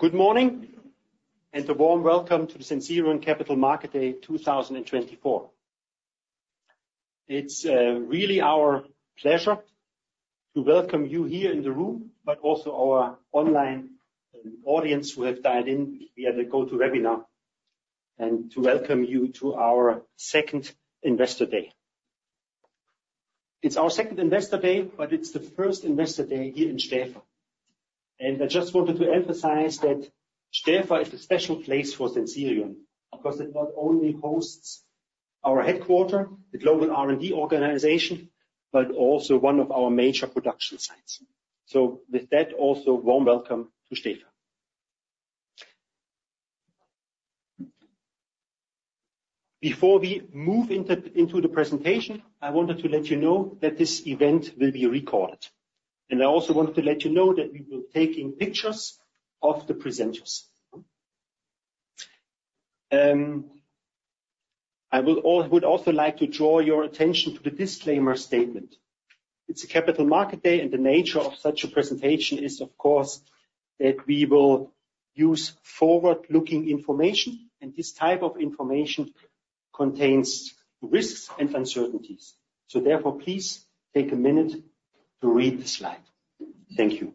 Good morning and a warm welcome to the Sensirion Capital Market Day 2024. It's really our pleasure to welcome you here in the room, but also our online audience who have joined in via the GoToWebinar, and to welcome you to our second Investor Day. It's our second Investor Day, but it's the first Investor Day here in Stäfa. And I just wanted to emphasize that Stäfa is a special place for Sensirion because it not only hosts our headquarters, the global R&D organization, but also one of our major production sites. So with that, also a warm welcome to Stäfa. Before we move into the presentation, I wanted to let you know that this event will be recorded. And I also wanted to let you know that we will be taking pictures of the presenters. I would also like to draw your attention to the disclaimer statement. It's a capital Market day, and the nature of such a presentation is, of course, that we will use forward-looking information, and this type of information contains risks and uncertainties. So therefore, please take a minute to read the slide. Thank you.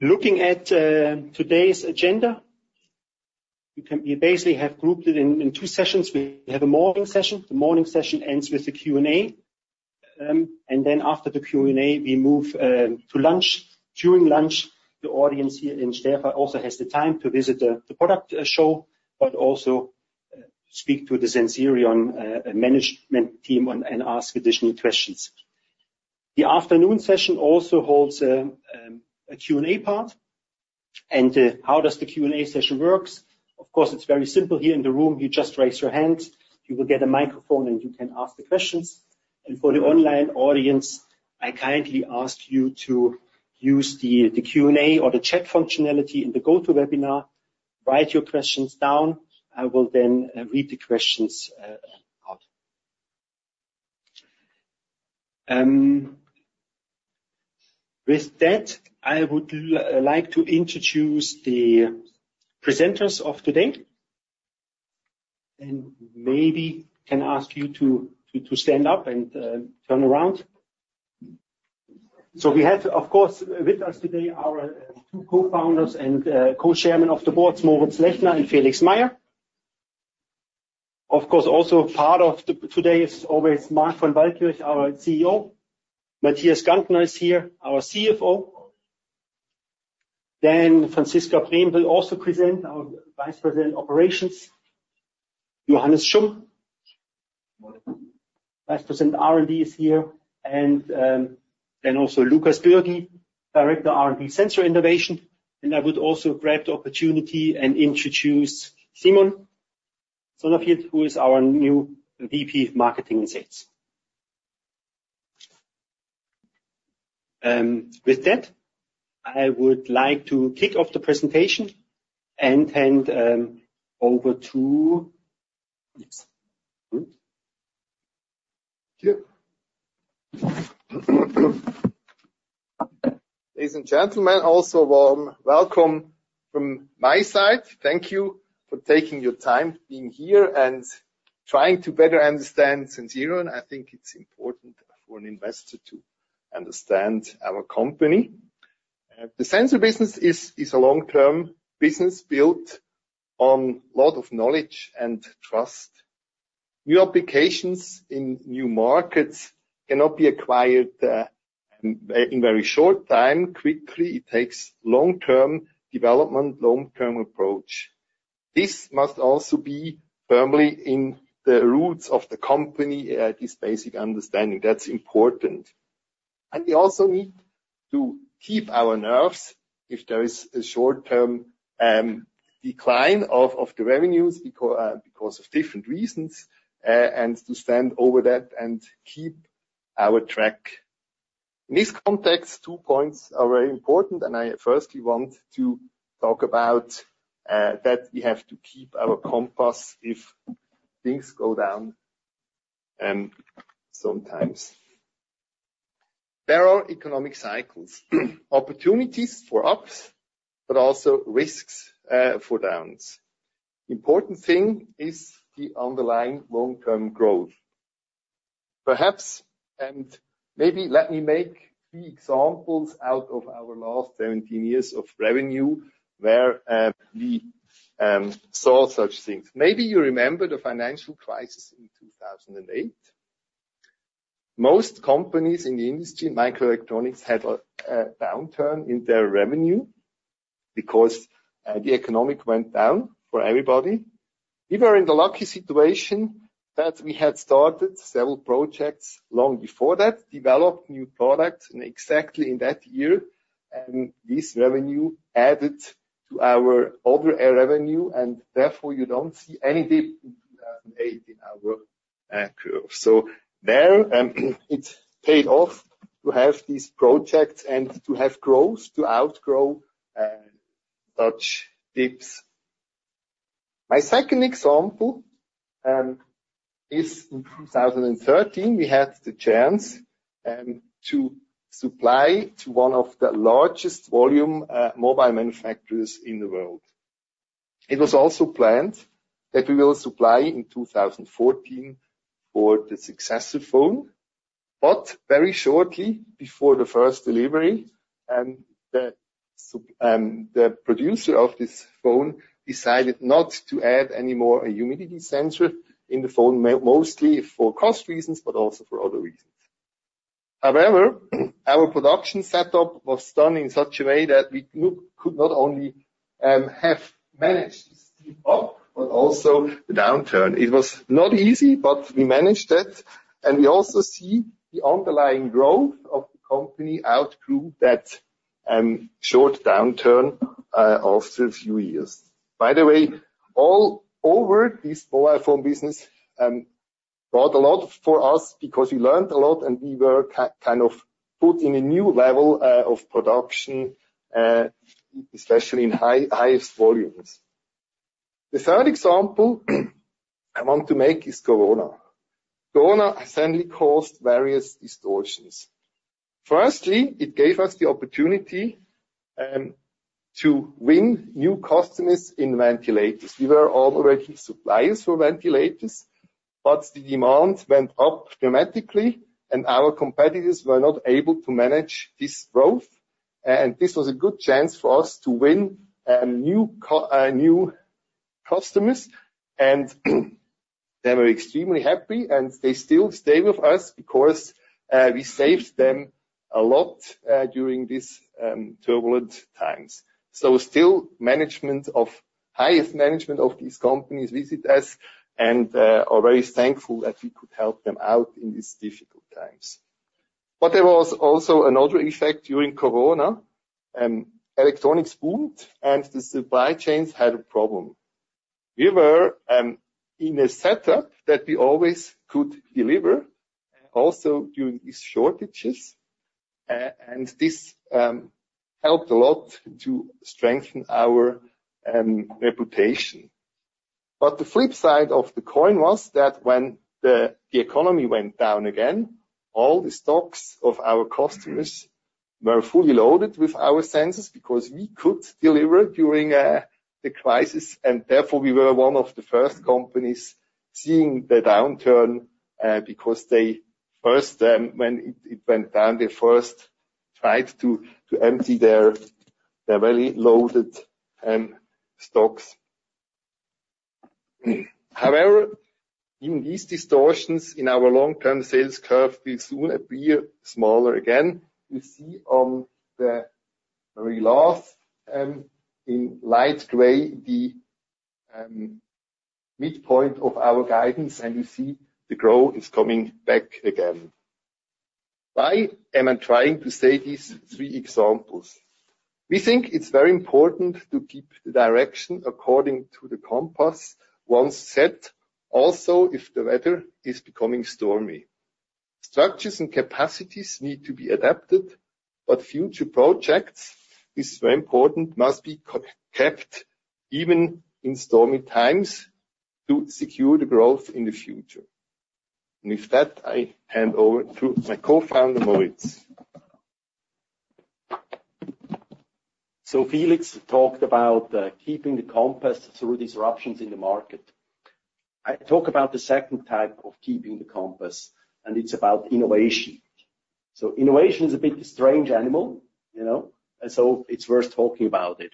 Looking at today's agenda, we basically have grouped it in two sessions. We have a morning session. The morning session ends with the Q&A, and then after the Q&A, we move to lunch. During lunch, the audience here in Stäfa also has the time to visit the product show, but also speak to the Sensirion management team and ask additional questions. The afternoon session also holds a Q&A part, and how does the Q&A session work? Of course, it's very simple here in the room. You just raise your hand. You will get a microphone, and you can ask the questions. For the online audience, I kindly ask you to use the Q&A or the chat functionality in the GoToWebinar. Write your questions down. I will then read the questions out. With that, I would like to introduce the presenters of today. Maybe I can ask you to stand up and turn around. We have, of course, with us today our two co-founders and co-chairmen of the Board, Moritz Lechner and Felix Mayer. Of course, also part of today is always Marc von Waldkirch, our CEO. Matthias Gantner is here, our CFO. Then, Franziska Brem, our vice president of operations, will also present. Johannes Schumm, vice president R&D, is here. Then also Lukas Bürgi, director R&D Sensor Innovation. I would also grab the opportunity and introduce Simon Sonnleitner, who is our new VP Marketing and Sales. With that, I would like to kick off the presentation and hand over to. Ladies and gentlemen, also a warm welcome from my side. Thank you for taking your time being here and trying to better understand Sensirion. I think it's important for an investor to understand our company. The sensor business is a long-term business built on a lot of knowledge and trust. New applications in new Markets cannot be acquired in very short time. Quickly, it takes long-term development, long-term approach. This must also be firmly in the roots of the company, this basic understanding. That's important, and we also need to keep our nerves if there is a short-term decline of the revenues because of different reasons and to stand over that and keep our track. In this context, two points are very important, and I firstly want to talk about that we have to keep our compass if things go down sometimes. There are economic cycles, opportunities for ups, but also risks for downs. The important thing is the underlying long-term growth. Perhaps, and maybe let me make three examples out of our last 17 years of revenue where we saw such things. Maybe you remember the financial crisis in 2008. Most companies in the industry, microelectronics, had a downturn in their revenue because the economy went down for everybody. We were in the lucky situation that we had started several projects long before that, developed new products, and exactly in that year, this revenue added to our overall revenue, and therefore you don't see any dip in 2008 in our curve. So there, it paid off to have these projects and to have growth to outgrow such dips. My second example is in 2013, we had the chance to supply to one of the largest volume mobile manufacturers in the world. It was also planned that we will supply in 2014 for the successor phone, but very shortly before the first delivery, the producer of this phone decided not to add any more humidity sensors in the phone, mostly for cost reasons, but also for other reasons. However, our production setup was done in such a way that we could not only have managed to step up, but also the downturn. It was not easy, but we managed it. We also see the underlying growth of the company outgrew that short downturn after a few years. By the way, all over this mobile phone business brought a lot for us because we learned a lot and we were kind of put in a new level of production, especially in highest volumes. The third example I want to make is Corona. Corona certainly caused various distortions. Firstly, it gave us the opportunity to win new customers in ventilators. We were already suppliers for ventilators, but the demand went up dramatically, and our competitors were not able to manage this growth, and this was a good chance for us to win new customers. And they were extremely happy, and they still stayed with us because we saved them a lot during these turbulent times, so still, highest management of these companies visit us and are very thankful that we could help them out in these difficult times, but there was also another effect during Corona. Electronics boomed, and the supply chains had a problem. We were in a setup that we always could deliver, also during these shortages, and this helped a lot to strengthen our reputation. But the flip side of the coin was that when the economy went down again, all the stocks of our customers were fully loaded with our sensors because we could deliver during the crisis. And therefore, we were one of the first companies seeing the downturn because they first, when it went down, they first tried to empty their very loaded stocks. However, even these distortions in our long-term sales curve will soon appear smaller again. You see on the very last in light gray the midpoint of our guidance, and you see the growth is coming back again. Why am I trying to say these three examples? We think it's very important to keep the direction according to the compass once set, also if the weather is becoming stormy. Structures and capacities need to be adapted, but future projects, this is very important, must be kept even in stormy times to secure the growth in the future. And with that, I hand over to my co-founder, Moritz. So Felix talked about keeping the compass through disruptions in the Market. I talk about the second type of keeping the compass, and it's about innovation. So innovation is a bit of a strange animal, you know, so it's worth talking about it.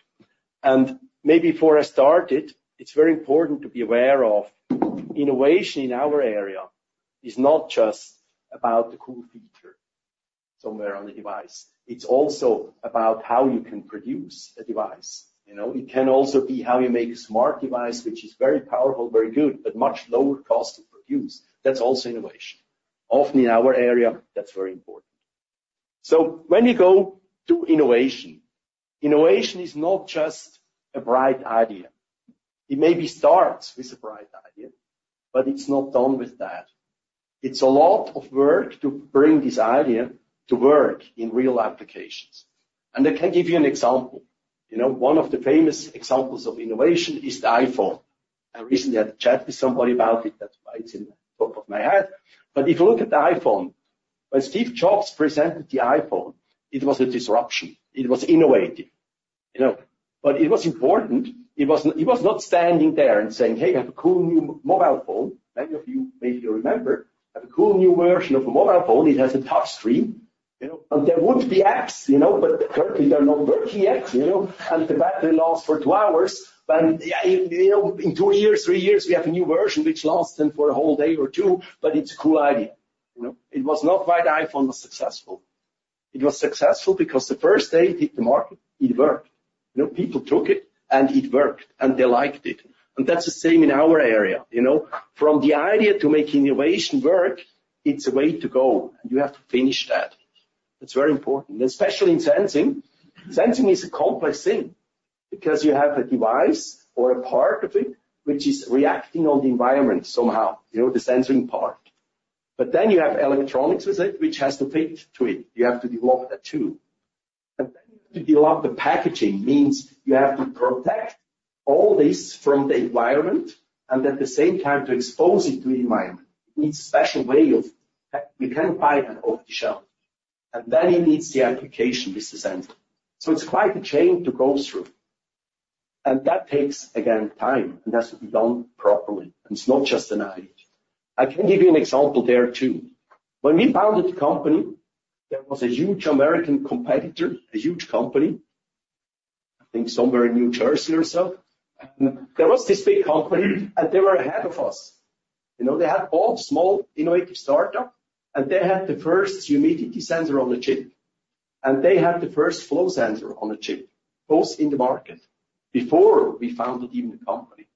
And maybe before I started, it's very important to be aware of innovation in our area is not just about the cool feature somewhere on the device. It's also about how you can produce a device. It can also be how you make a smart device, which is very powerful, very good, but much lower cost to produce. That's also innovation. Often in our area, that's very important. So when we go to innovation, innovation is not just a bright idea. It maybe starts with a bright idea, but it's not done with that. It's a lot of work to bring this idea to work in real applications. And I can give you an example. One of the famous examples of innovation is the iPhone. I recently had a chat with somebody about it. That's why it's in the top of my head. But if you look at the iPhone, when Steve Jobs presented the iPhone, it was a disruption. It was innovative. But it was important. It was not standing there and saying, "Hey, I have a cool new mobile phone." Many of you maybe remember, I have a cool new version of a mobile phone. It has a touchscreen. And there would be apps, but currently there are no working apps. The battery lasts for two hours. In two years, three years, we have a new version which lasts for a whole day or two, but it's a cool idea. It was not why the iPhone was successful. It was successful because the first day it hit the Market, it worked. People took it and it worked, and they liked it. That's the same in our area. From the idea to make innovation work, it's a way to go, and you have to finish that. That's very important, especially in sensing. Sensing is a complex thing because you have a device or a part of it which is reacting on the environment somehow, the sensing part. Then you have electronics with it, which has to fit to it. You have to develop that too. And then you have to develop the packaging, means you have to protect all this from the environment, and at the same time to expose it to the environment. It needs a special way of you cannot buy that off the shelf. And then it needs the application, this is sensing. So it's quite a chain to go through. And that takes, again, time, and that's to be done properly. And it's not just an idea. I can give you an example there too. When we founded the company, there was a huge American competitor, a huge company, I think somewhere in New Jersey or so. And there was this big company, and they were ahead of us. They had all small innovative startups, and they had the first humidity sensor on the chip. And they had the first flow sensor on the chip, both in the Market before we founded even the company.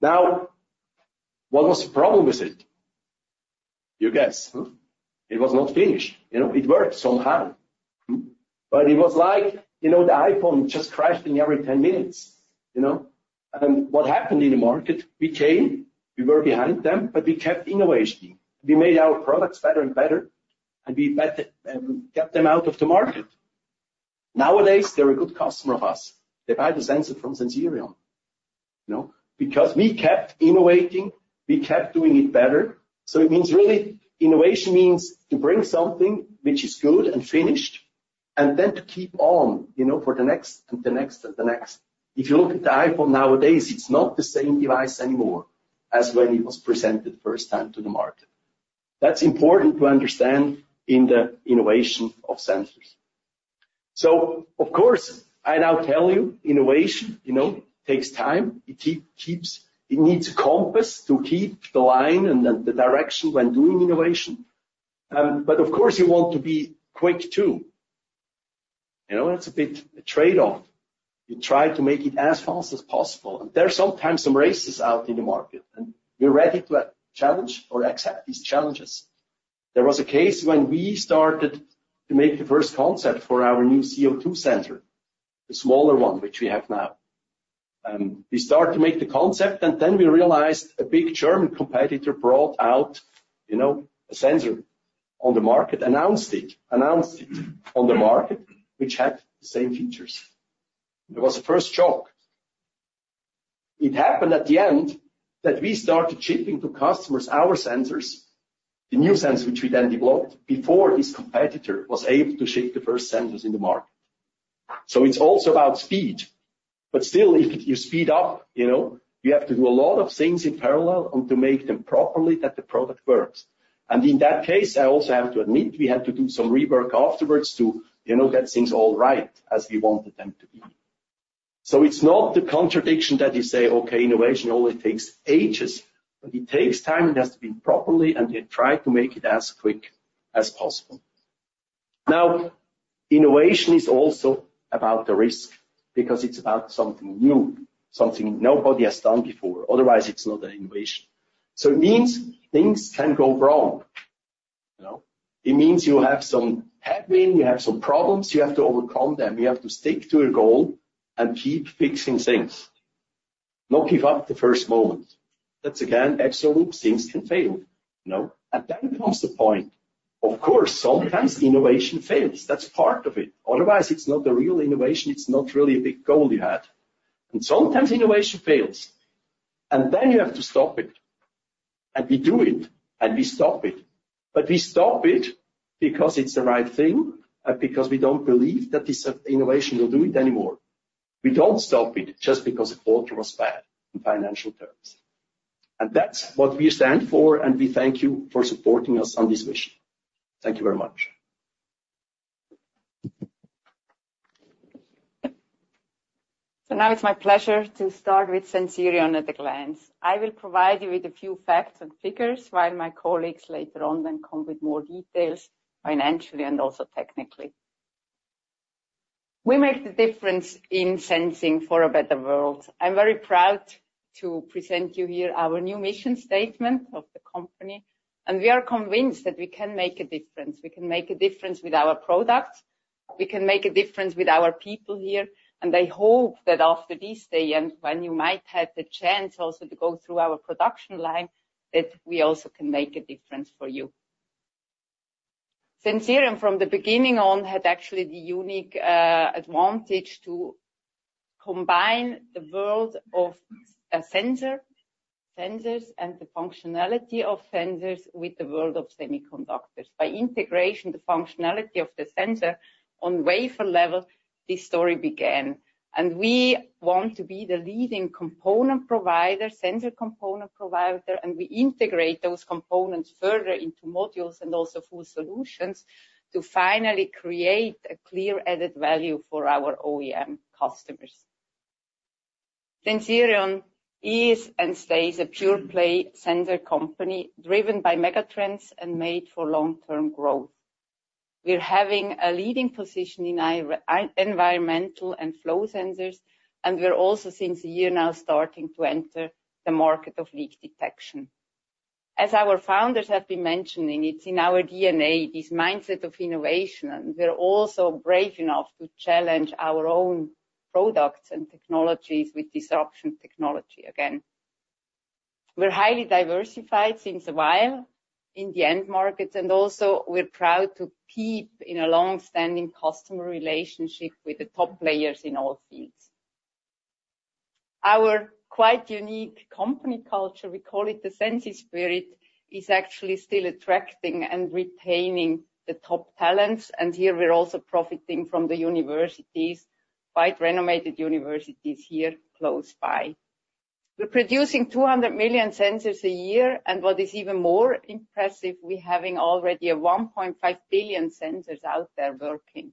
Now, what was the problem with it? You guess. It was not finished. It worked somehow. But it was like the iPhone just crashing every 10 minutes. And what happened in the Market, we came, we were behind them, but we kept innovating. We made our products better and better, and we kept them out of the Market. Nowadays, they're a good customer of us. They buy the sensor from Sensirion because we kept innovating, we kept doing it better. So it means really innovation means to bring something which is good and finished, and then to keep on for the next and the next and the next. If you look at the iPhone nowadays, it's not the same device anymore as when it was presented the first time to the Market. That's important to understand in the innovation of sensors. So of course, I now tell you innovation takes time. It needs a compass to keep the line and the direction when doing innovation. But of course, you want to be quick too. That's a bit of a trade-off. You try to make it as fast as possible. And there's sometimes some races out in the Market, and we're ready to challenge or accept these challenges. There was a case when we started to make the first concept for our new CO2 sensor, the smaller one which we have now. We started to make the concept, and then we realized a big German competitor brought out a sensor on the Market, announced it, announced it on the Market, which had the same features. It was the first shock. It happened at the end that we started shipping to customers our sensors, the new sensors which we then developed before this competitor was able to ship the first sensors in the Market, so it's also about speed, but still, if you speed up, you have to do a lot of things in parallel and to make them properly that the product works, and in that case, I also have to admit we had to do some rework afterwards to get things all right as we wanted them to be. It's not the contradiction that you say, "Okay, innovation only takes ages," but it takes time and has to be properly, and we try to make it as quick as possible. Now, innovation is also about the risk because it's about something new, something nobody has done before. Otherwise, it's not an innovation. So it means things can go wrong. It means you have some headwind, you have some problems, you have to overcome them. You have to stick to your goal and keep fixing things. Not give up the first moment. That's, again, absolute things can fail. And then comes the point. Of course, sometimes innovation fails. That's part of it. Otherwise, it's not a real innovation. It's not really a big goal you had. And sometimes innovation fails, and then you have to stop it. And we do it, and we stop it. But we stop it because it's the right thing and because we don't believe that this innovation will do it anymore. We don't stop it just because the quarter was bad in financial terms. And that's what we stand for, and we thank you for supporting us on this mission. Thank you very much. So now it's my pleasure to start with Sensirion at a glance. I will provide you with a few facts and figures while my colleagues later on then come with more details financially and also technically. We make the difference in sensing for a better world. I'm very proud to present you here our new mission statement of the company. And we are convinced that we can make a difference. We can make a difference with our products. We can make a difference with our people here. And I hope that after this day and when you might have the chance also to go through our production line, that we also can make a difference for you. Sensirion, from the beginning on, had actually the unique advantage to combine the world of sensors and the functionality of sensors with the world of semiconductors. By integration, the functionality of the sensor on wafer level, this story began. And we want to be the leading component provider, sensor component provider, and we integrate those components further into modules and also full solutions to finally create a clear added value for our OEM customers. Sensirion is and stays a pure-play sensor company driven by megatrends and made for long-term growth. We're having a leading position in environmental and flow sensors, and we're also, since a year now, starting to enter the Market of leak detection. As our founders have been mentioning, it's in our DNA, this mindset of innovation, and we're also brave enough to challenge our own products and technologies with disruptive technology again. We're highly diversified since a while in the end Market, and also we're proud to keep in a long-standing customer relationship with the top players in all fields. Our quite unique company culture, we call it the SensiSpirit, is actually still attracting and retaining the top talents, and here we're also profiting from the universities, quite renowned universities here close by. We're producing 200 million sensors a year, and what is even more impressive, we're having already 1.5 billion sensors out there working.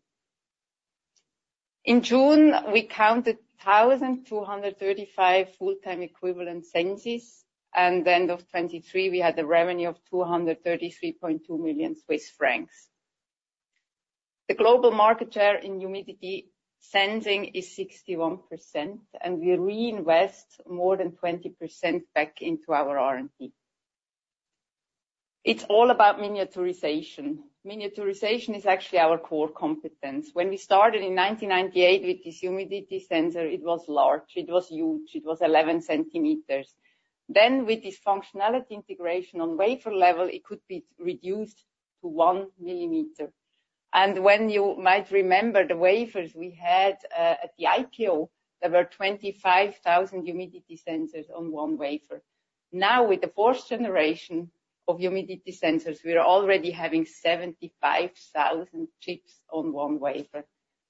In June, we counted 1,235 full-time equivalent Sensis, and at the end of 2023, we had a revenue of 233.2 million Swiss francs. The global Market share in humidity sensing is 61%, and we reinvest more than 20% back into our R&D. It's all about miniaturization. Miniaturization is actually our core competence. When we started in 1998 with this humidity sensor, it was large. It was huge. It was 11 centimeters. Then with this functionality integration on wafer level, it could be reduced to 1 millimeter. And when you might remember the wafers we had at the IPO, there were 25,000 humidity sensors on one wafer. Now, with the fourth generation of humidity sensors, we're already having 75,000 chips on one wafer.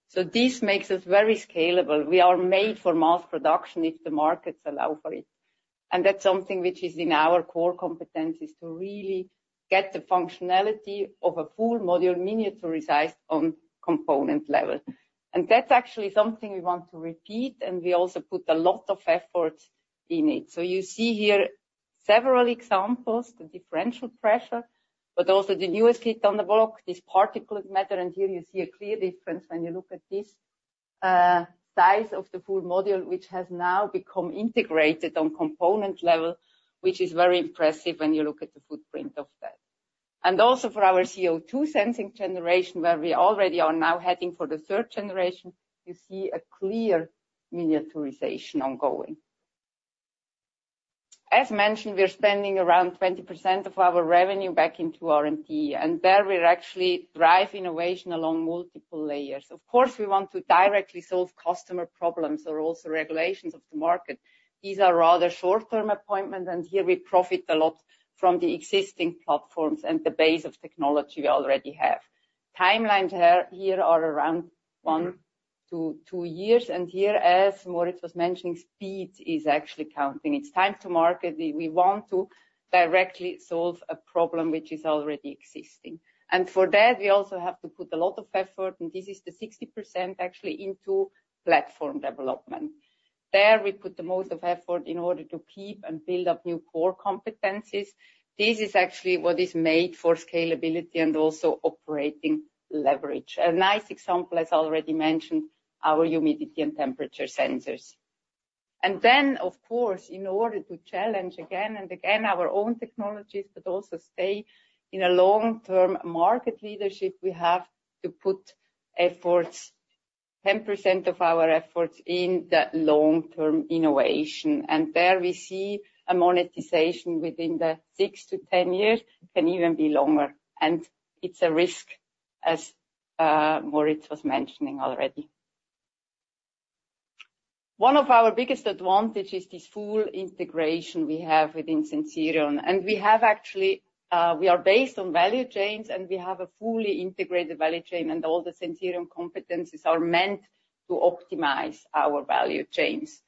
So this makes us very scalable. We are made for mass production if the Markets allow for it. And that's something which is in our core competence is to really get the functionality of a full module miniaturized on component level. That's actually something we want to repeat, and we also put a lot of effort in it. So you see here several examples, the differential pressure, but also the newest hit on the block, this particulate matter. Here you see a clear difference when you look at this size of the full module, which has now become integrated on component level, which is very impressive when you look at the footprint of that. Also for our CO2 sensing generation, where we already are now heading for the third generation, you see a clear miniaturization ongoing. As mentioned, we're spending around 20% of our revenue back into R&D, and there we're actually driving innovation along multiple layers. Of course, we want to directly solve customer problems or also regulations of the Market. These are rather short-term appointments, and here we profit a lot from the existing platforms and the base of technology we already have. Timelines here are around one to two years, and here, as Moritz was mentioning, speed is actually counting. It's time to Market. We want to directly solve a problem which is already existing. And for that, we also have to put a lot of effort, and this is the 60% actually into platform development. There we put the most of effort in order to keep and build up new core competencies. This is actually what is made for scalability and also operating leverage. A nice example, as already mentioned, our humidity and temperature sensors. Then, of course, in order to challenge again and again our own technologies, but also stay in a long-term Market leadership, we have to put efforts, 10% of our efforts in the long-term innovation. And there we see a monetization within the 6-10 years, can even be longer. And it is a risk, as Moritz was mentioning already. One of our biggest advantages is this full integration we have within Sensirion. And we have actually, we are based on value chains, and we have a fully integrated value chain, and all the Sensirion competencies are meant to optimize our value chains.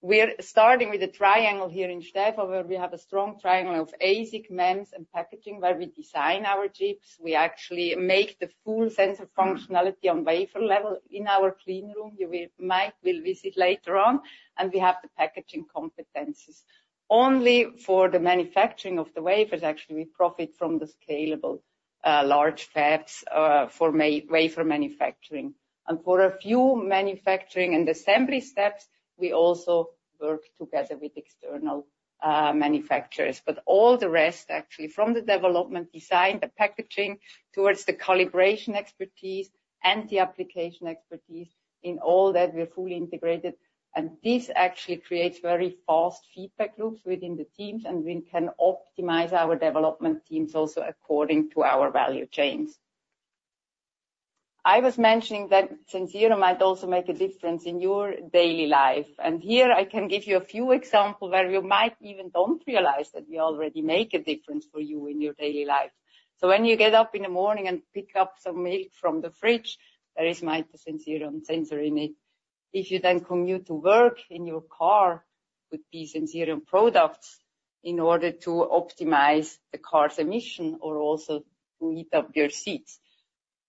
We are starting with a triangle here in Stäfa, where we have a strong triangle of ASIC, MEMS, and packaging, where we design our chips. We actually make the full sensor functionality on wafer level in our clean room you might visit later on, and we have the packaging competencies. Only for the manufacturing of the wafers, actually, we profit from the scalable large fabs for wafer manufacturing, and for a few manufacturing and assembly steps, we also work together with external manufacturers. But all the rest, actually, from the development design, the packaging, towards the calibration expertise and the application expertise, in all that, we're fully integrated, and this actually creates very fast feedback loops within the teams, and we can optimize our development teams also according to our value chains. I was mentioning that Sensirion might also make a difference in your daily life, and here I can give you a few examples where you might even don't realize that we already make a difference for you in your daily life. So when you get up in the morning and pick up some milk from the fridge, there might be a Sensirion sensor in it. If you then commute to work in your car with these Sensirion products in order to optimize the car's emissions or also to heat up your seats,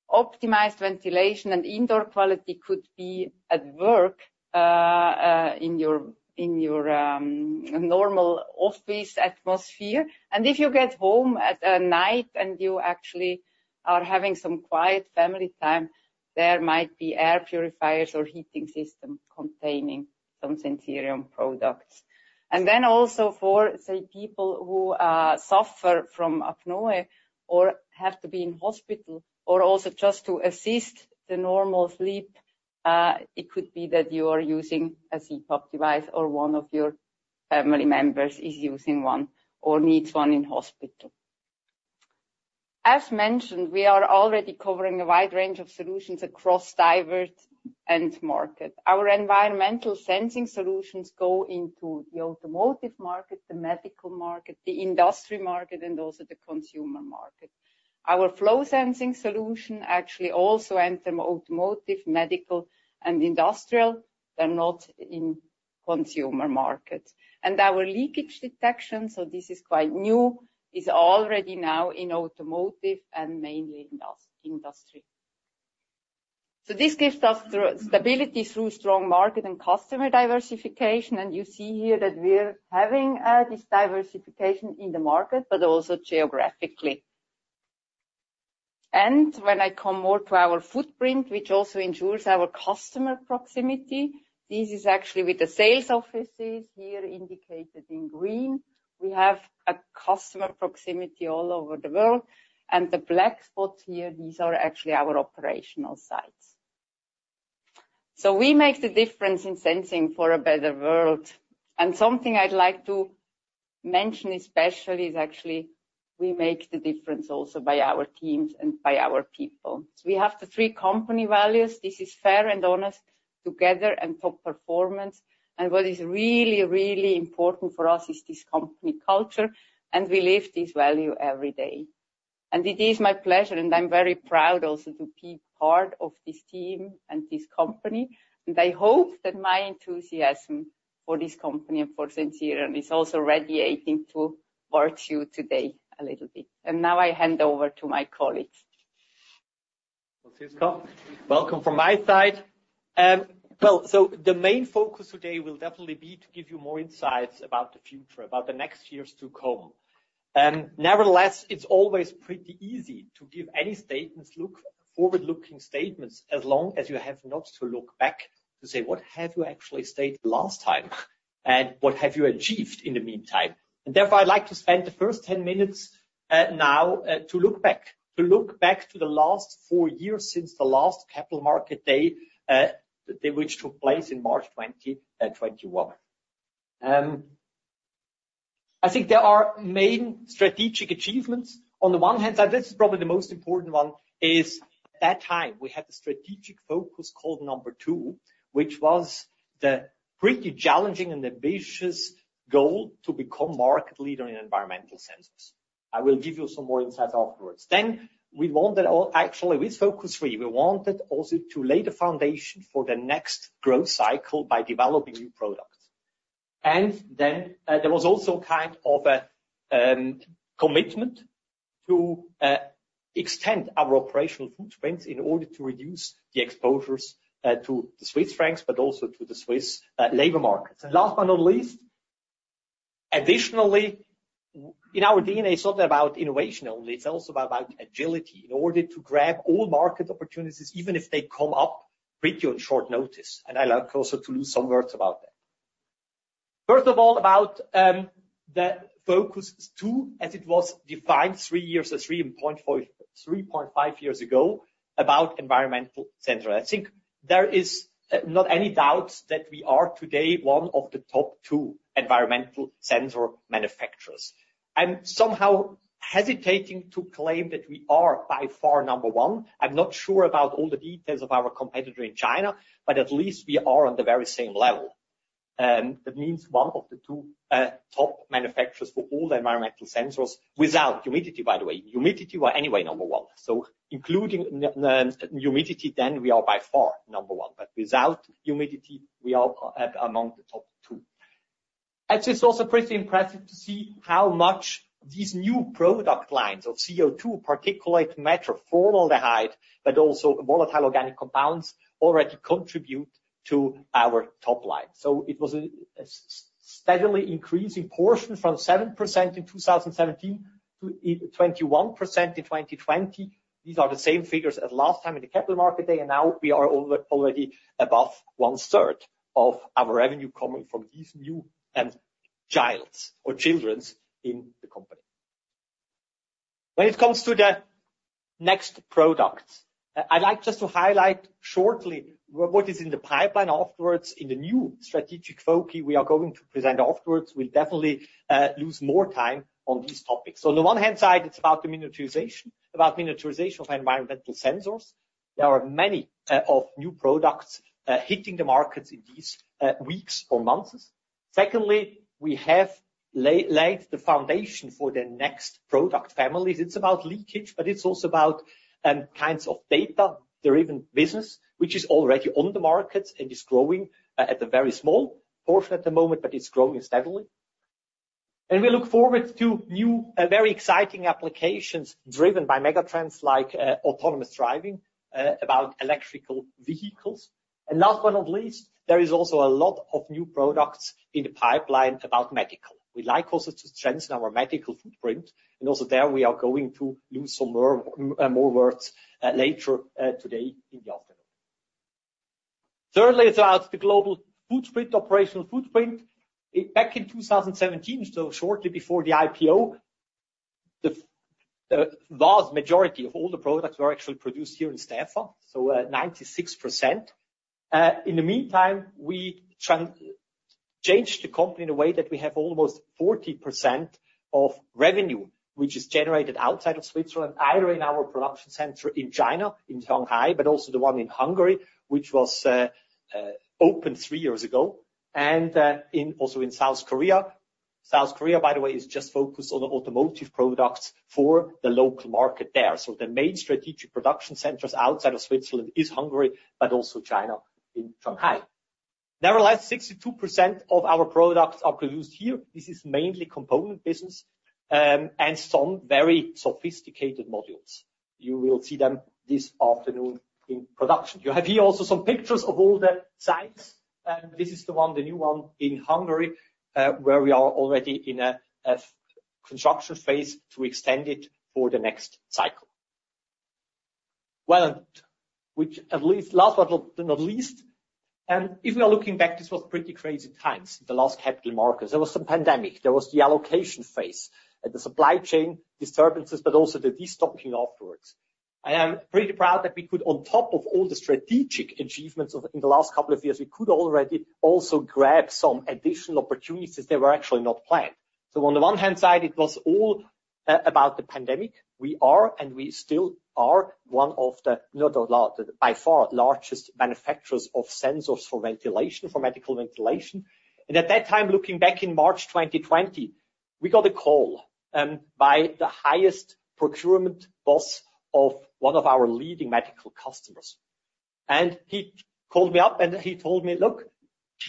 optimized ventilation and indoor air quality could be at work in your normal office atmosphere, and if you get home at night and you actually are having some quiet family time, there might be air purifiers or heating systems containing some Sensirion products, and then also for, say, people who suffer from apnea or have to be in hospital or also just to assist the normal sleep, it could be that you are using a CPAP device or one of your family members is using one or needs one in hospital. As mentioned, we are already covering a wide range of solutions across diverse end Markets. Our environmental sensing solutions go into the automotive Market, the medical Market, the industry Market, and also the consumer Market. Our flow sensing solution actually also enters automotive, medical, and industrial. They're not in consumer Markets. And our leakage detection, so this is quite new, is already now in automotive and mainly industry. So this gives us stability through strong Market and customer diversification. And you see here that we're having this diversification in the Market, but also geographically. And when I come more to our footprint, which also ensures our customer proximity, this is actually with the sales offices here indicated in green. We have a customer proximity all over the world. And the black spots here, these are actually our operational sites. So we make the difference in sensing for a better world. Something I'd like to mention especially is actually we make the difference also by our teams and by our people. So we have the three company values. This is fair and honest, together, and top performance. What is really, really important for us is this company culture, and we live this value every day. It is my pleasure, and I'm very proud also to be part of this team and this company. I hope that my enthusiasm for this company and for Sensirion is also radiating towards you today a little bit. Now I hand over to my colleagues. Welcome from my side. The main focus today will definitely be to give you more insights about the future, about the next years to come. Nevertheless, it's always pretty easy to give any statements, look forward-looking statements, as long as you have not to look back to say, what have you actually said last time and what have you achieved in the meantime? And therefore, I'd like to spend the first 10 minutes now to look back, to look back to the last four years since the last capital Market day, which took place in March 2021. I think there are main strategic achievements. On the one hand side, this is probably the most important one, is at that time we had the strategic focus called number two, which was the pretty challenging and ambitious goal to become Market leader in environmental sensors. I will give you some more insights afterwards. Then we wanted actually with focus three, we wanted also to lay the foundation for the next growth cycle by developing new products. And then there was also kind of a commitment to extend our operational footprints in order to reduce the exposures to the Swiss francs, but also to the Swiss labor Markets. And last but not least, additionally, in our DNA, it's not about innovation only, it's also about agility in order to grab all Market opportunities, even if they come up on pretty short notice. And I'd like also to say some words about that. First of all, about the focus two, as it was defined three years or 3.5 years ago about environmental sensors. I think there is not any doubt that we are today one of the top two environmental sensor manufacturers. I'm somehow hesitating to claim that we are by far number one. I'm not sure about all the details of our competitor in China, but at least we are on the very same level. That means one of the two top manufacturers for all the environmental sensors without humidity, by the way. Humidity were anyway number one. So including humidity, then we are by far number one. But without humidity, we are among the top two. It's also pretty impressive to see how much these new product lines of CO2, particulate matter, formaldehyde, but also volatile organic compounds already contribute to our top line. So it was a steadily increasing portion from 7% in 2017 to 21% in 2020. These are the same figures as last time in the Capital Market Day, and now we are already above one-third of our revenue coming from these new children in the company. When it comes to the next products, I'd like just to highlight shortly what is in the pipeline afterwards in the new strategic focus we are going to present afterwards. We'll definitely lose more time on these topics. So on the one hand side, it's about the miniaturization of environmental sensors. There are many new products hitting the Markets in these weeks or months. Secondly, we have laid the foundation for the next product families. It's about leakage, but it's also about kinds of data-driven business, which is already on the Markets and is growing at a very small portion at the moment, but it's growing steadily, and we look forward to new, very exciting applications driven by megatrends like autonomous driving and electric vehicles, and last but not least, there is also a lot of new products in the pipeline about medical. We'd like also to strengthen our medical footprint. And also there we are going to lose some more words later today in the afternoon. Thirdly, it's about the global footprint, operational footprint. Back in 2017, so shortly before the IPO, the vast majority of all the products were actually produced here in Stäfa, so 96%. In the meantime, we changed the company in a way that we have almost 40% of revenue, which is generated outside of Switzerland, either in our production center in China, in Shanghai, but also the one in Hungary, which was opened three years ago, and also in South Korea. South Korea, by the way, is just focused on automotive products for the local Market there. So the main strategic production centers outside of Switzerland is Hungary, but also China in Shanghai. Nevertheless, 62% of our products are produced here. This is mainly component business and some very sophisticated modules. You will see them this afternoon in production. You have here also some pictures of all the sites. This is the one, the new one in Hungary, where we are already in a construction phase to extend it for the next cycle. And last but not least, if we are looking back, this was pretty crazy times in the last Capital Market Day. There was the pandemic, there was the allocation phase, the supply chain disturbances, but also the destocking afterwards. And I'm pretty proud that we could, on top of all the strategic achievements in the last couple of years, we could already also grab some additional opportunities that were actually not planned. On the one hand side, it was all about the pandemic. We are, and we still are, one of the by far largest manufacturers of sensors for ventilation, for medical ventilation, and at that time, looking back in March 2020, we got a call by the highest procurement boss of one of our leading medical customers, and he called me up and he told me, "Look,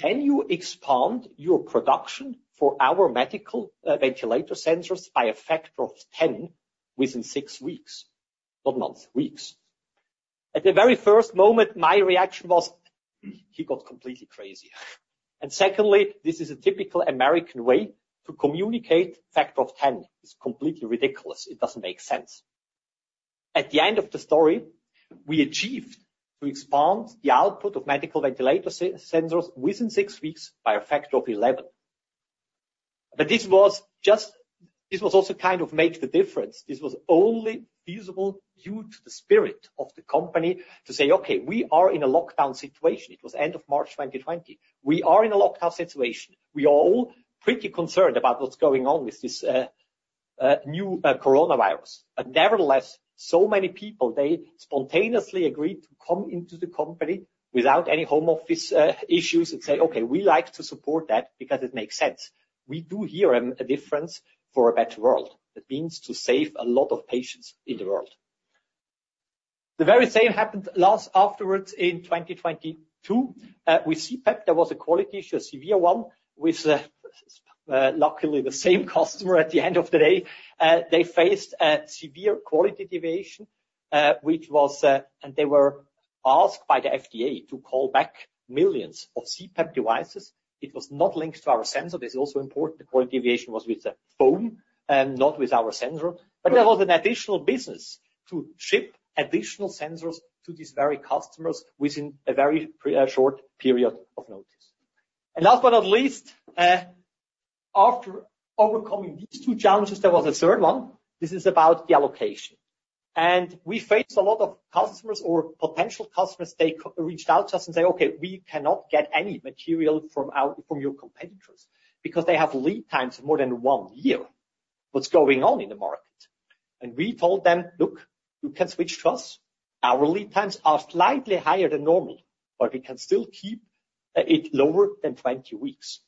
can you expand your production for our medical ventilator sensors by a factor of 10 within six weeks, not months, weeks?" At the very first moment, my reaction was, he got completely crazy, and secondly, this is a typical American way to communicate a factor of 10. It's completely ridiculous. It doesn't make sense. At the end of the story, we achieved to expand the output of medical ventilator sensors within six weeks by a factor of 11, but this was just, this was also kind of make the difference. This was only feasible due to the spirit of the company to say, "Okay, we are in a lockdown situation." It was end of March 2020. We are in a lockdown situation. We are all pretty concerned about what's going on with this new coronavirus. But nevertheless, so many people, they spontaneously agreed to come into the company without any home office issues and say, "Okay, we like to support that because it makes sense. We do hear a difference for a better world." That means to save a lot of patients in the world. The very same happened afterwards in 2022. With CPAP, there was a quality issue, a severe one with luckily the same customer at the end of the day. They faced a severe quality deviation, which was, and they were asked by the FDA to call back millions of CPAP devices. It was not linked to our sensor. This is also important. The quality deviation was with the foam, not with our sensor. But there was an additional business to ship additional sensors to these very customers within a very short period of notice. And last but not least, after overcoming these two challenges, there was a third one. This is about the allocation. And we faced a lot of customers or potential customers. They reached out to us and said, "Okay, we cannot get any material from your competitors because they have lead times of more than one year. What's going on in the Market?" And we told them, "Look, you can switch to us. Our lead times are slightly higher than normal, but we can still keep it lower than 20 weeks."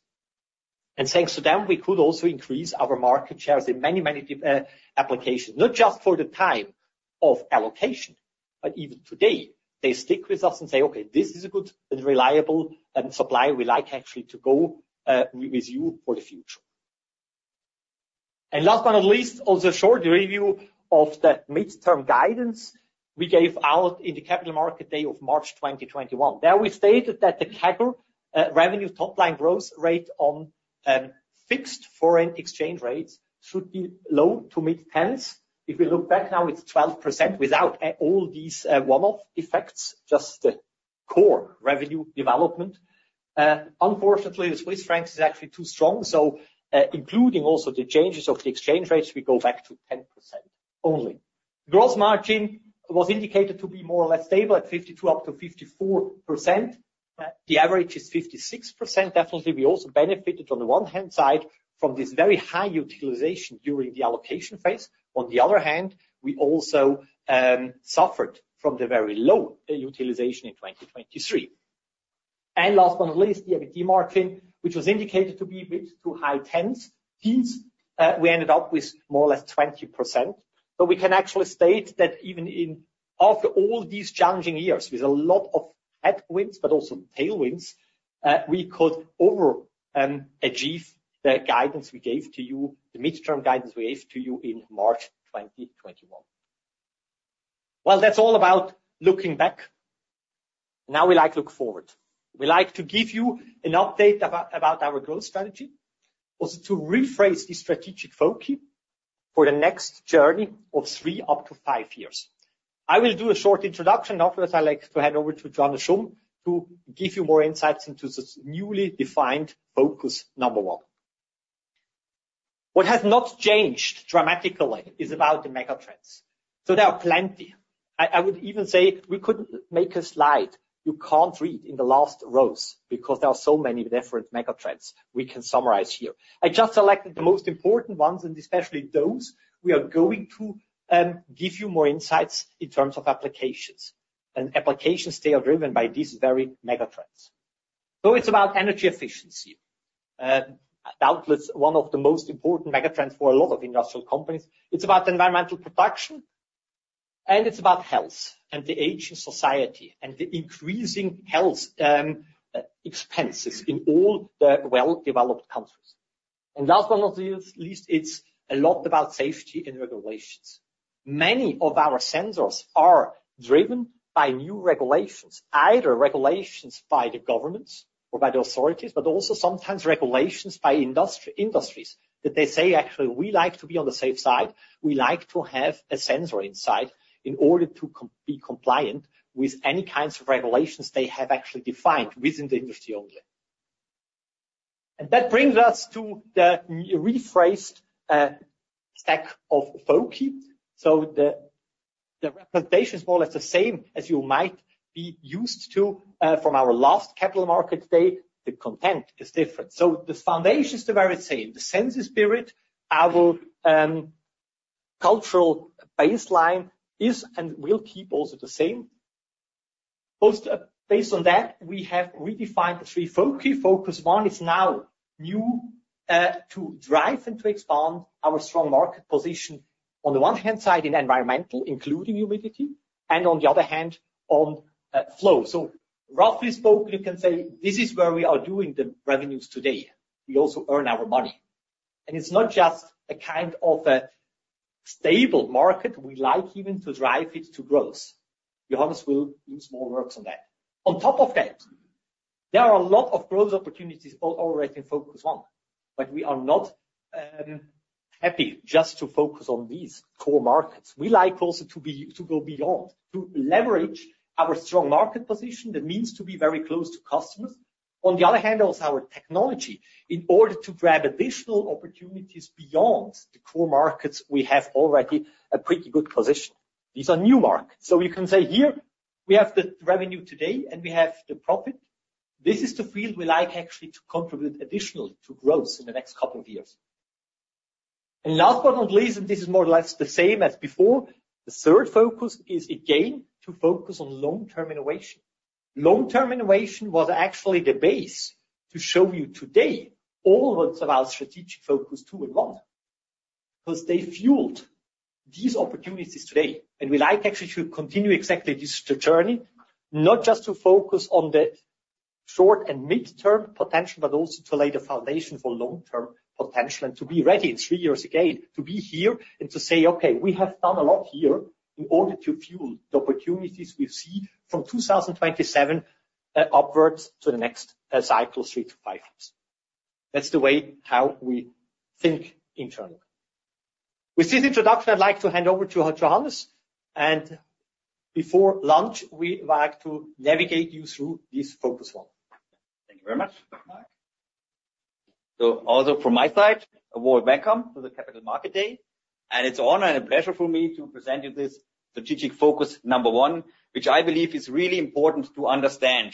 And thanks to them, we could also increase our Market shares in many, many applications, not just for the time of allocation, but even today, they stick with us and say, "Okay, this is a good and reliable supply. We like actually to go with you for the future." And last but not least, also a short review of the midterm guidance we gave out in the capital Market day of March 2021. There we stated that the CAGR revenue top line growth rate on fixed foreign exchange rates should be low to mid-tens. If we look back now, it's 12% without all these one-off effects, just the core revenue development. Unfortunately, the Swiss franc is actually too strong. So including also the changes of the exchange rates, we go back to 10% only. Gross margin was indicated to be more or less stable at 52%-54%. The average is 56%. Definitely, we also benefited on the one hand side from this very high utilization during the allocation phase. On the other hand, we also suffered from the very low utilization in 2023. And last but not least, the EBT margin, which was indicated to be a bit too high teens, means we ended up with more or less 20%. But we can actually state that even after all these challenging years with a lot of headwinds, but also tailwinds, we could overachieve the guidance we gave to you, the midterm guidance we gave to you in March 2021. Well, that's all about looking back. Now we like to look forward. We like to give you an update about our growth strategy, also to rephrase the strategic focus for the next journey of three up to five years. I will do a short introduction. Afterwards, I'd like to hand over to Johannes Schumm to give you more insights into this newly defined focus number one. What has not changed dramatically is about the megatrends, so there are plenty. I would even say we couldn't make a slide you can't read in the last rows because there are so many different megatrends we can summarize here. I just selected the most important ones and especially those we are going to give you more insights in terms of applications, and applications they are driven by these very megatrends, so it's about energy efficiency. Doubtless, one of the most important megatrends for a lot of industrial companies. It's about environmental production. It's about health and the aging in society and the increasing health expenses in all the well-developed countries. Last but not least, it's a lot about safety and regulations. Many of our sensors are driven by new regulations, either regulations by the governments or by the authorities, but also sometimes regulations by industries that they say, "Actually, we like to be on the safe side. We like to have a sensor inside in order to be compliant with any kinds of regulations they have actually defined within the industry only." That brings us to the rephrased stack of focus. The representation is more or less the same as you might be used to from our last capital Market day. The content is different. The foundation is the very same. The Sensirion spirit, our cultural baseline is and will keep also the same. Based on that, we have redefined the three focuses. Focus one is now to drive and to expand our strong Market position on the one hand side in environmental, including humidity, and on the other hand on flow. So roughly spoken, you can say this is where we are doing the revenues today. We also earn our money, and it's not just a kind of a stable Market. We like even to drive it to growth. Johannes will do some more works on that. On top of that, there are a lot of growth opportunities already in focus one, but we are not happy just to focus on these core Markets. We like also to go beyond, to leverage our strong Market position, that means to be very close to customers. On the other hand, also our technology in order to grab additional opportunities beyond the core Markets, we have already a pretty good position. These are new Markets. So you can say here we have the revenue today and we have the profit. This is the field we like actually to contribute additionally to growth in the next couple of years. And last but not least, and this is more or less the same as before, the third focus is again to focus on long-term innovation. Long-term innovation was actually the basis to show you today all about strategic focus two and one. Because they fueled these opportunities today. And we like actually to continue exactly this journey, not just to focus on the short and midterm potential, but also to lay the foundation for long-term potential and to be ready in three years again to be here and to say, "Okay, we have done a lot here in order to fuel the opportunities we see from 2027 upwards to the next cycle, three to five years." That's the way how we think internally. With this introduction, I'd like to hand over to Johannes. And before lunch, we would like to navigate you through this focus one. Thank you very much, Marc. So also from my side, a warm welcome to the Capital Market Day. And it's an honor and a pleasure for me to present you this strategic focus number one, which I believe is really important to understand,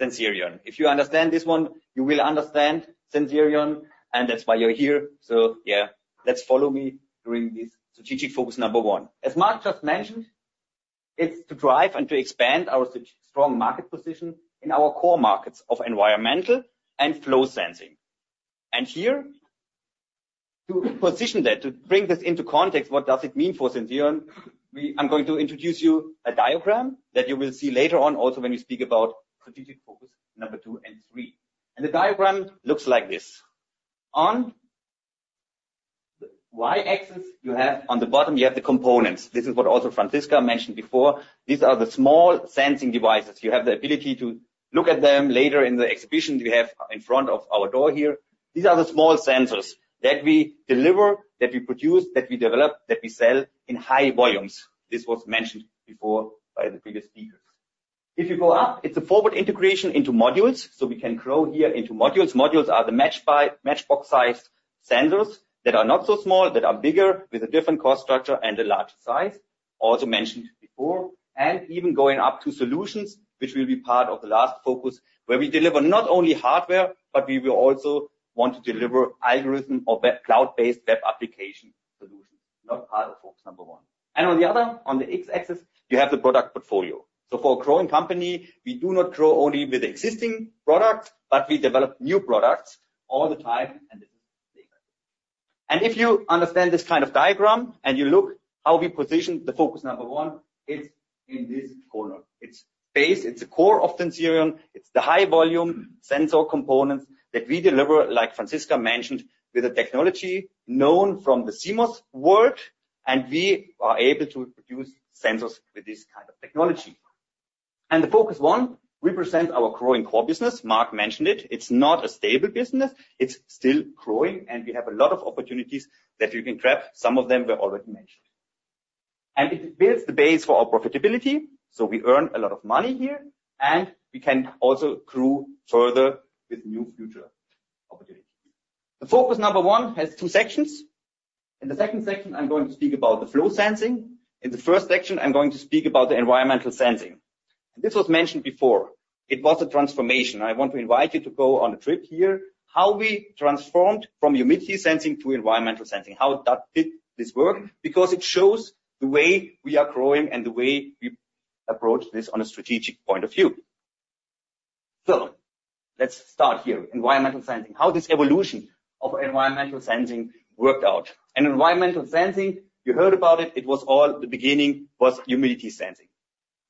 Sensirion. If you understand this one, you will understand Sensirion, and that's why you're here. So yeah, let's follow me during this strategic focus number one. As Marc just mentioned, it's to drive and to expand our strong Market position in our core Markets of environmental and flow sensing. And here, to position that, to bring this into context, what does it mean for Sensirion? I'm going to introduce you a diagram that you will see later on also when we speak about strategic focus number two and three, and the diagram looks like this. On the Y axis, you have on the bottom, you have the components. This is what also Franziska mentioned before. These are the small sensing devices. You have the ability to look at them later in the exhibition we have in front of our door here. These are the small sensors that we deliver, that we produce, that we develop, that we sell in high volumes. This was mentioned before by the previous speakers. If you go up, it's a forward integration into modules. So we can grow here into modules. Modules are the matchbox-sized sensors that are not so small, that are bigger with a different cost structure and a larger size, also mentioned before. And even going up to solutions, which will be part of the last focus, where we deliver not only hardware, but we will also want to deliver algorithm or cloud-based web application solutions, not part of focus number one. And on the other, on the X axis, you have the product portfolio. So for a growing company, we do not grow only with existing products, but we develop new products all the time. And this is the example. If you understand this kind of diagram and you look how we position the focus number one, it's in this corner. It's base, it's the core of Sensirion. It's the high-volume sensor components that we deliver, like Franziska mentioned, with a technology known from the CMOS world. And we are able to produce sensors with this kind of technology. And the focus one represents our growing core business. Marc mentioned it. It's not a stable business. It's still growing. And we have a lot of opportunities that you can grab. Some of them were already mentioned. And it builds the base for our profitability. So we earn a lot of money here. And we can also grow further with new future opportunities. The focus number one has two sections. In the second section, I'm going to speak about the flow sensing. In the first section, I'm going to speak about the environmental sensing, and this was mentioned before. I want to invite you to go on a trip here, how we transformed from humidity sensing to environmental sensing. How did this work? Because it shows the way we are growing and the way we approach this on a strategic point of view. Let's start here. Environmental sensing, how this evolution of environmental sensing worked out. And environmental sensing, you heard about it. It was all the beginning was humidity sensing.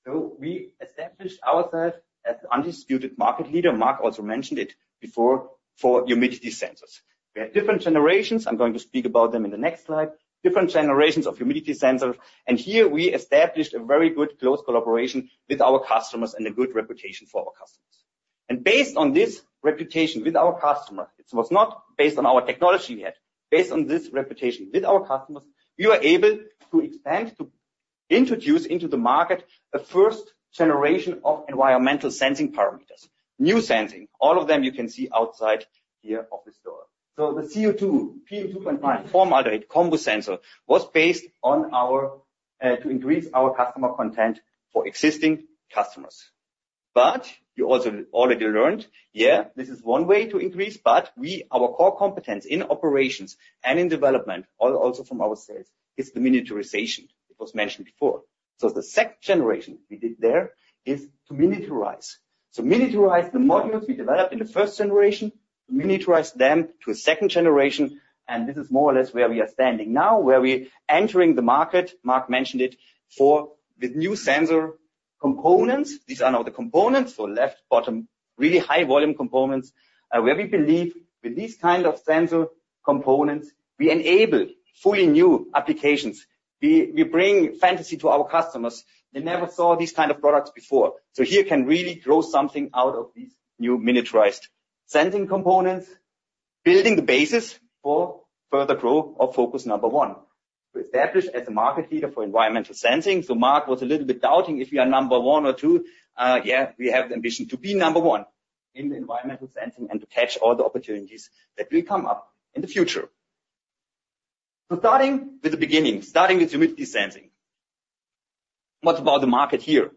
So we established ourselves as an undisputed Market leader. Marc also mentioned it before for humidity sensors. We have different generations. I'm going to speak about them in the next slide. Different generations of humidity sensors. And here we established a very good close collaboration with our customers and a good reputation for our customers. Based on this reputation with our customers, it was not based on our technology yet. Based on this reputation with our customers, we were able to expand, to introduce into the Market a first generation of environmental sensing parameters, new sensing. All of them you can see outside, beyond this door. The CO2, PM2.5, formaldehyde combo sensor was to increase our customer contentment for existing customers. You also already learned, yeah, this is one way to increase, but our core competence in operations and in development, also from our sales, is the miniaturization. It was mentioned before. The second generation we did there is to miniaturize. Miniaturize the modules we developed in the first generation, miniaturize them to a second generation. This is more or less where we are standing now, where we are entering the Market. Marc mentioned it for the new sensor components. These are now the components for left bottom, really high volume components, where we believe with these kind of sensor components, we enable fully new applications. We bring fantasy to our customers. They never saw these kind of products before, so here can really grow something out of these new miniaturized sensing components, building the basis for further growth of focus number one. We established as a Market leader for environmental sensing, so Marc was a little bit doubting if we are number one or two. Yeah, we have the ambition to be number one in environmental sensing and to catch all the opportunities that will come up in the future, so starting with the beginning, starting with humidity sensing. What about the Market here?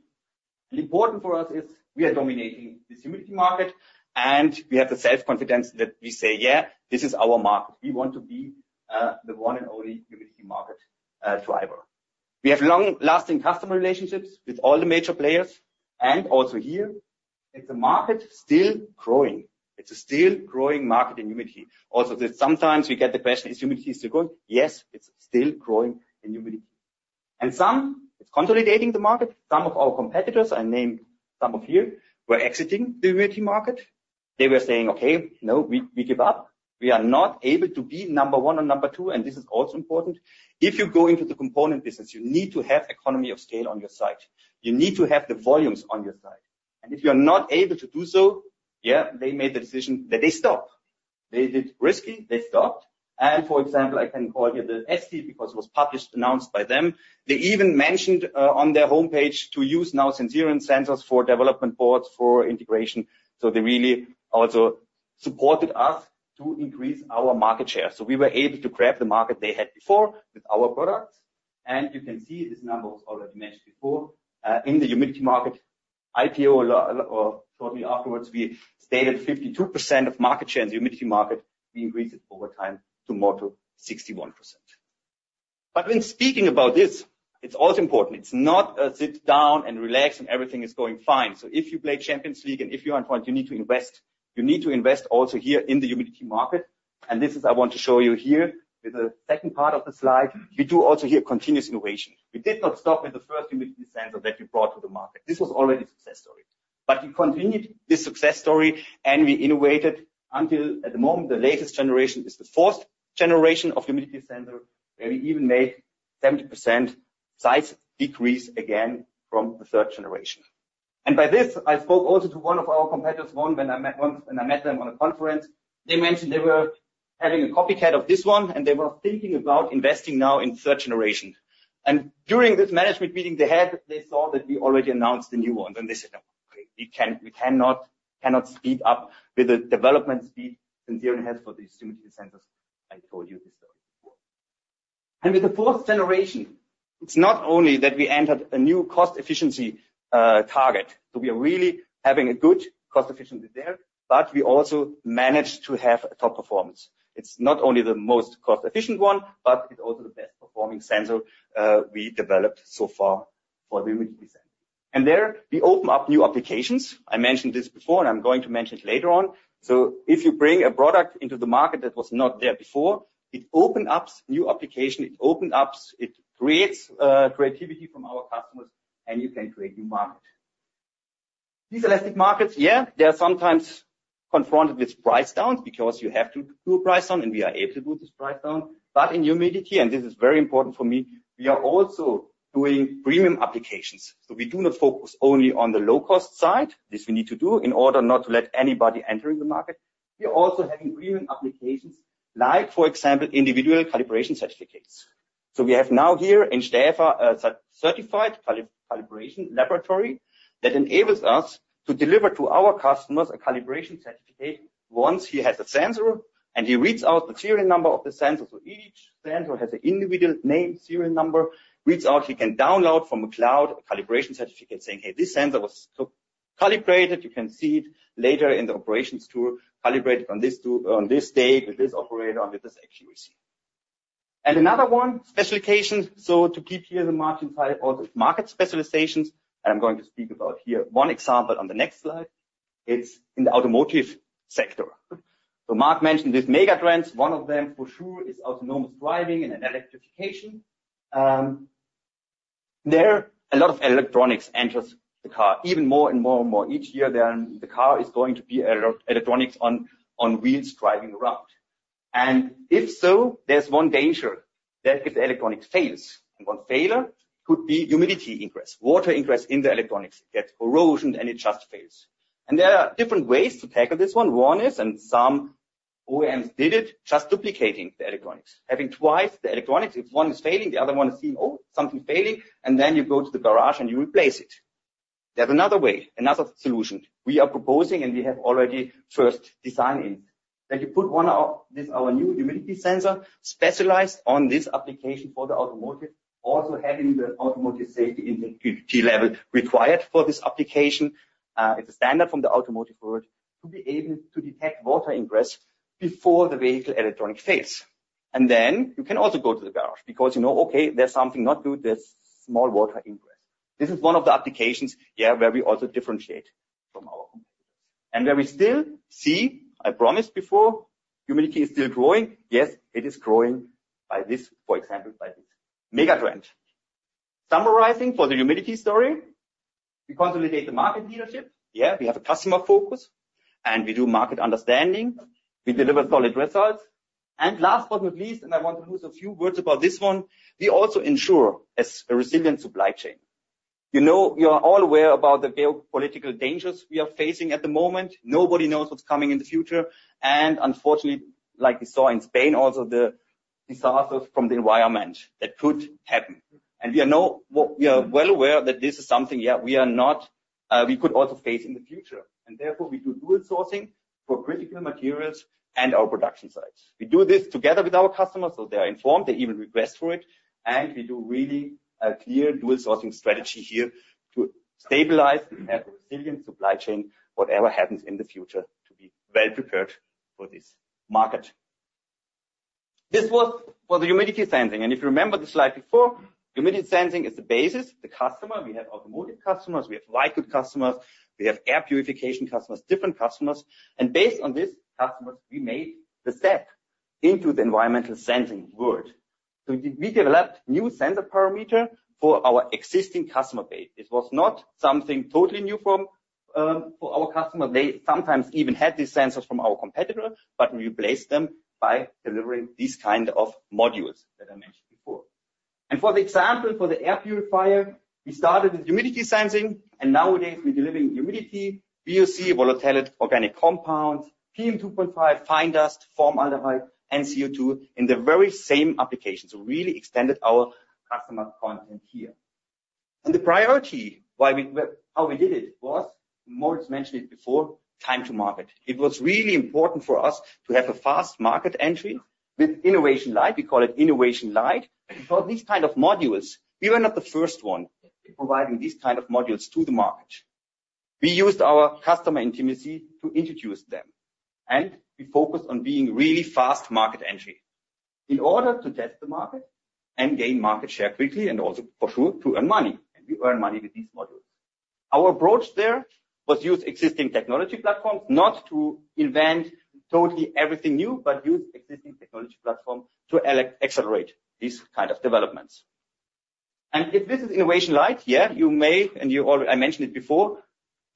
The important for us is we are dominating this humidity Market and we have the self-confidence that we say, "Yeah, this is our Market. We want to be the one and only humidity Market driver." We have long-lasting customer relationships with all the major players, and also here, it's a Market still growing. It's a still growing Market in humidity. Also, sometimes we get the question, "Is humidity still growing?" Yes, it's still growing in humidity, and so it's consolidating the Market. Some of our competitors, I named some of them here, were exiting the humidity Market. They were saying, "Okay, no, we give up. We are not able to be number one or number two," and this is also important. If you go into the component business, you need to have economy of scale on your side. You need to have the volumes on your side. And if you're not able to do so, yeah, they made the decision that they stop. They did risky, they stopped. For example, I can call here the ST because it was published, announced by them. They even mentioned on their homepage to use now Sensirion sensors for development boards for integration. So they really also supported us to increase our Market share. So we were able to grab the Market they had before with our products. And you can see this number was already mentioned before in the humidity Market. IPO shortly afterwards, we stated 52% of Market share in the humidity Market. We increased it over time to more to 61%. But when speaking about this, it's also important. It's not a sit down and relax and everything is going fine. So if you play Champions League and if you are in point, you need to invest. You need to invest also here in the humidity Market, and this is I want to show you here with the second part of the slide. We do also here continuous innovation. We did not stop with the first humidity sensor that we brought to the Market. This was already a success story, but we continued this success story and we innovated until at the moment, the latest generation is the fourth generation of humidity sensor, where we even made 70% size decrease again from the third generation. And by this, I spoke also to one of our competitors, one when I met them at a conference. They mentioned they were having a copycat of this one and they were thinking about investing now in third generation. And during this management meeting, they saw that we already announced the new ones. They said, "No, we cannot speed up with the development speed Sensirion has for these humidity sensors." I told you this story before. With the fourth generation, it's not only that we entered a new cost efficiency target. We are really having a good cost efficiency there, but we also managed to have a top performance. It's not only the most cost efficient one, but it's also the best performing sensor we developed so far for the humidity sensor. There we open up new applications. I mentioned this before and I'm going to mention it later on. If you bring a product into the Market that was not there before, it opens up new applications. It opens up, it creates creativity from our customers and you can create new Markets. These elastic Markets, yeah, they are sometimes confronted with price downs because you have to do a price down and we are able to do this price down. But in humidity, and this is very important for me, we are also doing premium applications. So we do not focus only on the low cost side. This we need to do in order not to let anybody enter the Market. We are also having premium applications like, for example, individual calibration certificates. So we have now here in Stäfa a certified calibration laboratory that enables us to deliver to our customers a calibration certificate once he has a sensor and he reads out the serial number of the sensor. So each sensor has an individual name, serial number, reads out. He can download from a cloud a calibration certificate saying, "Hey, this sensor was calibrated." You can see it later in the operations tool, calibrated on this date, with this operator, with this accuracy. And another one, specialization. So to keep here the Market specializations, and I'm going to speak about here one example on the next slide. It's in the automotive sector. So Marc mentioned these mega trends. One of them for sure is autonomous driving and electrification. There, a lot of electronics enters the car, even more and more and more each year than the car is going to be electronics on wheels driving around. And if so, there's one danger that if the electronics fails, and one failure could be humidity ingress, water ingress in the electronics. It gets corrosion and it just fails. And there are different ways to tackle this one. One is, and some OEMs did it, just duplicating the electronics, having twice the electronics. If one is failing, the other one is seeing, "Oh, something's failing," and then you go to the garage and you replace it. There's another way, another solution we are proposing and we have already first designed in that you put one of these new humidity sensors specialized on this application for the automotive, also having the automotive safety level required for this application. It's a standard from the automotive world to be able to detect water ingress before the vehicle electronics fails. And then you can also go to the garage because you know, "Okay, there's something not good, there's small water ingress." This is one of the applications, yeah, where we also differentiate from our competitors. Where we still see, I promised before, humidity is still growing. Yes, it is growing by this, for example, by this mega trend. Summarizing for the humidity story, we consolidate the Market leadership. Yeah, we have a customer focus and we do Market understanding. We deliver solid results. Last but not least, and I want to lose a few words about this one, we also ensure a resilient supply chain. You know, you're all aware about the geopolitical dangers we are facing at the moment. Nobody knows what's coming in the future. Unfortunately, like we saw in Spain, also the disasters from the environment that could happen. We are well aware that this is something, yeah, we are not, we could also face in the future. Therefore, we do dual sourcing for critical materials and our production sites. We do this together with our customers so they are informed. They even request for it, and we do really a clear dual sourcing strategy here to stabilize and have a resilient supply chain, whatever happens in the future, to be well prepared for this Market. This was for the humidity sensing, and if you remember the slide before, humidity sensing is the basis. The customer, we have automotive customers, we have liquid customers, we have air purification customers, different customers, and based on these customers, we made the step into the environmental sensing world. So we developed new sensor parameters for our existing customer base. It was not something totally new for our customers. They sometimes even had these sensors from our competitor, but we replaced them by delivering these kinds of modules that I mentioned before. For the example for the air purifier, we started with humidity sensing. Nowadays, we're delivering humidity, VOC, volatile organic compounds, PM2.5, fine dust, formaldehyde, and CO2 in the very same application. We really extended our customer content here. The priority, why we how we did it was, Moritz mentioned it before, time to Market. It was really important for us to have a fast Market entry with innovation light. We call it innovation light. We brought these kinds of modules. We were not the first one providing these kinds of modules to the Market. We used our customer intimacy to introduce them. We focused on being really fast Market entry in order to test the Market and gain Market share quickly and also for sure to earn money. We earn money with these modules. Our approach there was to use existing technology platforms, not to invent totally everything new, but use existing technology platforms to accelerate these kinds of developments. And if this is innovation light, yeah, you may, and I already mentioned it before,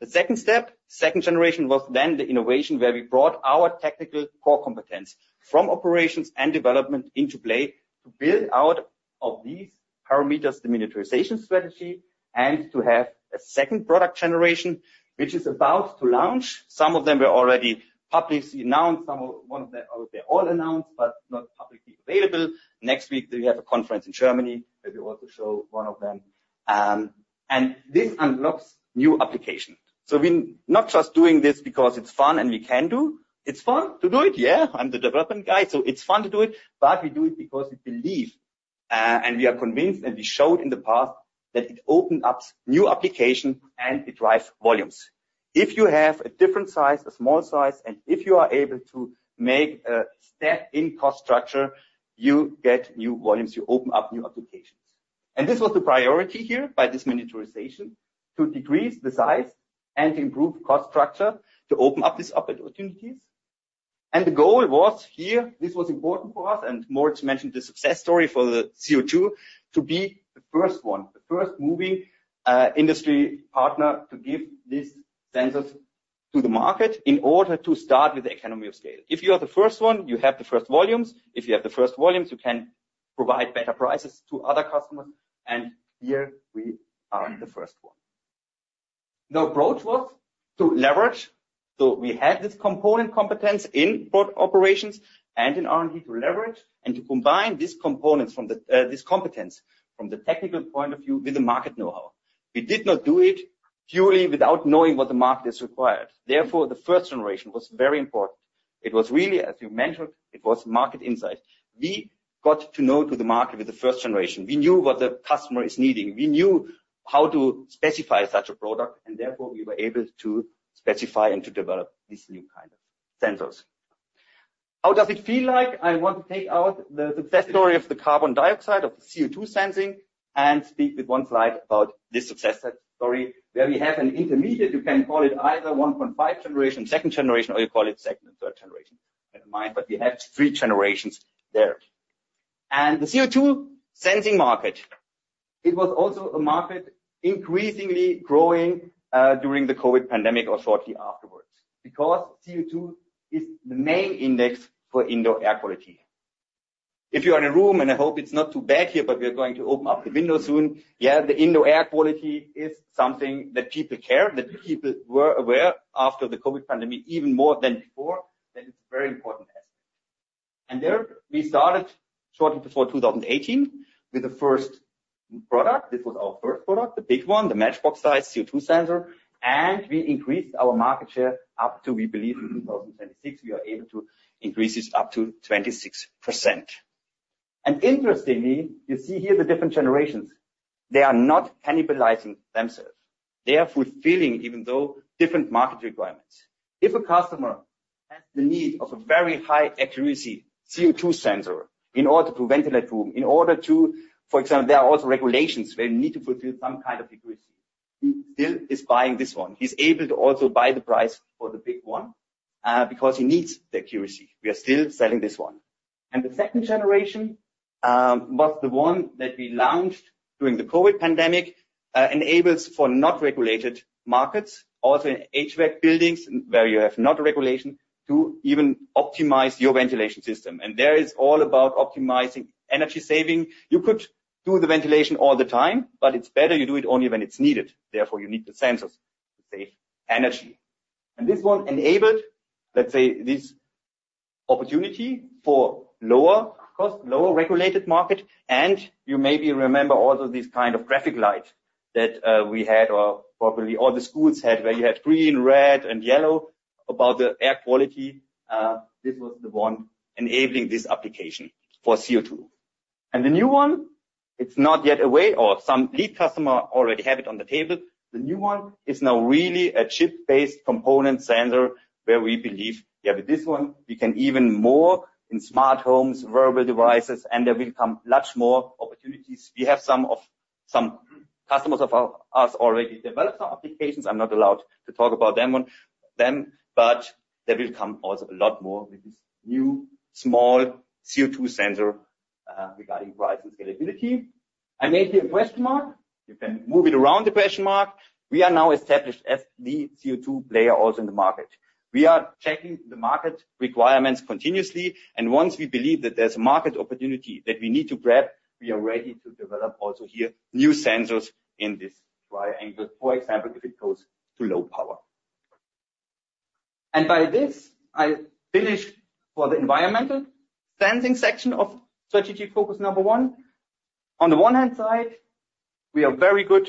the second step, second generation was then the innovation where we brought our technical core competence from operations and development into play to build out of these parameters the miniaturization strategy and to have a second product generation, which is about to launch. Some of them were already publicly announced. Some of them are all announced, but not publicly available. Next week, we have a conference in Germany where we also show one of them. And this unlocks new applications. So we're not just doing this because it's fun and we can do. It's fun to do it. Yeah, I'm the development guy. It's fun to do it, but we do it because we believe and we are convinced and we showed in the past that it opens up new applications and it drives volumes. If you have a different size, a small size, and if you are able to make a step in cost structure, you get new volumes, you open up new applications. This was the priority here by this miniaturization to decrease the size and to improve cost structure to open up these opportunities. The goal was here. This was important for us, and Moritz mentioned the success story for the CO2 to be the first one, the first moving industry partner to give these sensors to the Market in order to start with the economy of scale. If you are the first one, you have the first volumes. If you have the first volumes, you can provide better prices to other customers. And here we are the first one. The approach was to leverage. So we had this component competence in operations and in R&D to leverage and to combine these components from this competence from the technical point of view with the Market know-how. We did not do it purely without knowing what the Market is required. Therefore, the first generation was very important. It was really, as you mentioned, it was Market insight. We got to know the Market with the first generation. We knew what the customer is needing. We knew how to specify such a product. And therefore, we were able to specify and to develop these new kinds of sensors. How does it feel like? I want to take out the success story of the carbon dioxide, of the CO2 sensing and speak with one slide about this success story where we have an intermediate. You can call it either 1.5 generation, second generation, or you call it second and third generation. I don't mind, but we have three generations there. And the CO2 sensing Market, it was also a Market increasingly growing during the COVID pandemic or shortly afterwards because CO2 is the main index for indoor air quality. If you are in a room and I hope it's not too bad here, but we're going to open up the window soon. Yeah, the indoor air quality is something that people care, that people were aware after the COVID pandemic even more than before. That is a very important aspect. And there we started shortly before 2018 with the first product. This was our first product, the big one, the matchbox size CO2 sensor, and we increased our Market share up to, we believe in 2026, we are able to increase it up to 26%. And interestingly, you see here the different generations. They are not cannibalizing themselves. They are fulfilling even though different Market requirements. If a customer has the need of a very high accuracy CO2 sensor in order to ventilate room, in order to, for example, there are also regulations where you need to fulfill some kind of accuracy, he still is buying this one. He's able to also buy the price for the big one because he needs the accuracy. We are still selling this one. And the second generation was the one that we launched during the COVID pandemic, enables for not regulated Markets, also in HVAC buildings where you have not regulation to even optimize your ventilation system. And there it's all about optimizing energy saving. You could do the ventilation all the time, but it's better you do it only when it's needed. Therefore, you need the sensors to save energy. And this one enabled, let's say, this opportunity for lower cost, lower regulated Market. And you maybe remember also these kinds of traffic lights that we had or probably all the schools had where you had green, red, and yellow about the air quality. This was the one enabling this application for CO2. And the new one, it's not yet available or some lead customer already have it on the table. The new one is now really a chip-based component sensor where we believe, yeah, with this one, we can even more in smart homes, wearable devices, and there will come much more opportunities. We have some customers of ours already developed some applications. I'm not allowed to talk about them, but there will come also a lot more with this new small CO2 sensor regarding price and scalability. I made here a question Marc. You can move it around the question Marc. We are now established as the CO2 player also in the Market. We are checking the Market requirements continuously. And once we believe that there's a Market opportunity that we need to grab, we are ready to develop also here new sensors in this triangle, for example, if it goes to low power. And by this, I finished for the environmental sensing section of strategic focus number one. On the one hand side, we are very well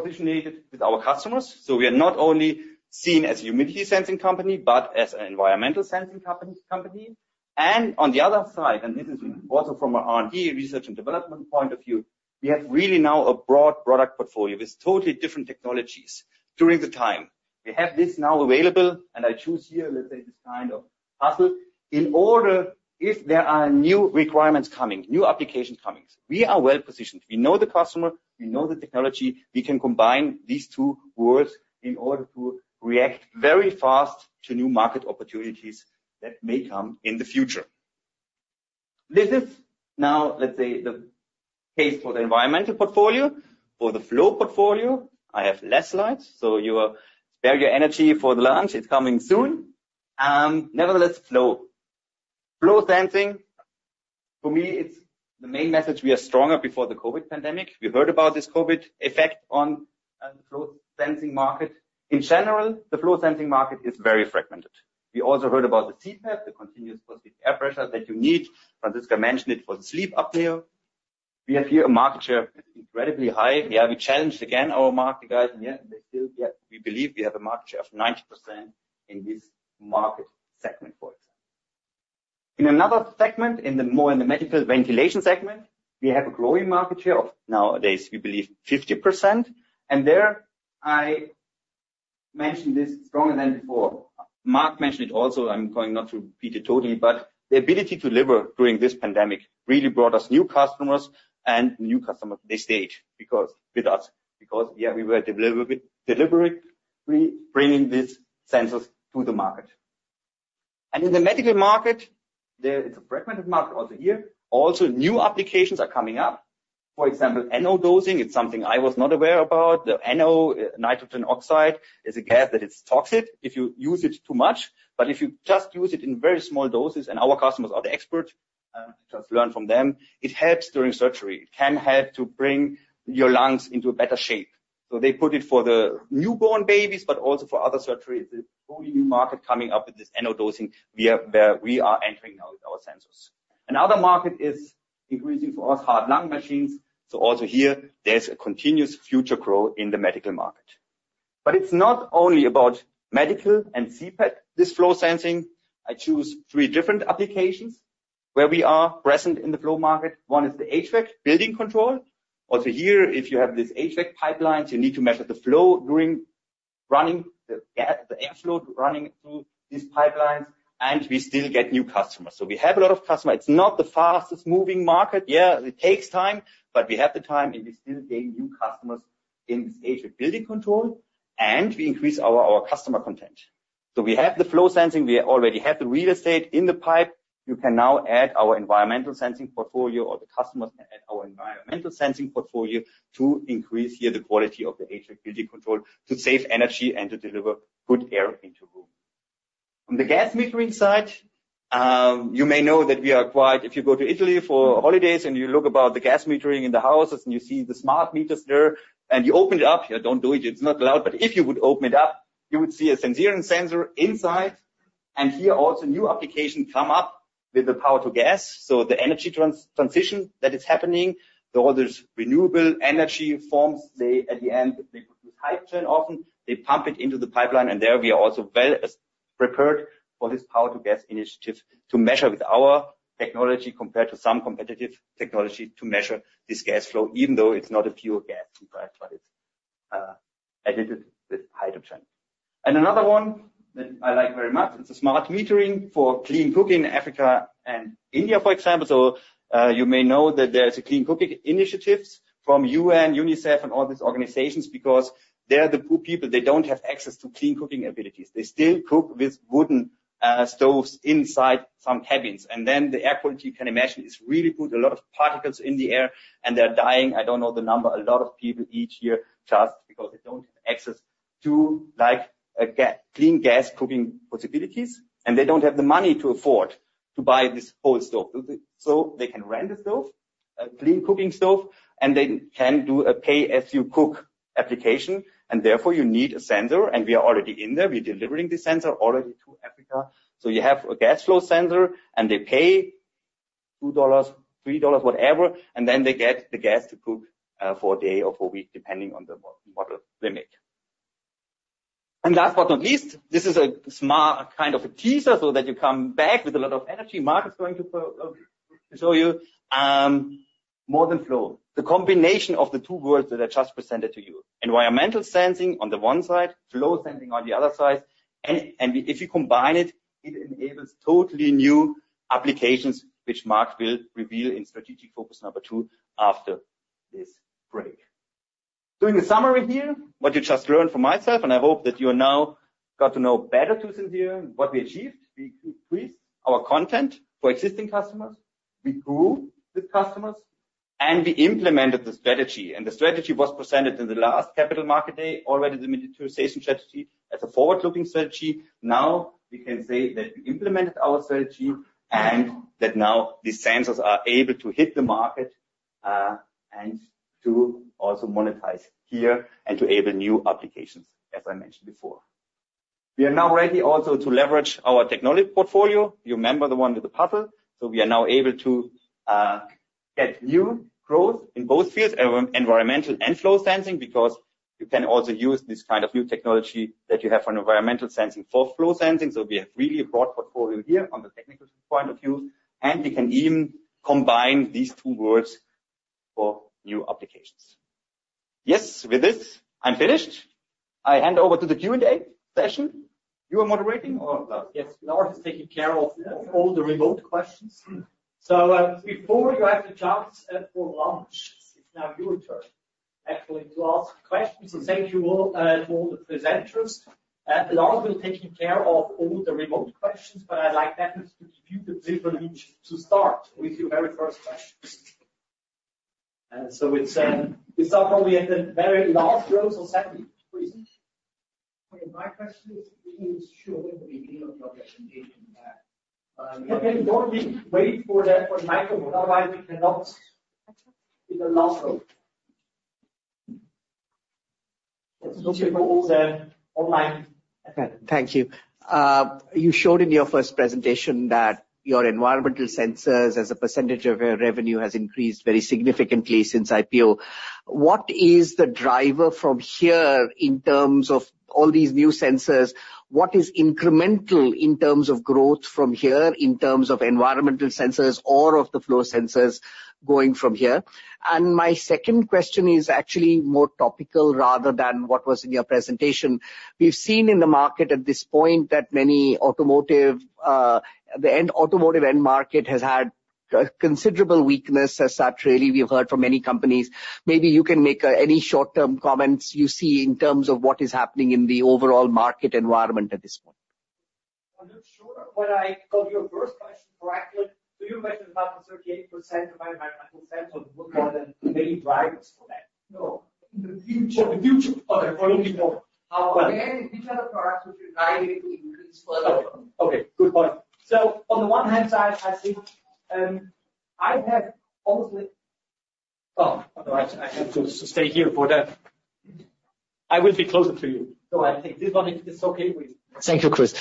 positioned with our customers. So we are not only seen as a humidity sensing company, but as an environmental sensing company, and on the other side, and this is also from our R&D research and development point of view, we have really now a broad product portfolio with totally different technologies during the time. We have this now available, and I choose here, let's say, this kind of puzzle in order if there are new requirements coming, new applications coming. We are well positioned. We know the customer. We know the technology. We can combine these two worlds in order to react very fast to new Market opportunities that may come in the future. This is now, let's say, the case for the environmental portfolio, for the flow portfolio. I have less lights, so you spare your energy for the lunch. It's coming soon. Nevertheless, flow. Flow sensing, for me, it's the main message. We are stronger than before the COVID pandemic. We heard about this COVID effect on the flow sensing Market. In general, the flow sensing Market is very fragmented. We also heard about the CPAP, the continuous positive airway pressure that you need. Franziska mentioned it for the sleep apnea. We have here a Market share that's incredibly high. Yeah, we challenged again our Market guys here. We believe we have a Market share of 90% in this Market segment, for example. In another segment, in the more in the medical ventilation segment, we have a growing Market share of nowadays, we believe, 50%. There I mentioned this stronger than before. Marc mentioned it also. I'm not going to repeat it totally, but the ability to deliver during this pandemic really brought us new customers to this stage because with us, yeah, we were delivering these sensors to the Market. In the medical Market, it's a fragmented Market also here. Also, new applications are coming up. For example, NO dosing, it's something I was not aware about. The NO, nitrogen oxide, is a gas that is toxic if you use it too much. But if you just use it in very small doses, and our customers are the experts, I just learned from them, it helps during surgery. It can help to bring your lungs into a better shape. So they put it for the newborn babies, but also for other surgeries. It's a totally new Market coming up with this NO dosing where we are entering now with our sensors. Another Market is increasing for us, heart-lung machines, so also here, there's a continuous future growth in the medical Market. But it's not only about medical and CPAP, this flow sensing. I choose three different applications where we are present in the flow Market. One is the HVAC building control. Also here, if you have these HVAC pipelines, you need to measure the flow during running the airflow running through these pipelines, and we still get new customers, so we have a lot of customers. It's not the fastest moving Market. Yeah, it takes time, but we have the time and we still gain new customers in this HVAC building control, and we increase our customer content, so we have the flow sensing. We already have the real estate in the pipe. You can now add our environmental sensing portfolio or the customers can add our environmental sensing portfolio to increase here the quality of the HVAC building control to save energy and to deliver good air into room. On the gas metering side, you may know that we are quite, if you go to Italy for holidays and you look about the gas metering in the houses and you see the smart meters there and you open it up, don't do it, it's not allowed, but if you would open it up, you would see a sensor inside. And here also new applications come up with the power to gas. So the energy transition that is happening, all this renewable energy forms, they at the end, they produce hydrogen often, they pump it into the pipeline, and there we are also well prepared for this power to gas initiative to measure with our technology compared to some competitive technology to measure this gas flow, even though it's not a pure gas in fact, but it's added with hydrogen. And another one that I like very much, it's a smart metering for clean cooking in Africa and India, for example. So you may know that there's a clean cooking initiative from UN, UNICEF, and all these organizations because they're the poor people. They don't have access to clean cooking facilities. They still cook with wooden stoves inside some cabins. And then the air quality, you can imagine, is really good. A lot of particles in the air and they're dying. I don't know the number. A lot of people eat here just because they don't have access to like clean gas cooking possibilities, and they don't have the money to afford to buy this whole stove. So they can rent a stove, a clean cooking stove, and they can do a pay-as-you-cook application. And therefore you need a sensor, and we are already in there. We're delivering the sensor already to Africa. So you have a gas flow sensor, and they pay $2, $3, whatever, and then they get the gas to cook for a day or for a week, depending on the model they make. And last but not least, this is a smart kind of a teaser so that you come back with a lot of energy Markets going to show you more than flow. The combination of the two words that I just presented to you, environmental sensing on the one side, flow sensing on the other side, and if you combine it, it enables totally new applications, which Marc will reveal in strategic focus number two after this break. Doing a summary here, what you just learned from myself, and I hope that you have now got to know better too since here what we achieved. We increased our content for existing customers. We grew with customers, and we implemented the strategy, and the strategy was presented in the last capital Market day, already the miniaturization strategy as a forward-looking strategy. Now we can say that we implemented our strategy and that now these sensors are able to hit the Market and to also monetize here and to enable new applications, as I mentioned before. We are now ready also to leverage our technology portfolio. You remember the one with the puzzle. So we are now able to get new growth in both fields, environmental and flow sensing, because you can also use this kind of new technology that you have for environmental sensing for flow sensing. So we have really a broad portfolio here on the technical point of view, and we can even combine these two worlds for new applications. Yes, with this, I'm finished. I hand over to the Q&A session. You are moderating or Lars? Yes, Lars is taking care of all the remote questions. So before you have the chance for lunch, it's now your turn, actually, to ask questions. So thank you all to all the presenters. Lars will take care of all the remote questions, but I'd like definitely to give you the privilege to start with your very first questions. And so we start probably at the very last row, so Sandy, please. My question is, can you show at the beginning of your presentation? Okay, don't wait for the microphone, otherwise we cannot be the last row. Thank you. You showed in your first presentation that your environmental sensors as a percentage of your revenue has increased very significantly since IPO. What is the driver from here in terms of all these new sensors? What is incremental in terms of growth from here in terms of environmental sensors or of the flow sensors going from here? And my second question is actually more topical rather than what was in your presentation. We've seen in the Market at this point that the automotive end Market has had considerable weakness as such, really. We've heard from many companies. Maybe you can make any short-term comments you see in terms of what is happening in the overall Market environment at this point. I'm not sure if I got your first question correctly. So you mentioned about the 38% of environmental sensors, what are the main drivers for that. No. The future products we're looking for [and] how. Again, which are the products which will drive it to increase further? Okay, good point. So on the one hand, I think. Oh, I have to stay here for that. I will be closer to you. So I think this one, if it's okay with. Thank you, Chris.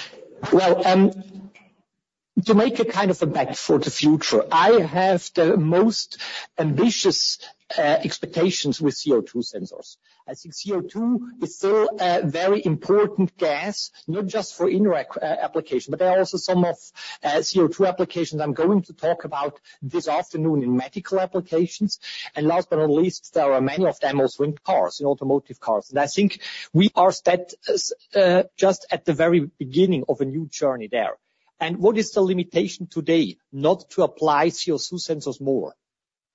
To make a kind of a bet for the future, I have the most ambitious expectations with CO2 sensors. I think CO2 is still a very important gas, not just for indirect application, but there are also some of CO2 applications I'm going to talk about this afternoon in medical applications, and last but not least, there are many of them also in cars, in automotive cars, and I think we are just at the very beginning of a new journey there, and what is the limitation today not to apply CO2 sensors more?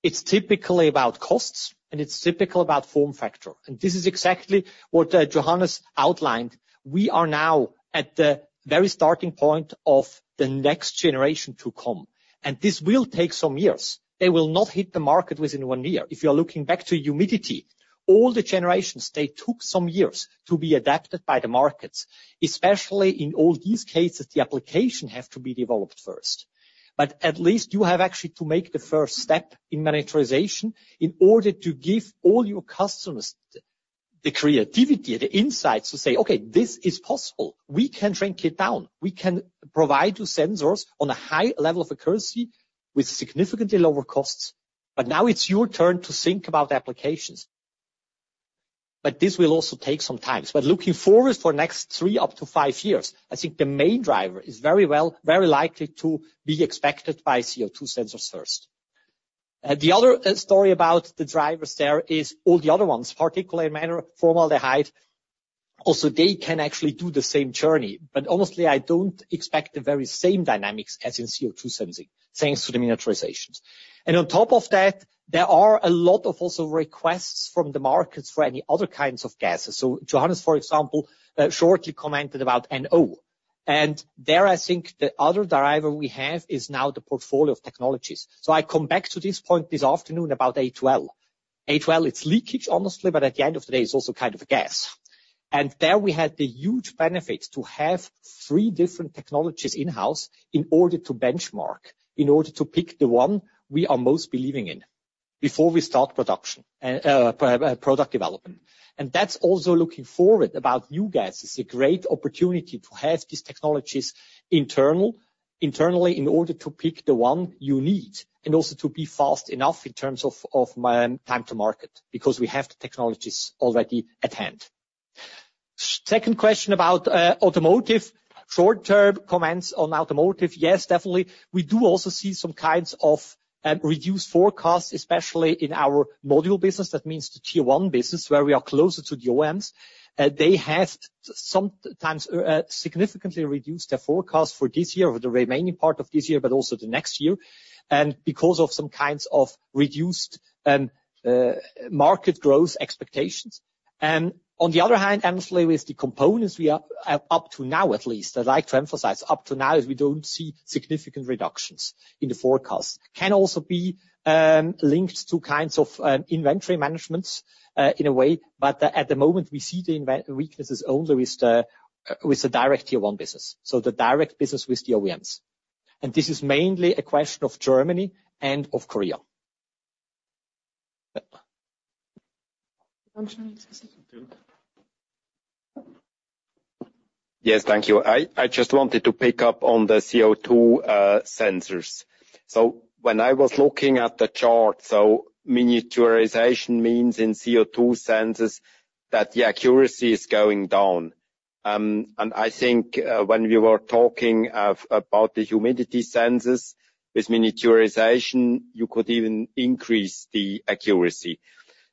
It's typically about costs, and it's typically about form factor, and this is exactly what Johannes outlined. We are now at the very starting point of the next generation to come, and this will take some years. They will not hit the Market within one year. If you're looking back to humidity, all the generations, they took some years to be adapted by the Markets, especially in all these cases, the application has to be developed first. But at least you have actually to make the first step in monetization in order to give all your customers the creativity, the insights to say, okay, this is possible. We can shrink it down. We can provide you sensors on a high level of accuracy with significantly lower costs. But now it's your turn to think about applications. But this will also take some time. But looking forward for the next three, up to five years, I think the main driver is very well, very likely to be expected by CO2 sensors first. The other story about the drivers there is all the other ones, particulate matter, formaldehyde. Also, they can actually do the same journey. But honestly, I don't expect the very same dynamics as in CO2 sensing thanks to the miniaturizations. And on top of that, there are a lot of also requests from the Markets for any other kinds of gases. So Johannes, for example, shortly commented about NO. And there, I think the other driver we have is now the portfolio of technologies. So I come back to this point this afternoon about A2L. A2L, it's leakage, honestly, but at the end of the day, it's also kind of a gas. And there we had the huge benefit to have three different technologies in-house in order to benchmark, in order to pick the one we are most believing in before we start production and product development. And that's also looking forward about new gases. It's a great opportunity to have these technologies internally in order to pick the one you need and also to be fast enough in terms of time to Market because we have the technologies already at hand. Second question about automotive, short-term comments on automotive. Yes, definitely. We do also see some kinds of reduced forecasts, especially in our module business. That means the tier one business where we are closer to the OEMs. They have sometimes significantly reduced their forecast for this year or the remaining part of this year, but also the next year, and because of some kinds of reduced Market growth expectations. And on the other hand, honestly, with the components we are up to now, at least, I'd like to emphasize up to now, we don't see significant reductions in the forecast. Can also be linked to kinds of inventory management in a way, but at the moment, we see the weaknesses only with the direct tier one business, so the direct business with the OEMs. And this is mainly a question of Germany and of Korea. Yes, thank you. I just wanted to pick up on the CO2 sensors. So when I was looking at the chart, so miniaturization means in CO2 sensors that the accuracy is going down. And I think when we were talking about the humidity sensors with miniaturization, you could even increase the accuracy.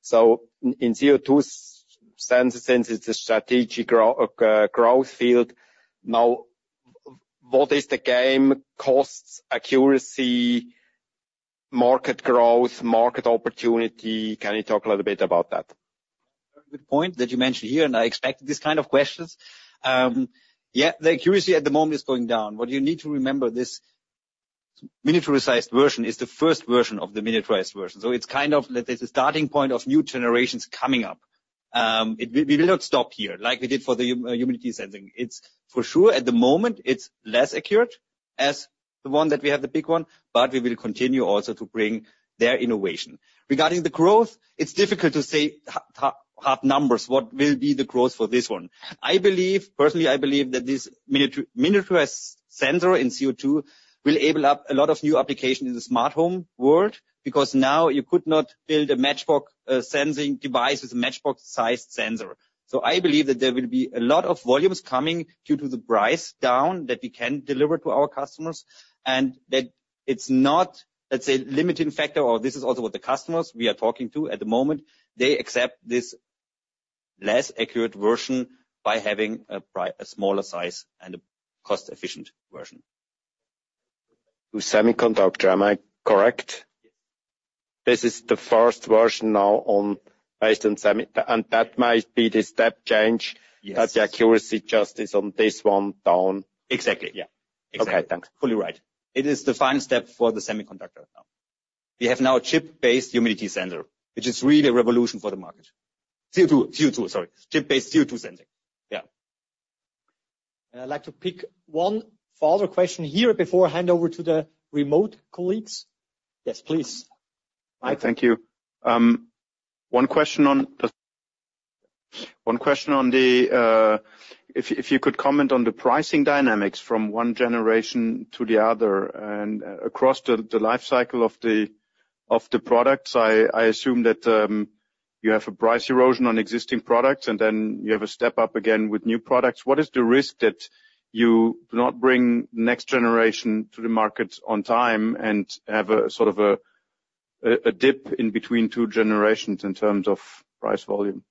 So in CO2 sensors, since it is a strategic growth field, now what is the game, costs, accuracy, Market growth, Market opportunity? Can you talk a little bit about that? Good point that you mentioned here, and I expected these kinds of questions. Yeah, the accuracy at the moment is going down. What you need to remember, this miniaturized version is the first version of the miniaturized version. So it's kind of the starting point of new generations coming up. We will not stop here like we did for the humidity sensing. For sure, at the moment, it's less accurate as the one that we have, the big one, but we will continue also to bring their innovation. Regarding the growth, it's difficult to say hard numbers. What will be the growth for this one? I believe, personally, I believe that this miniaturized sensor in CO2 will enable a lot of new applications in the smart home world because now you could not build a matchbox sensing device with a matchbox-sized sensor. So I believe that there will be a lot of volumes coming due to the price down that we can deliver to our customers and that it's not, let's say, a limiting factor, or this is also what the customers we are talking to at the moment, they accept this less accurate version by having a smaller size and a cost-efficient version. To semiconductor, am I correct? Yes. This is the first version now based on semi, and that might be the step change that the accuracy just is on this one down. Exactly. Yeah. Exactly. Okay, thanks. Fully right. It is the final step for the semiconductor now. We have now a chip-based humidity sensor, which is really a revolution for the Market. CO2, CO2, sorry. Chip-based CO2 sensing. Yeah. And I'd like to pick one further question here before I hand over to the remote colleagues. Yes, please. Thank you. One question on the, if you could comment on the pricing dynamics from one generation to the other and across the lifecycle of the products. I assume that you have a price erosion on existing products, and then you have a step up again with new products. What is the risk that you do not bring next generation to the Market on time and have a sort of a dip in between two generations in terms of price volume?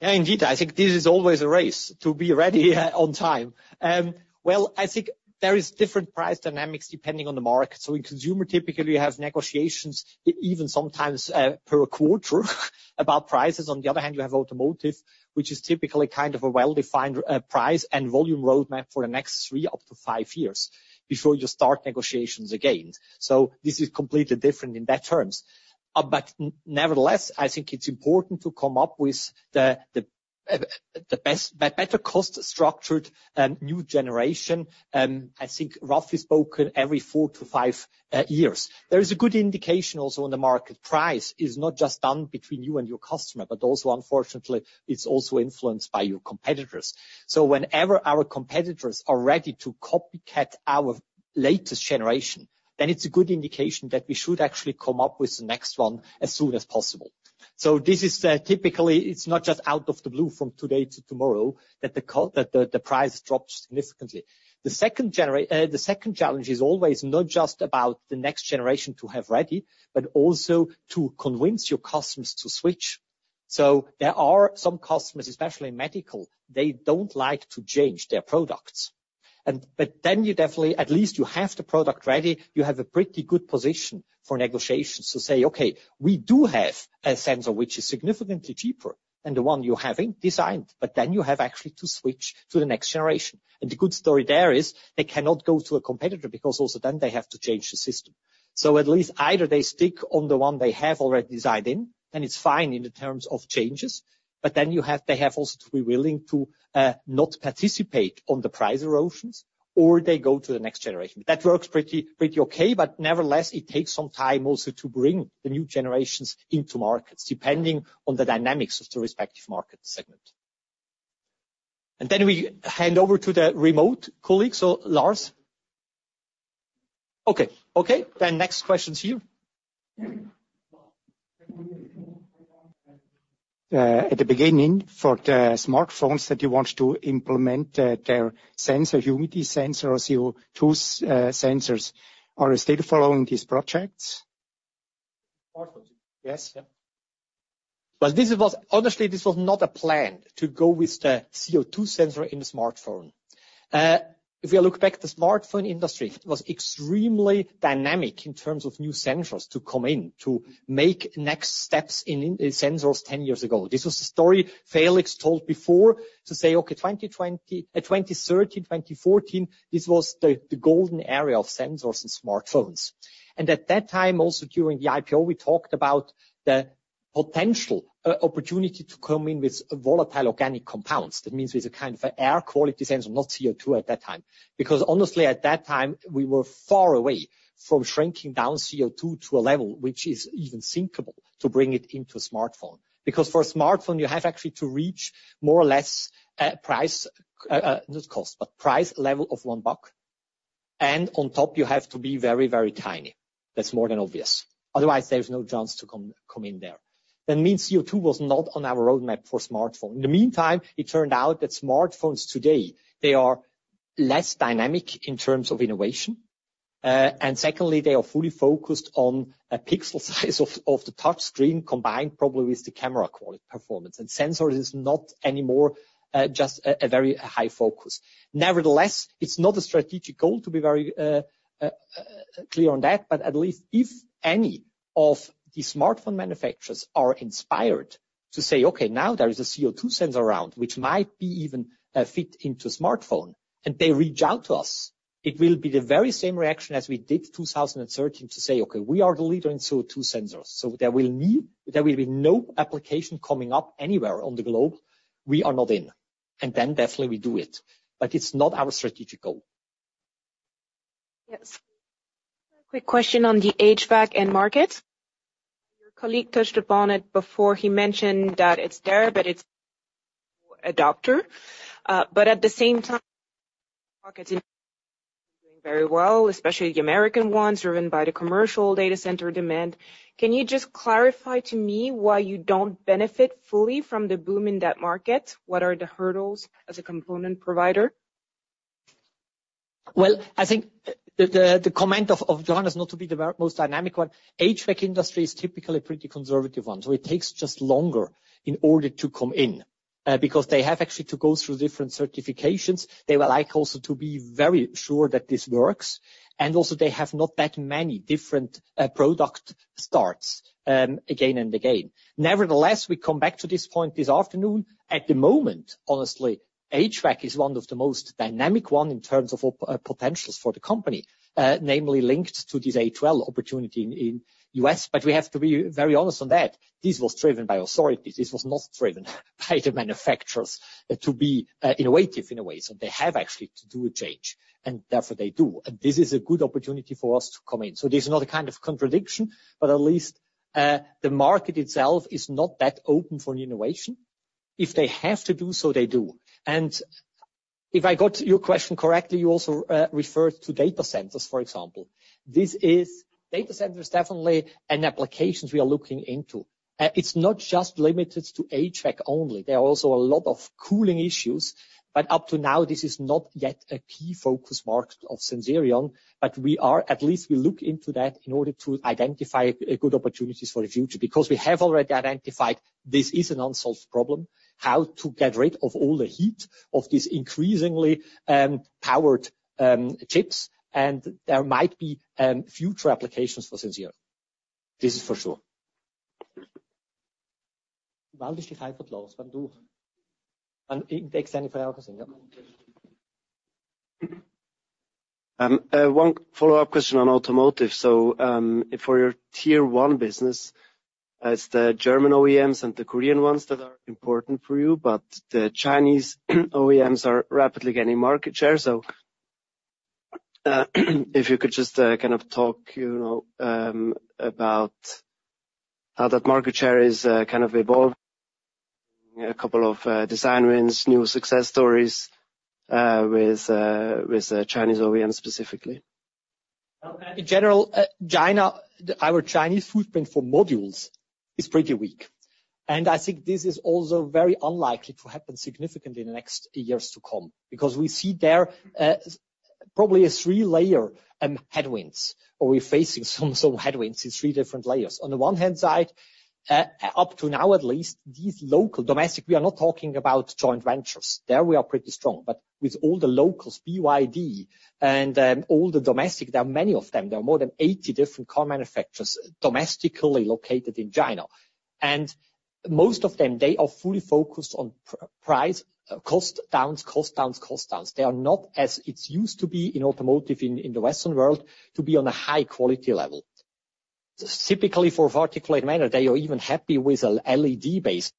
Yeah, indeed. I think this is always a race to be ready on time. Well, I think there are different price dynamics depending on the Market. So in consumer, typically you have negotiations, even sometimes per quarter about prices. On the other hand, you have automotive, which is typically kind of a well-defined price and volume roadmap for the next three up to five years before you start negotiations again. So this is completely different in those terms. But nevertheless, I think it's important to come up with the better cost-structured new generation. I think roughly speaking every four to five years. There is a good indication also on the Market price is not just done between you and your customer, but also, unfortunately, it's also influenced by your competitors. So whenever our competitors are ready to copycat our latest generation, then it's a good indication that we should actually come up with the next one as soon as possible. So this is typically, it's not just out of the blue from today to tomorrow that the price drops significantly. The second challenge is always not just about the next generation to have ready, but also to convince your customers to switch, so there are some customers, especially in medical, they don't like to change their products, but then you definitely, at least you have the product ready, you have a pretty good position for negotiations to say, okay, we do have a sensor which is significantly cheaper than the one you have designed, but then you have actually to switch to the next generation, and the good story there is they cannot go to a competitor because also then they have to change the system, so at least either they stick on the one they have already designed in, then it's fine in terms of changes, but then they have also to be willing to not participate on the price erosions, or they go to the next generation. That works pretty okay, but nevertheless, it takes some time also to bring the new generations into Markets depending on the dynamics of the respective Market segment. Then we hand over to the remote colleagues. Lars. Okay. Okay. Then next questions here. At the beginning, for the smartphones that you want to implement their sensor humidity sensors, CO2 sensors, are you still following these projects? Yes. Well, honestly, this was not a plan to go with the CO2 sensor in the smartphone. If we look back at the smartphone industry, it was extremely dynamic in terms of new sensors to come in to make next steps in sensors 10 years ago. This was the story Felix told before to say, okay, 2013, 2014, this was the golden era of sensors and smartphones. And at that time, also during the IPO, we talked about the potential opportunity to come in with volatile organic compounds. That means with a kind of air quality sensor, not CO2 at that time. Because honestly, at that time, we were far away from shrinking down CO2 to a level which is even thinkable to bring it into a smartphone. Because for a smartphone, you have actually to reach more or less price, not cost, but price level of one buck. And on top, you have to be very, very tiny. That's more than obvious. Otherwise, there's no chance to come in there. That means CO2 was not on our roadmap for smartphone. In the meantime, it turned out that smartphones today, they are less dynamic in terms of innovation. Secondly, they are fully focused on a pixel size of the touchscreen combined probably with the camera quality performance. Sensors is not anymore just a very high focus. Nevertheless, it's not a strategic goal to be very clear on that, but at least if any of the smartphone manufacturers are inspired to say, okay, now there is a CO2 sensor around, which might be even fit into a smartphone, and they reach out to us, it will be the very same reaction as we did 2013 to say, okay, we are the leader in CO2 sensors. So there will be no application coming up anywhere on the globe. We are not in. And then definitely we do it. But it's not our strategic goal. Yes. Quick question on the HVAC end Market. Your colleague touched upon it before. He mentioned that it's there, but it's adopter.ut at the same time, Markets are doing very well, especially the American ones driven by the commercial data center demand. Can you just clarify to me why you don't benefit fully from the boom in that Market? What are the hurdles as a component provider? Well, I think the comment of Johannes not to be the most dynamic one. HVAC industry is typically a pretty conservative one. So it takes just longer in order to come in because they have actually to go through different certifications. They would like also to be very sure that this works. And also, they have not that many different product starts again and again. Nevertheless, we come back to this point this afternoon. At the moment, honestly, HVAC is one of the most dynamic ones in terms of potentials for the company, namely linked to this A2L opportunity in the U.S. But we have to be very honest on that. This was driven by authorities. This was not driven by the manufacturers to be innovative in a way. So they have actually to do a change. And therefore, they do. And this is a good opportunity for us to come in. So this is not a kind of contradiction, but at least the Market itself is not that open for innovation. If they have to do so, they do. And if I got your question correctly, you also referred to data centers, for example. Data centers definitely are an application we are looking into. It's not just limited to HVAC only. There are also a lot of cooling issues. But up to now, this is not yet a key focus Market of Sensirion. But we are at least looking into that in order to identify good opportunities for the future because we have already identified this is an unsolved problem, how to get rid of all the heat of these increasingly powered chips. And there might be future applications for Sensirion. This is for sure. Waldkirch, one follow-up question on automotive. So for your tier one business, it's the German OEMs and the Korean ones that are important for you, but the Chinese OEMs are rapidly gaining Market share. So if you could just kind of talk about how that Market share is kind of evolving, a couple of design wins, new success stories with Chinese OEMs specifically. In general, our Chinese footprint for modules is pretty weak. And I think this is also very unlikely to happen significantly in the next years to come because we see there probably a three-layer headwinds or we're facing some headwinds in three different layers. On the one hand side, up to now at least, these local domestic, we are not talking about joint ventures. There we are pretty strong. But with all the locals, BYD and all the domestic, there are many of them. There are more than 80 different car manufacturers domestically located in China. And most of them, they are fully focused on price, cost downs, cost downs, cost downs. They are not as it used to be in automotive in the Western world to be on a high-quality level. Typically, for a particular manner, they are even happy with an LED base,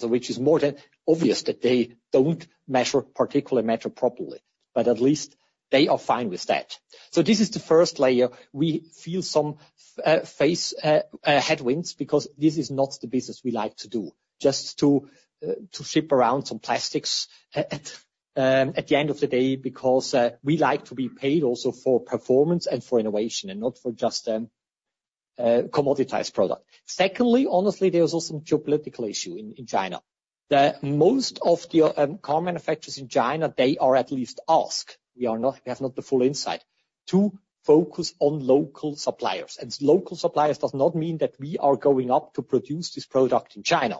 which is more than obvious that they don't measure particulate matter properly. But at least they are fine with that. So this is the first layer. We feel some headwinds because this is not the business we like to do, just to ship around some plastics at the end of the day because we like to be paid also for performance and for innovation and not for just commoditized product. Secondly, honestly, there's also some geopolitical issue in China. Most of the car manufacturers in China, they are at least asked. We have not the full insight to focus on local suppliers. And local suppliers does not mean that we are going up to produce this product in China.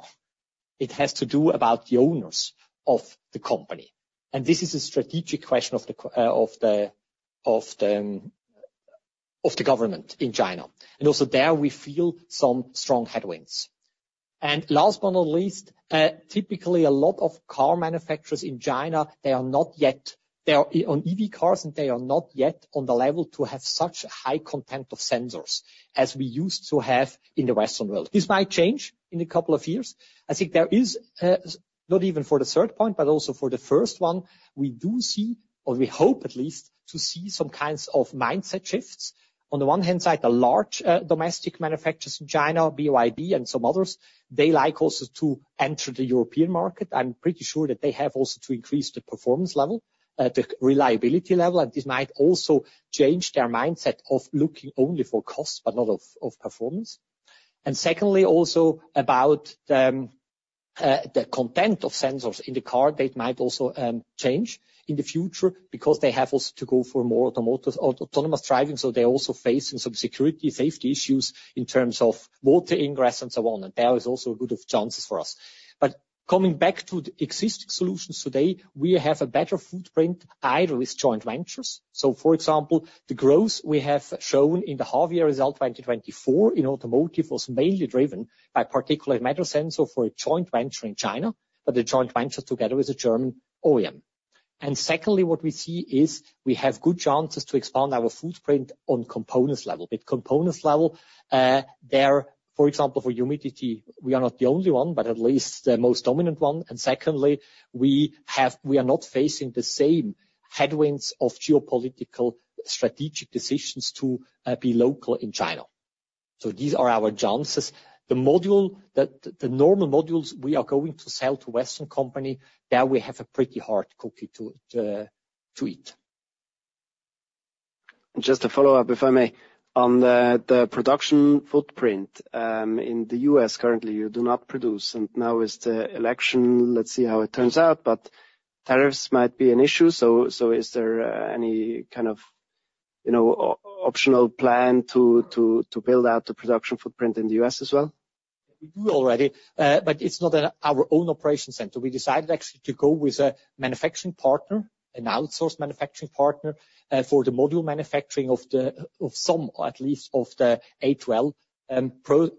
It has to do about the owners of the company. And this is a strategic question of the government in China. And also there we feel some strong headwinds. Last but not least, typically a lot of car manufacturers in China, they are not yet on EV cars and they are not yet on the level to have such a high content of sensors as we used to have in the Western world. This might change in a couple of years. I think there is, not even for the third point, but also for the first one, we do see, or we hope at least to see some kinds of mindset shifts. On the one hand side, the large domestic manufacturers in China, BYD and some others, they like also to enter the European Market. I'm pretty sure that they have also to increase the performance level, the reliability level. And this might also change their mindset of looking only for cost, but not of performance. And secondly, also about the content of sensors in the car, they might also change in the future because they have also to go for more autonomous driving. So they're also facing some security safety issues in terms of water ingress and so on. And there is also a good chance for us. But coming back to existing solutions today, we have a better footprint either with joint ventures. So for example, the growth we have shown in the half-year result 2024 in automotive was mainly driven by particulate matter sensor for a joint venture in China, but the joint venture together with a German OEM. And secondly, what we see is we have good chances to expand our footprint on components level. With components level, there, for example, for humidity, we are not the only one, but at least the most dominant one. And secondly, we are not facing the same headwinds of geopolitical strategic decisions to be local in China. So these are our chances. The normal modules we are going to sell to Western companies, there we have a pretty hard cookie to eat. Just to follow up, if I may, on the production footprint in the U.S. currently, you do not produce. And now with the election, let's see how it turns out, but tariffs might be an issue. So is there any kind of optional plan to build out the production footprint in the U.S. as well? We do already, but it's not our own operation center. We decided actually to go with a manufacturing partner, an outsourced manufacturing partner for the module manufacturing of some, at least of the A2L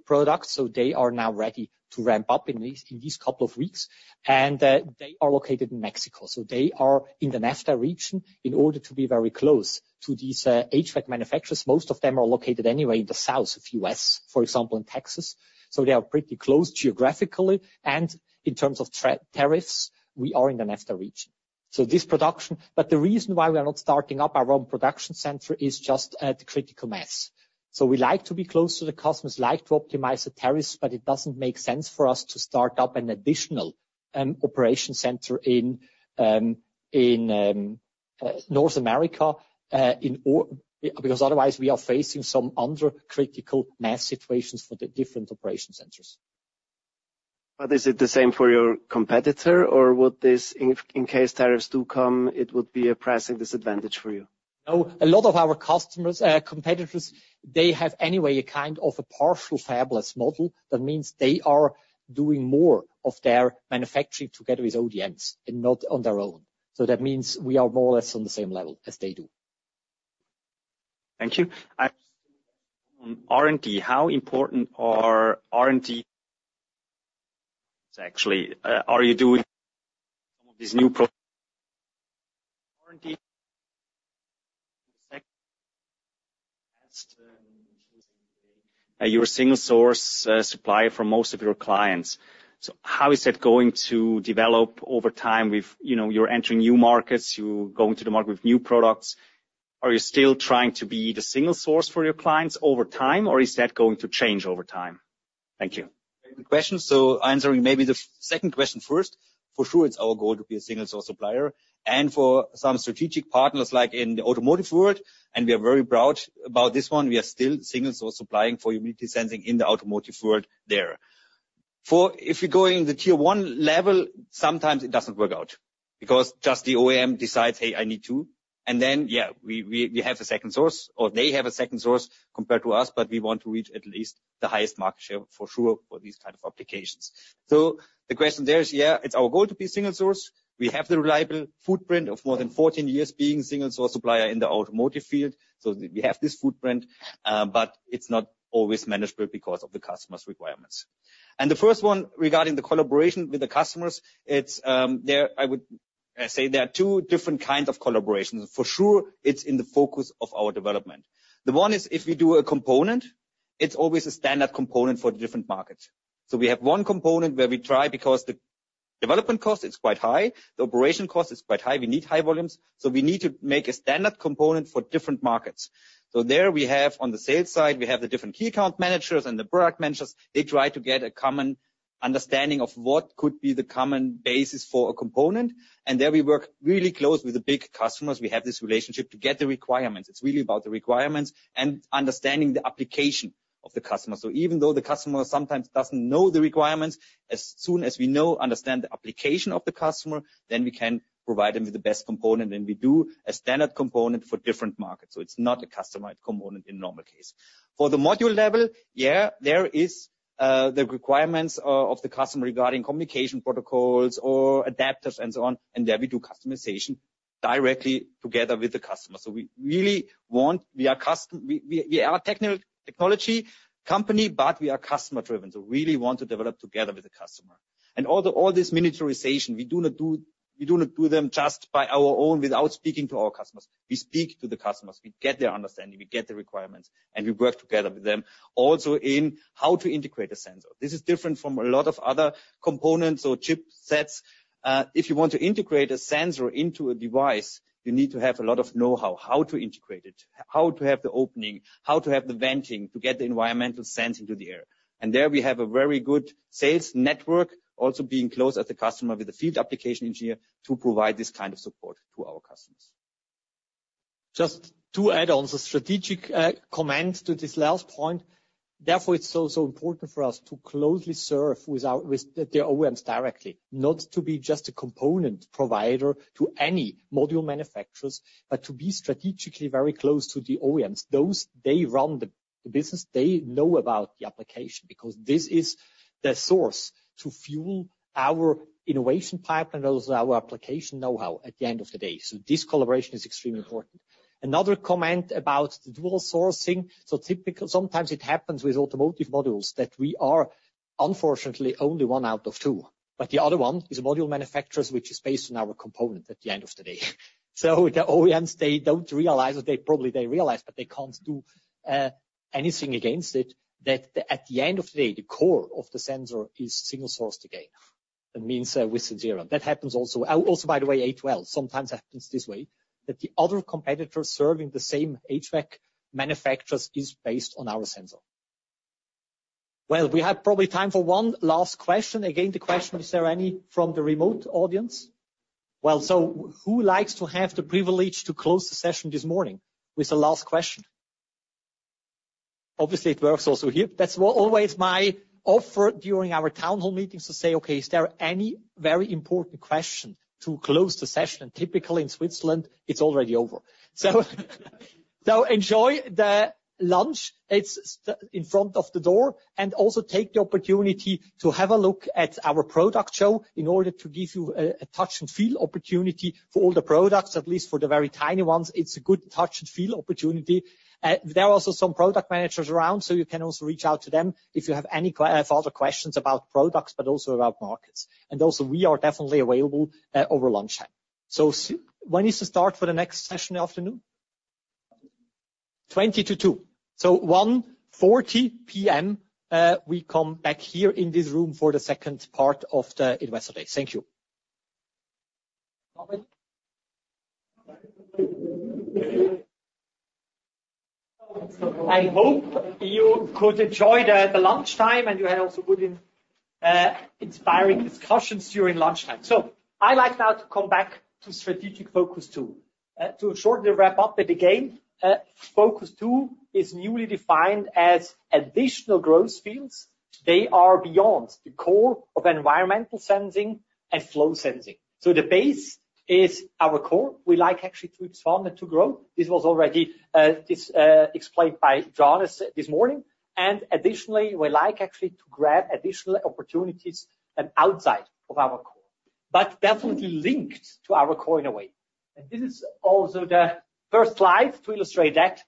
products. So they are now ready to ramp up in these couple of weeks. And they are located in Mexico. So they are in the NAFTA region in order to be very close to these HVAC manufacturers. Most of them are located anywhere in the south of the U.S., for example, in Texas. So they are pretty close geographically. And in terms of tariffs, we are in the NAFTA region. So this production, but the reason why we are not starting up our own production center is just at critical mass. So we like to be close to the customers, like to optimize the tariffs, but it doesn't make sense for us to start up an additional operation center in North America because otherwise we are facing some other critical mass situations for the different operation centers. But is it the same for your competitor or would this, in case tariffs do come, it would be a pressing disadvantage for you? No, a lot of our competitors, they have anyway a kind of a partial fabless model. That means they are doing more of their manufacturing together with OEMs and not on their own. So that means we are more or less on the same level as they do. Thank you. R&D, how important are R&D actually? Are you doing some of these new R&D? Your single source supply for most of your clients. So how is that going to develop over time? You're entering new Markets, you're going to the Market with new products. Are you still trying to be the single source for your clients over time or is that going to change over time? Thank you. Good question. So answering maybe the second question first, for sure, it's our goal to be a single source supplier. For some strategic partners like in the automotive world, and we are very proud about this one, we are still single source supplying for humidity sensing in the automotive world there. If we go in the tier one level, sometimes it doesn't work out because just the OEM decides, "Hey, I need to." And then, yeah, we have a second source or they have a second source compared to us, but we want to reach at least the highest Market share for sure for these kinds of applications. The question there is, yeah, it's our goal to be single source. We have the reliable footprint of more than 14 years being a single source supplier in the automotive field. So we have this footprint, but it's not always manageable because of the customer's requirements. The first one regarding the collaboration with the customers, I would say there are two different kinds of collaborations. For sure, it's in the focus of our development. The one is if we do a component, it's always a standard component for the different Markets. We have one component where we try because the development cost, it's quite high. The operation cost is quite high. We need high volumes. We need to make a standard component for different Markets. There we have on the sales side, we have the different key account managers and the product managers. They try to get a common understanding of what could be the common basis for a component. There we work really close with the big customers. We have this relationship to get the requirements. It's really about the requirements and understanding the application of the customer. So even though the customer sometimes doesn't know the requirements, as soon as we know, understand the application of the customer, then we can provide them with the best component. And we do a standard component for different Markets. So it's not a customized component in normal case. For the module level, yeah, there are the requirements of the customer regarding communication protocols or adapters and so on. And there we do customization directly together with the customer. So we really want, we are a technology company, but we are customer-driven. So we really want to develop together with the customer. And all this miniaturization, we do not do them just by our own without speaking to our customers. We speak to the customers. We get their understanding. We get the requirements. And we work together with them also in how to integrate a sensor. This is different from a lot of other components or chip sets. If you want to integrate a sensor into a device, you need to have a lot of know-how how to integrate it, how to have the opening, how to have the venting to get the environmental sensing to the air. And there we have a very good sales network also being close as the customer with the field application engineer to provide this kind of support to our customers. Just two add-ons, a strategic comment to this last point. Therefore, it's so important for us to closely serve with the OEMs directly, not to be just a component provider to any module manufacturers, but to be strategically very close to the OEMs. They run the business. They know about the application because this is the source to fuel our innovation pipeline and also our application know-how at the end of the day. So this collaboration is extremely important. Another comment about the dual sourcing. So sometimes it happens with automotive modules that we are unfortunately only one out of two. But the other one is module manufacturers, which is based on our component at the end of the day. So the OEMs, they don't realize, or they probably realize, but they can't do anything against it that at the end of the day, the core of the sensor is single source to gain. That means with Sensirion. That happens also, by the way, A2L. Sometimes it happens this way that the other competitors serving the same HVAC manufacturers is based on our sensor. Well, we have probably time for one last question. Again, the question is there any from the remote audience? Well, so who likes to have the privilege to close the session this morning with a last question? Obviously, it works also here. That's always my offer during our town hall meetings to say, "Okay, is there any very important question to close the session?" And typically in Switzerland, it's already over, so enjoy the lunch. It's in front of the door, and also take the opportunity to have a look at our product show in order to give you a touch-and-feel opportunity for all the products, at least for the very tiny ones. It's a good touch-and-feel opportunity. There are also some product managers around, so you can also reach out to them if you have any further questions about products, but also about Markets, and also we are definitely available over lunchtime. So when is the start for the next session afternoon? 20 to 2. So 1:40 P.M., we come back here in this room for the second part of the investor day. Thank you. I hope you could enjoy the lunchtime and you had also good inspiring discussions during lunchtime. So I'd like now to come back to strategic focus two. To shortly wrap up it again, focus two is newly defined as additional growth fields. They are beyond the core of environmental sensing and flow sensing. So the base is our core. We like actually to expand and to grow. This was already explained by Johannes this morning. And additionally, we like actually to grab additional opportunities outside of our core, but definitely linked to our core in a way. And this is also the first slide to illustrate that.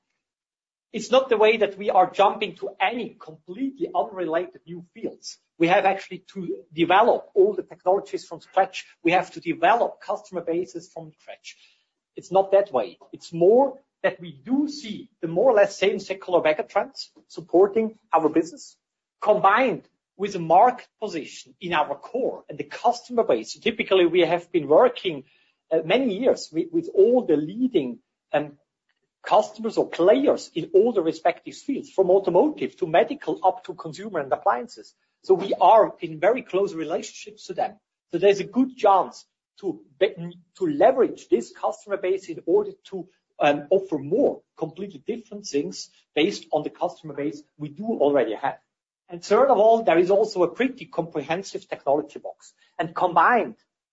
It's not the way that we are jumping to any completely unrelated new fields. We have actually to develop all the technologies from scratch. We have to develop customer bases from scratch. It's not that way. It's more that we do see the more or less same secular backup trends supporting our business combined with a Market position in our core and the customer base. So typically, we have been working many years with all the leading customers or players in all the respective fields, from automotive to medical up to consumer and appliances. So we are in very close relationships to them. So there's a good chance to leverage this customer base in order to offer more completely different things based on the customer base we do already have. And third of all, there is also a pretty comprehensive technology box.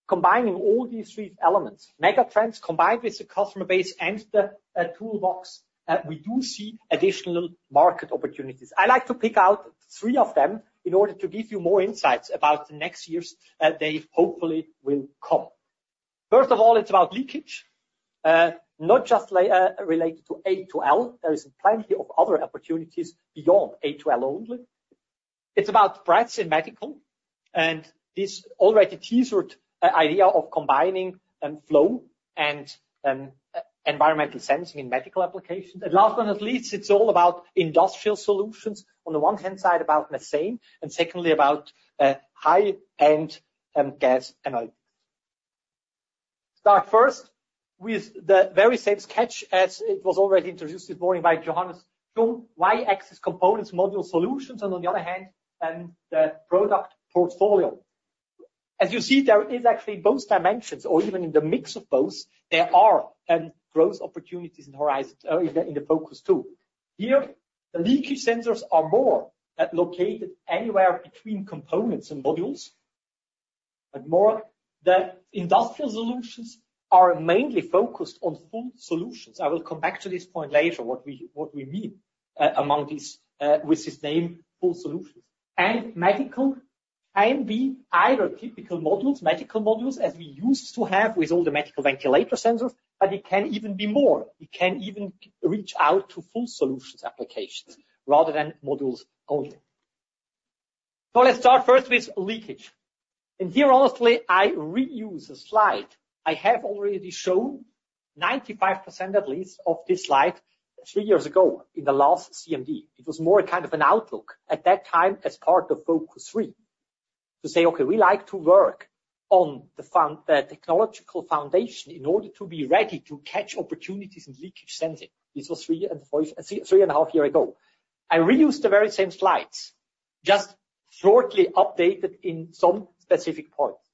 Combining all these three elements, mega trends combined with the customer base and the toolbox, we do see additional Market opportunities. I like to pick out three of them in order to give you more insights about the next years they hopefully will come. First of all, it's about leakage, not just related to A2L. There is plenty of other opportunities beyond A2L only. It's about breath in medical. This already teased idea of combining flow and environmental sensing in medical applications. Last but not least, it's all about industrial solutions, on the one hand side about methane, and secondly about high-end gas analytics. Start first with the very same sketch as it was already introduced this morning by Johannes Schumm, Y-axis components module solutions, and on the other hand, the product portfolio. As you see, there is actually both dimensions, or even in the mix of both, there are growth opportunities in the focus two. Here, the leakage sensors are more located anywhere between components and modules, but more the industrial solutions are mainly focused on full solutions. I will come back to this point later, what we mean with this name full solutions. And medical can be either typical modules, medical modules, as we used to have with all the medical ventilator sensors, but it can even be more. It can even reach out to full solutions applications rather than modules only. So let's start first with leakage. And here, honestly, I reuse a slide. I have already shown 95% at least of this slide three years ago in the last CMD. It was more kind of an outlook at that time as part of focus three to say, "Okay, we like to work on the technological foundation in order to be ready to catch opportunities in leakage sensing." This was three and a half years ago. I reused the very same slides, just shortly updated in some specific points.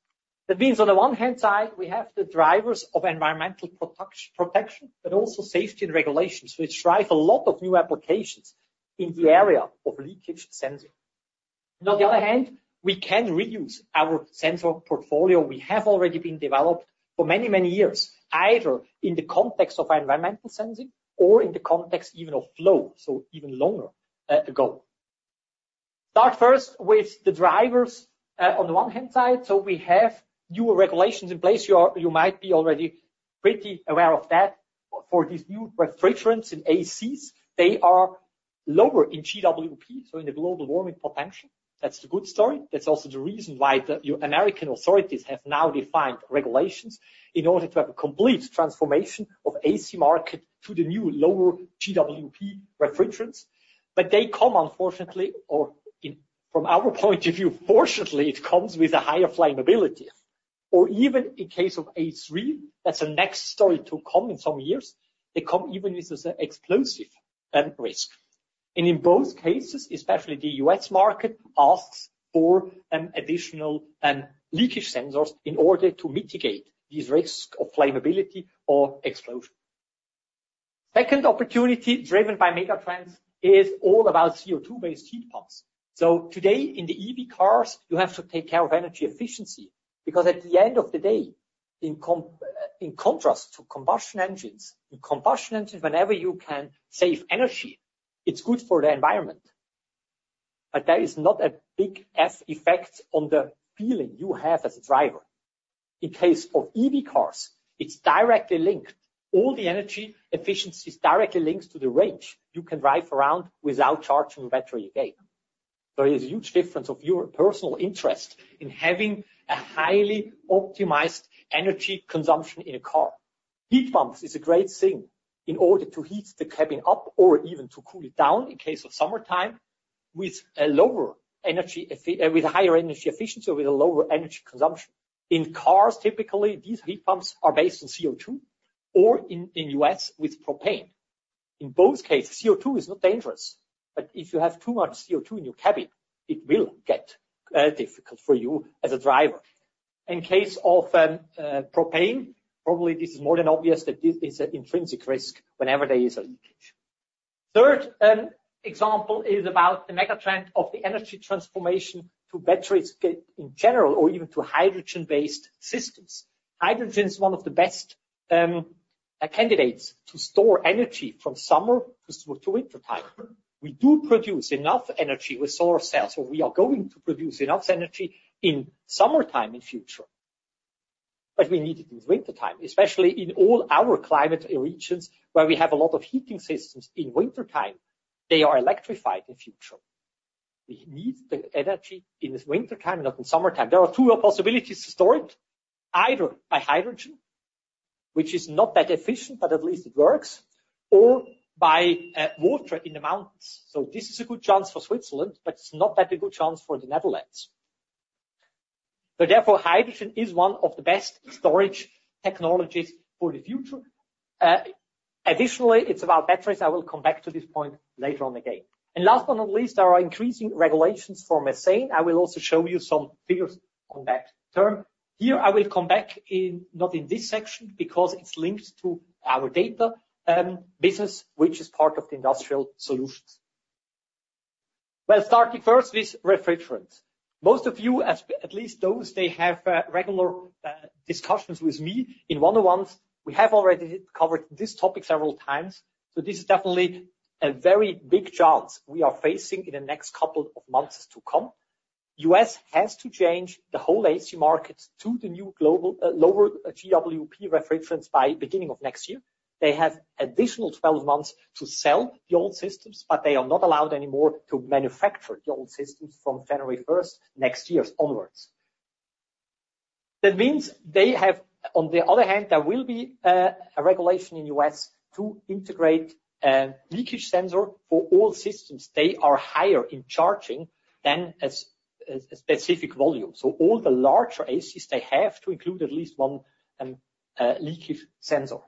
That means on the one hand side, we have the drivers of environmental protection, but also safety and regulations. We drive a lot of new applications in the area of leakage sensing. On the other hand, we can reuse our sensor portfolio. We have already been developed for many, many years, either in the context of environmental sensing or in the context even of flow, so even longer ago. Start first with the drivers on the one hand side. So we have new regulations in place. You might be already pretty aware of that. For these new refrigerants and ACs, they are lower in GWP, so in the global warming potential. That's the good story. That's also the reason why the American authorities have now defined regulations in order to have a complete transformation of AC Market to the new lower GWP refrigerants. But they come, unfortunately, or from our point of view, fortunately, it comes with a higher flammability. Or even in case of A3, that's a next story to come in some years. They come even with an explosive risk. And in both cases, especially the U.S. Market asks for additional leakage sensors in order to mitigate these risks of flammability or explosion. Second opportunity driven by megatrends is all about CO2-based heat pumps. So today, in the EV cars, you have to take care of energy efficiency because at the end of the day, in contrast to combustion engines, in combustion engines, whenever you can save energy, it's good for the environment. But there is not a big feel effect on the feeling you have as a driver. In case of EV cars, it's directly linked. All the energy efficiency is directly linked to the range you can drive around without charging the battery again. There is a huge difference of your personal interest in having a highly optimized energy consumption in a car. Heat pumps is a great thing in order to heat the cabin up or even to cool it down in case of summertime with a lower energy, with higher energy efficiency or with a lower energy consumption. In cars, typically, these heat pumps are based on CO2 or in the U.S. with propane. In both cases, CO2 is not dangerous, but if you have too much CO2 in your cabin, it will get difficult for you as a driver. In case of propane, probably this is more than obvious that this is an intrinsic risk whenever there is a leakage. Third example is about the megatrends of the energy transformation to batteries in general or even to hydrogen-based systems. Hydrogen is one of the best candidates to store energy from summer to wintertime. We do produce enough energy with solar cells, or we are going to produce enough energy in summertime in future. But we need it in wintertime, especially in all our climate regions where we have a lot of heating systems in wintertime. They are electrified in future. We need the energy in wintertime, not in summertime. There are two possibilities to store it, either by hydrogen, which is not that efficient, but at least it works, or by water in the mountains, so this is a good chance for Switzerland, but it's not that a good chance for the Netherlands, but therefore, hydrogen is one of the best storage technologies for the future. Additionally, it's about batteries. I will come back to this point later on again, and last but not least, there are increasing regulations for methane. I will also show you some figures on that term. Here, I will come back, not in this section, because it's linked to our data business, which is part of the industrial solutions. Well, starting first with refrigerants. Most of you, at least those, they have regular discussions with me in one-on-ones. We have already covered this topic several times. So this is definitely a very big chance we are facing in the next couple of months to come. The U.S. has to change the whole AC Market to the new global lower GWP refrigerants by beginning of next year. They have additional 12 months to sell the old systems, but they are not allowed anymore to manufacture the old systems from February 1st next year onwards. That means they have, on the other hand, there will be a regulation in the U.S. to integrate a leakage sensor for all systems. They are higher in charging than a specific volume. So all the larger ACs, they have to include at least one leakage sensor.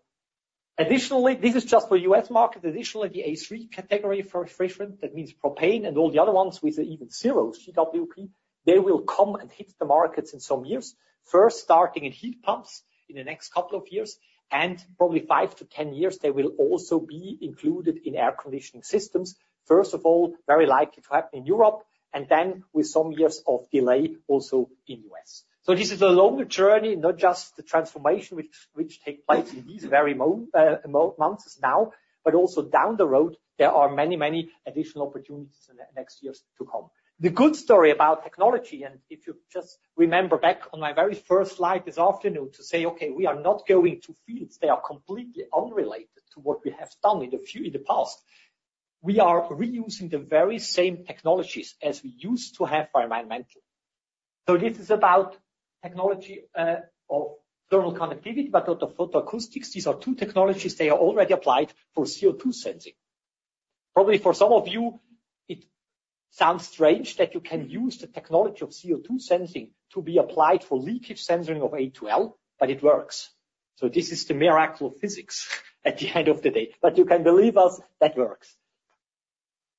Additionally, this is just for the U.S. Market. Additionally, the A3 category for refrigerant, that means propane and all the other ones with even zero GWP, they will come and hit the Markets in some years. First starting in heat pumps in the next couple of years, and probably five to 10 years, they will also be included in air conditioning systems. First of all, very likely to happen in Europe, and then with some years of delay also in the US. So this is a longer journey, not just the transformation which takes place in these very months now, but also down the road, there are many, many additional opportunities in the next years to come. The good story about technology, and if you just remember back on my very first slide this afternoon to say, "Okay, we are not going to fields. They are completely unrelated to what we have done in the past." We are reusing the very same technologies as we used to have for environmental. So this is about technology of thermal conductivity, but not of photoacoustics. These are two technologies they are already applied for CO2 sensing. Probably for some of you, it sounds strange that you can use the technology of CO2 sensing to be applied for leakage sensing of A2L, but it works. So this is the miracle of physics at the end of the day. But you can believe us, that works.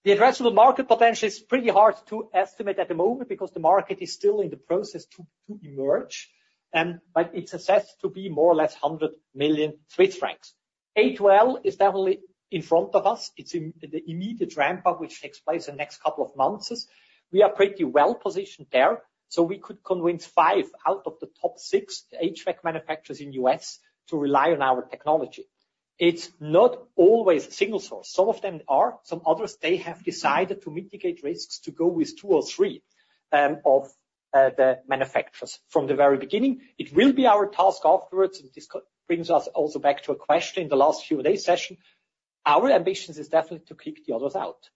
The addressable Market potential is pretty hard to estimate at the moment because the Market is still in the process to emerge, but it's assessed to be more or less 100 million Swiss francs. A2L is definitely in front of us. It's the immediate ramp-up which takes place in the next couple of months. We are pretty well positioned there. So we could convince five out of the top six HVAC manufacturers in the U.S. to rely on our technology. It's not always single source. Some of them are. Some others, they have decided to mitigate risks to go with two or three of the manufacturers from the very beginning. It will be our task afterwards, and this brings us also back to a question in the last few days session. Our ambition is definitely to kick the others out,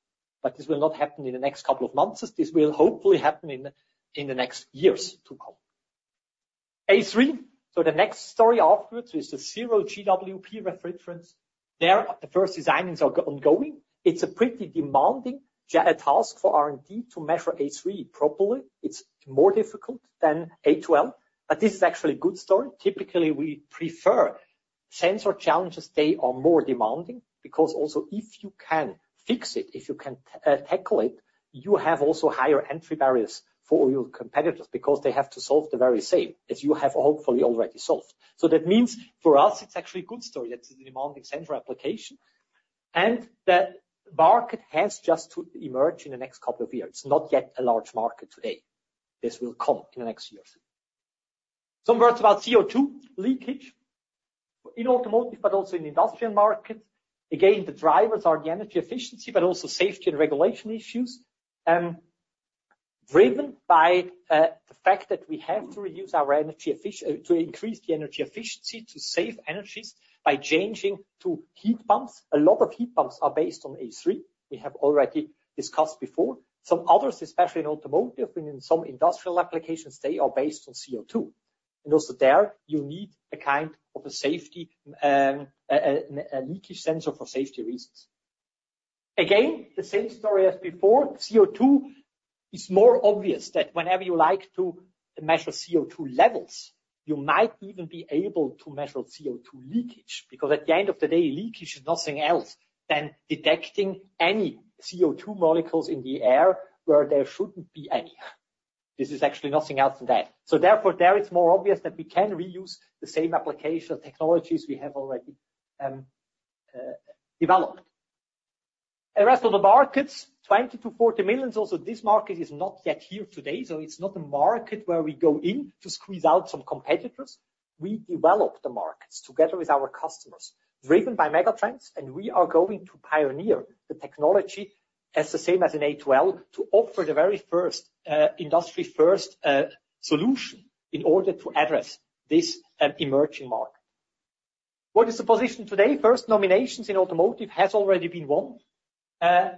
but this will not happen in the next couple of months. This will hopefully happen in the next years to come. A3, so the next story afterwards is the zero GWP refrigerants. There, the first design-ins are ongoing. It's a pretty demanding task for R&D to measure A3 properly. It's more difficult than A2L, but this is actually a good story. Typically, we prefer sensor challenges. They are more demanding because also if you can fix it, if you can tackle it, you have also higher entry barriers for your competitors because they have to solve the very same as you have hopefully already solved. So that means for us, it's actually a good story that it's a demanding sensor application and that the Market has just to emerge in the next couple of years. It's not yet a large Market today. This will come in the next year or so. Some words about CO2 leakage in automotive, but also in the industrial Market. Again, the drivers are the energy efficiency, but also safety and regulation issues driven by the fact that we have to reduce our energy efficiency, to increase the energy efficiency, to save energies by changing to heat pumps. A lot of heat pumps are based on A3. We have already discussed before. Some others, especially in automotive and in some industrial applications, they are based on CO2. And also there, you need a kind of a safety leakage sensor for safety reasons. Again, the same story as before. CO2 is more obvious that whenever you like to measure CO2 levels, you might even be able to measure CO2 leakage because at the end of the day, leakage is nothing else than detecting any CO2 molecules in the air where there shouldn't be any. This is actually nothing else than that. So therefore, there it's more obvious that we can reuse the same application technologies we have already developed. The rest of the Markets, 20-40 million. Also, this Market is not yet here today. So it's not a Market where we go in to squeeze out some competitors. We develop the Markets together with our customers, driven by mega trends, and we are going to pioneer the technology as the same as in A2L to offer the very first industry-first solution in order to address this emerging Market. What is the position today? First, nominations in automotive have already been won.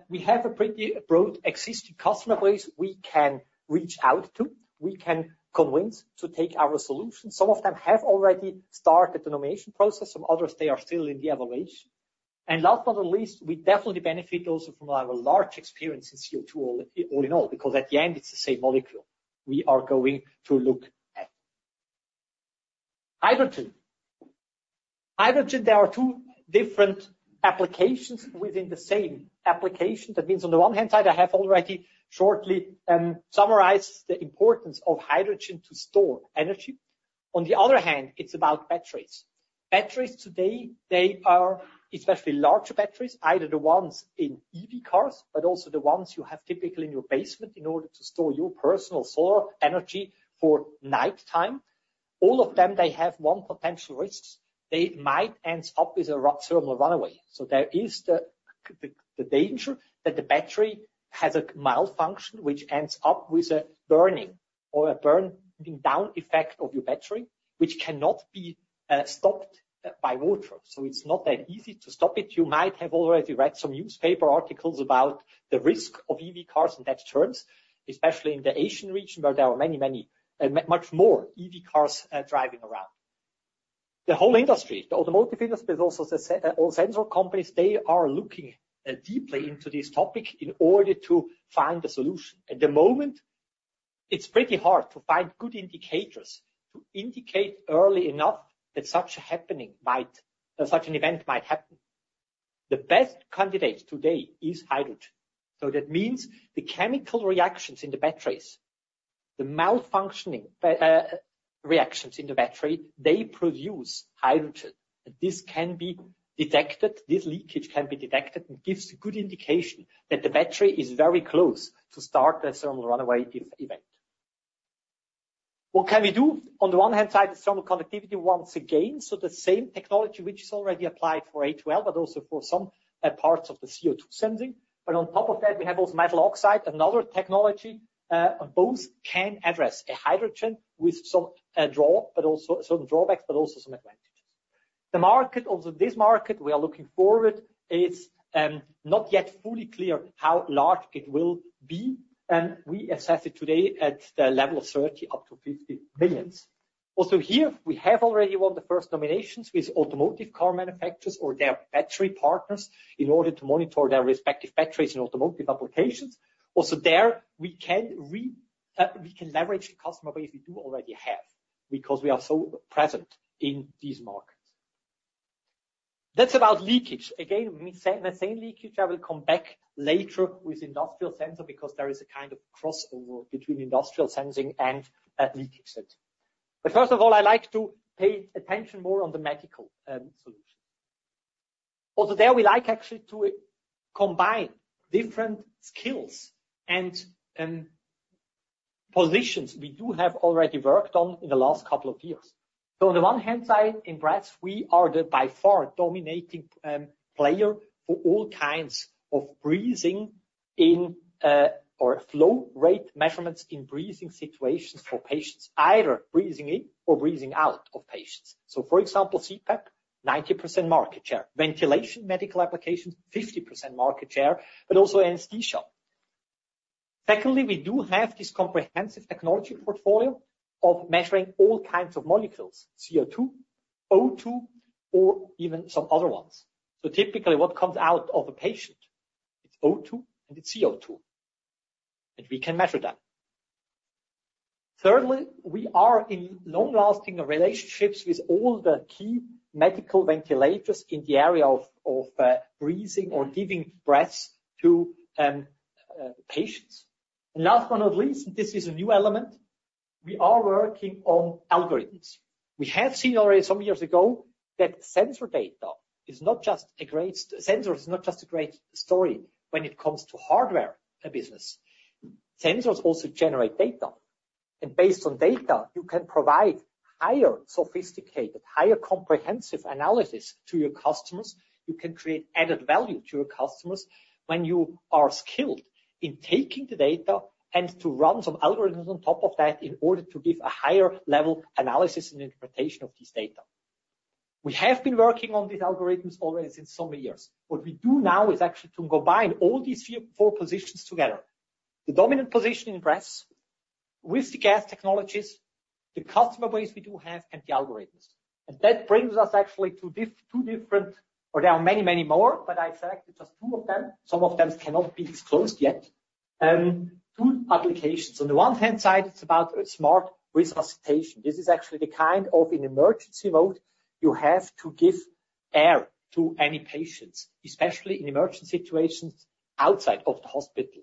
We have a pretty broad existing customer base we can reach out to. We can convince to take our solutions. Some of them have already started the nomination process. Some others, they are still in the evaluation. And last but not least, we definitely benefit also from our large experience in CO2 all in all because at the end, it's the same molecule we are going to look at. Hydrogen. Hydrogen, there are two different applications within the same application. That means on the one hand side, I have already shortly summarized the importance of hydrogen to store energy. On the other hand, it's about batteries. Batteries today, they are especially larger batteries, either the ones in EV cars, but also the ones you have typically in your basement in order to store your personal solar energy for nighttime. All of them, they have one potential risk. They might end up with a thermal runaway. So there is the danger that the battery has a malfunction which ends up with a burning or a burning down effect of your battery, which cannot be stopped by water. So it's not that easy to stop it. You might have already read some newspaper articles about the risk of EV cars in those terms, especially in the Asian region where there are many, many, much more EV cars driving around. The whole industry, the automotive industry, but also all sensor companies, they are looking deeply into this topic in order to find a solution. At the moment, it's pretty hard to find good indicators to indicate early enough that such an event might happen. The best candidate today is hydrogen. So that means the chemical reactions in the batteries, the malfunctioning reactions in the battery, they produce hydrogen. And this can be detected. This leakage can be detected and gives a good indication that the battery is very close to start a thermal runaway event. What can we do? On the one hand side, it's thermal conductivity once again. So the same technology, which is already applied for A2L, but also for some parts of the CO2 sensing. But on top of that, we have also metal oxide, another technology. Both can address a hydrogen with some drawback, but also some drawbacks, but also some advantages. The Market, also this Market, we are looking forward. It's not yet fully clear how large it will be. And we assess it today at the level of 30-50 million. Also here, we have already won the first nominations with automotive car manufacturers or their battery partners in order to monitor their respective batteries in automotive applications. Also there, we can leverage the customer base we do already have because we are so present in these Markets. That's about leakage. Again, methane leakage. I will come back later with industrial sensor because there is a kind of crossover between industrial sensing and leakage sensing. But first of all, I like to pay attention more on the medical solutions. Also there, we like actually to combine different skills and positions we do have already worked on in the last couple of years. So on the one hand side, in breath, we are the by far dominating player for all kinds of breathing or flow rate measurements in breathing situations for patients, either breathing in or breathing out of patients. So for example, CPAP 90% Market share, ventilation medical applications 50% Market share, but also anesthesia. Secondly, we do have this comprehensive technology portfolio of measuring all kinds of molecules, CO2, O2, or even some other ones. So typically what comes out of a patient, it's O2 and it's CO2. And we can measure that. Thirdly, we are in long-lasting relationships with all the key medical ventilators in the area of breathing or giving breaths to patients. And last but not least, and this is a new element, we are working on algorithms. We have seen already some years ago that sensor data is not just a great story when it comes to hardware business. Sensors also generate data. And based on data, you can provide higher sophisticated, higher comprehensive analysis to your customers. You can create added value to your customers when you are skilled in taking the data and to run some algorithms on top of that in order to give a higher level analysis and interpretation of these data. We have been working on these algorithms already since some years. What we do now is actually to combine all these four positions together. The dominant position in breaths with the gas technologies, the customer ways we do have, and the algorithms. And that brings us actually to two different, or there are many, many more, but I selected just two of them. Some of them cannot be disclosed yet. Two applications. On the one hand side, it's about smart resuscitation. This is actually the kind of emergency mode you have to give air to any patients, especially in emergency situations outside of the hospital.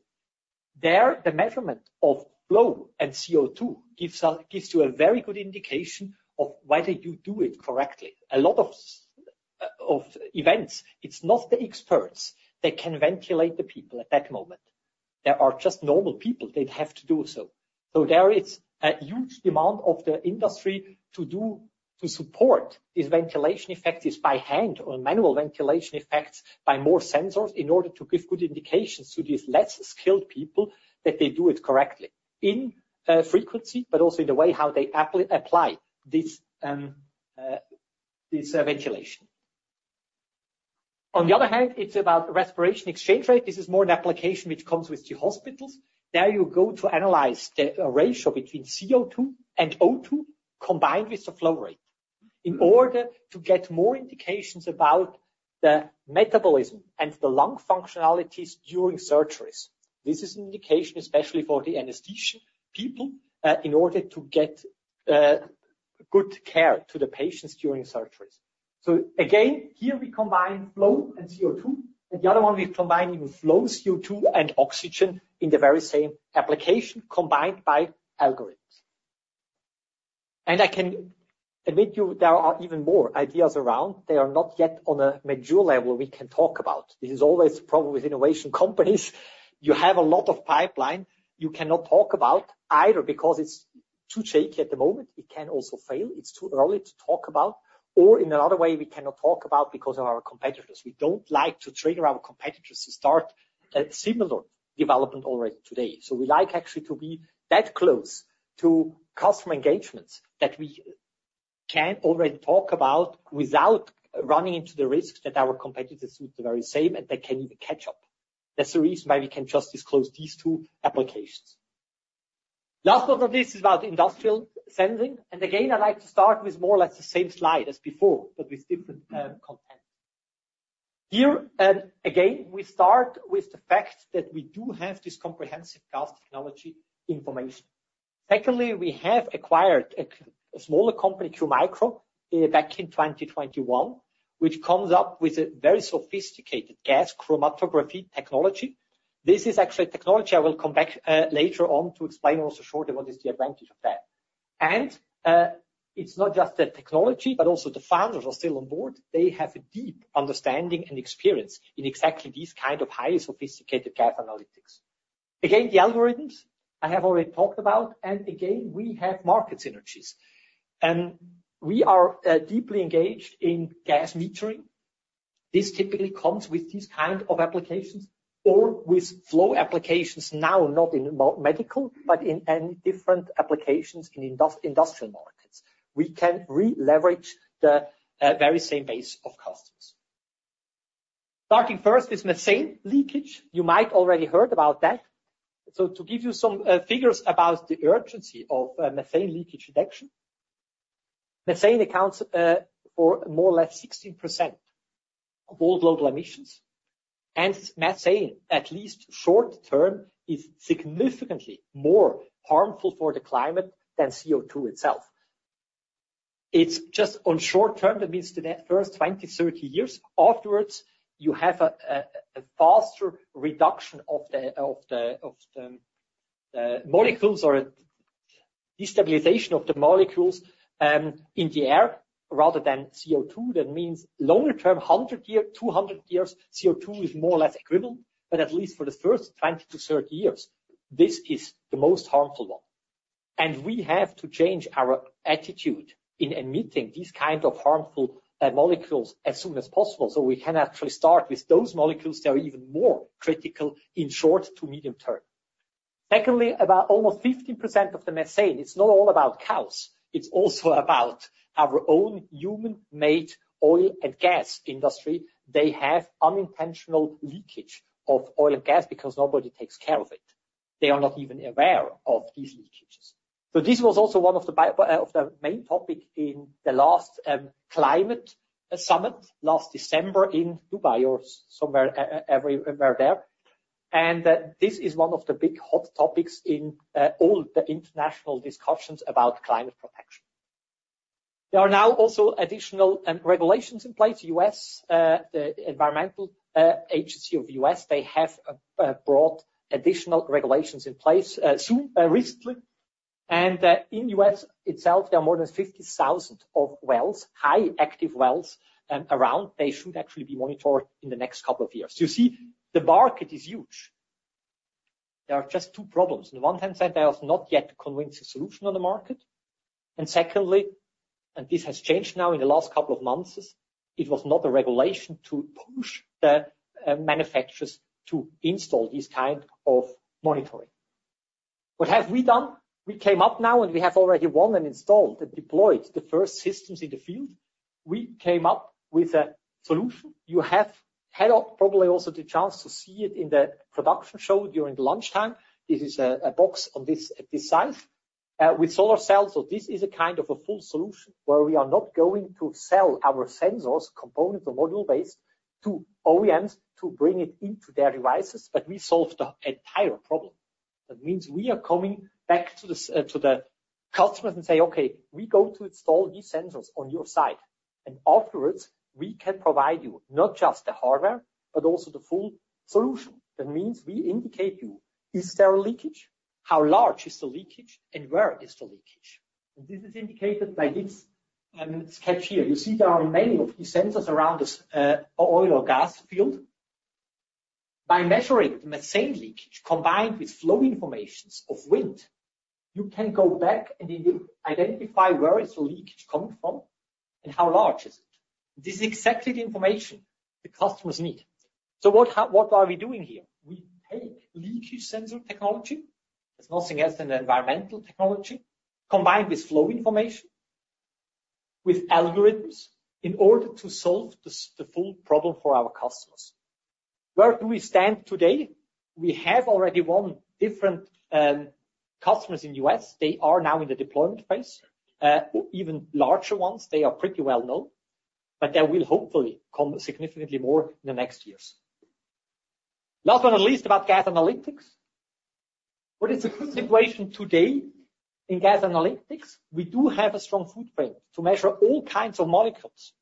There, the measurement of flow and CO2 gives you a very good indication of whether you do it correctly. A lot of events, it's not the experts that can ventilate the people at that moment. There are just normal people that have to do so. So there is a huge demand of the industry to support these ventilation effects by hand or manual ventilation effects by more sensors in order to give good indications to these less skilled people that they do it correctly in frequency, but also in the way how they apply this ventilation. On the other hand, it's about respiration exchange rate. This is more an application which comes with the hospitals. There you go to analyze the ratio between CO2 and O2 combined with the flow rate in order to get more indications about the metabolism and the lung functionalities during surgeries. This is an indication especially for the anesthesia people in order to get good care to the patients during surgeries. So again, here we combine flow and CO2. And the other one, we combine even flow CO2 and oxygen in the very same application combined by algorithms. I can assure you, there are even more ideas around. They are not yet on a mature level we can talk about. This is always a problem with innovation companies. You have a lot of pipeline you cannot talk about either because it's too shaky at the moment. It can also fail. It's too early to talk about. Or in another way, we cannot talk about because of our competitors. We don't like to trigger our competitors to start a similar development already today. So we like actually to be that close to customer engagements that we can already talk about without running into the risks that our competitors do the very same and they can even catch up. That's the reason why we can just disclose these two applications. Last but not least, it's about industrial sensing. And again, I like to start with more or less the same slide as before, but with different content. Here, again, we start with the fact that we do have this comprehensive gas technology information. Secondly, we have acquired a smaller company, Qmicro, back in 2021, which comes up with a very sophisticated gas chromatography technology. This is actually a technology I will come back later on to explain also shortly what is the advantage of that. And it's not just the technology, but also the founders are still on board. They have a deep understanding and experience in exactly these kinds of highly sophisticated gas analytics. Again, the algorithms I have already talked about. And again, we have Market synergies. And we are deeply engaged in gas metering. This typically comes with these kinds of applications or with flow applications now, not in medical, but in different applications in industrial Markets. We can re-leverage the very same base of customers. Starting first with methane leakage. You might already heard about that. So to give you some figures about the urgency of methane leakage detection, methane accounts for more or less 16% of all global emissions. And methane, at least short term, is significantly more harmful for the climate than CO2 itself. It's just on short term, that means the first 20-30 years. Afterwards, you have a faster reduction of the molecules or destabilization of the molecules in the air rather than CO2. That means longer term, 100 years, 200 years, CO2 is more or less equivalent. But at least for the first 20-30 years, this is the most harmful one. And we have to change our attitude in admitting these kinds of harmful molecules as soon as possible so we can actually start with those molecules that are even more critical in short to medium term. Secondly, about almost 15% of the methane, it's not all about cows. It's also about our own human-made oil and gas industry. They have unintentional leakage of oil and gas because nobody takes care of it. They are not even aware of these leakages. So this was also one of the main topics in the last climate summit last December in Dubai or somewhere there. And this is one of the big hot topics in all the international discussions about climate protection. There are now also additional regulations in place. The Environmental Agency of the U.S., they have brought additional regulations in place recently. In the U.S. itself, there are more than 50,000 oil wells, highly active wells around. They should actually be monitored in the next couple of years. You see, the Market is huge. There are just two problems. On the one hand side, there is not yet a convincing solution on the Market. And secondly, and this has changed now in the last couple of months, it was not a regulation to push the manufacturers to install these kinds of monitoring. What have we done? We came up now and we have already one and installed and deployed the first systems in the field. We came up with a solution. You have had probably also the chance to see it in the product show during lunchtime. This is a box of this size with solar cells. So this is a kind of a full solution where we are not going to sell our sensors, component or module-based to OEMs to bring it into their devices, but we solved the entire problem. That means we are coming back to the customers and say, "Okay, we go to install these sensors on your side." And afterwards, we can provide you not just the hardware, but also the full solution. That means we indicate to you, is there a leakage? How large is the leakage and where is the leakage? And this is indicated by this sketch here. You see there are many of these sensors around this oil or gas field. By measuring the methane leakage combined with flow information of wind, you can go back and identify where is the leakage coming from and how large is it. This is exactly the information the customers need. So what are we doing here? We take leakage sensor technology. It's nothing else than environmental technology combined with flow information, with algorithms in order to solve the full problem for our customers. Where do we stand today? We have already won different customers in the U.S. They are now in the deployment phase. Even larger ones, they are pretty well known, but there will hopefully come significantly more in the next years. Last but not least about gas analytics, what is the situation today in gas analytics? We do have a strong footprint to measure all kinds of molecules,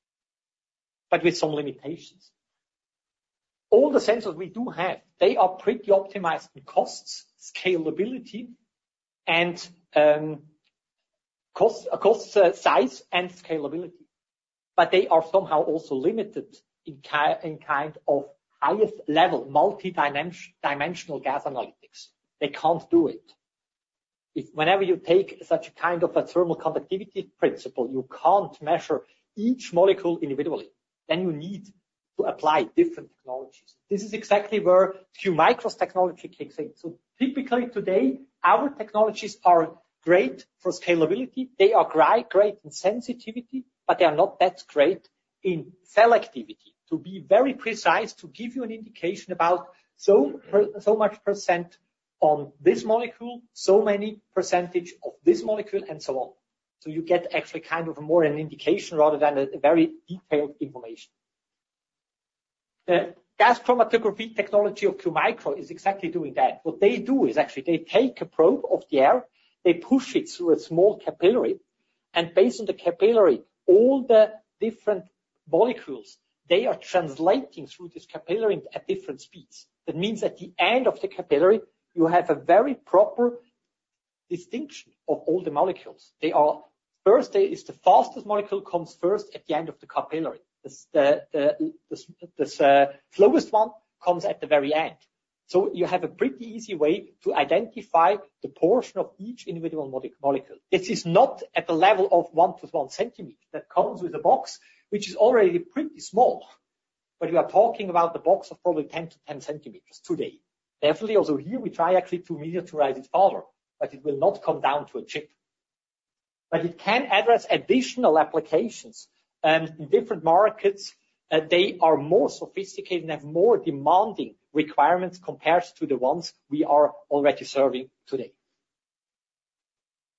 but with some limitations. All the sensors we do have, they are pretty optimized in costs, size, and scalability. But they are somehow also limited in kind of highest level multi-dimensional gas analytics. They can't do it. Whenever you take such a kind of a thermal conductivity principle, you can't measure each molecule individually. Then you need to apply different technologies. This is exactly where Qmicro's technology kicks in. So typically today, our technologies are great for scalability. They are great in sensitivity, but they are not that great in selectivity. To be very precise, to give you an indication about so much percent on this molecule, so many percentage of this molecule, and so on. So you get actually kind of more an indication rather than a very detailed information. The gas chromatography technology of Qmicro is exactly doing that. What they do is actually they take a probe of the air, they push it through a small capillary, and based on the capillary, all the different molecules, they are translating through this capillary at different speeds. That means at the end of the capillary, you have a very proper distinction of all the molecules. First, it is the fastest molecule that comes first at the end of the capillary. The slowest one comes at the very end. So you have a pretty easy way to identify the portion of each individual molecule. This is not at the level of one to one centimeter that comes with a box, which is already pretty small. But we are talking about the box of probably 10 to 10 centimeters today. Definitely, although here we try actually to miniaturize it further, but it will not come down to a chip. But it can address additional applications in different Markets. They are more sophisticated and have more demanding requirements compared to the ones we are already serving today.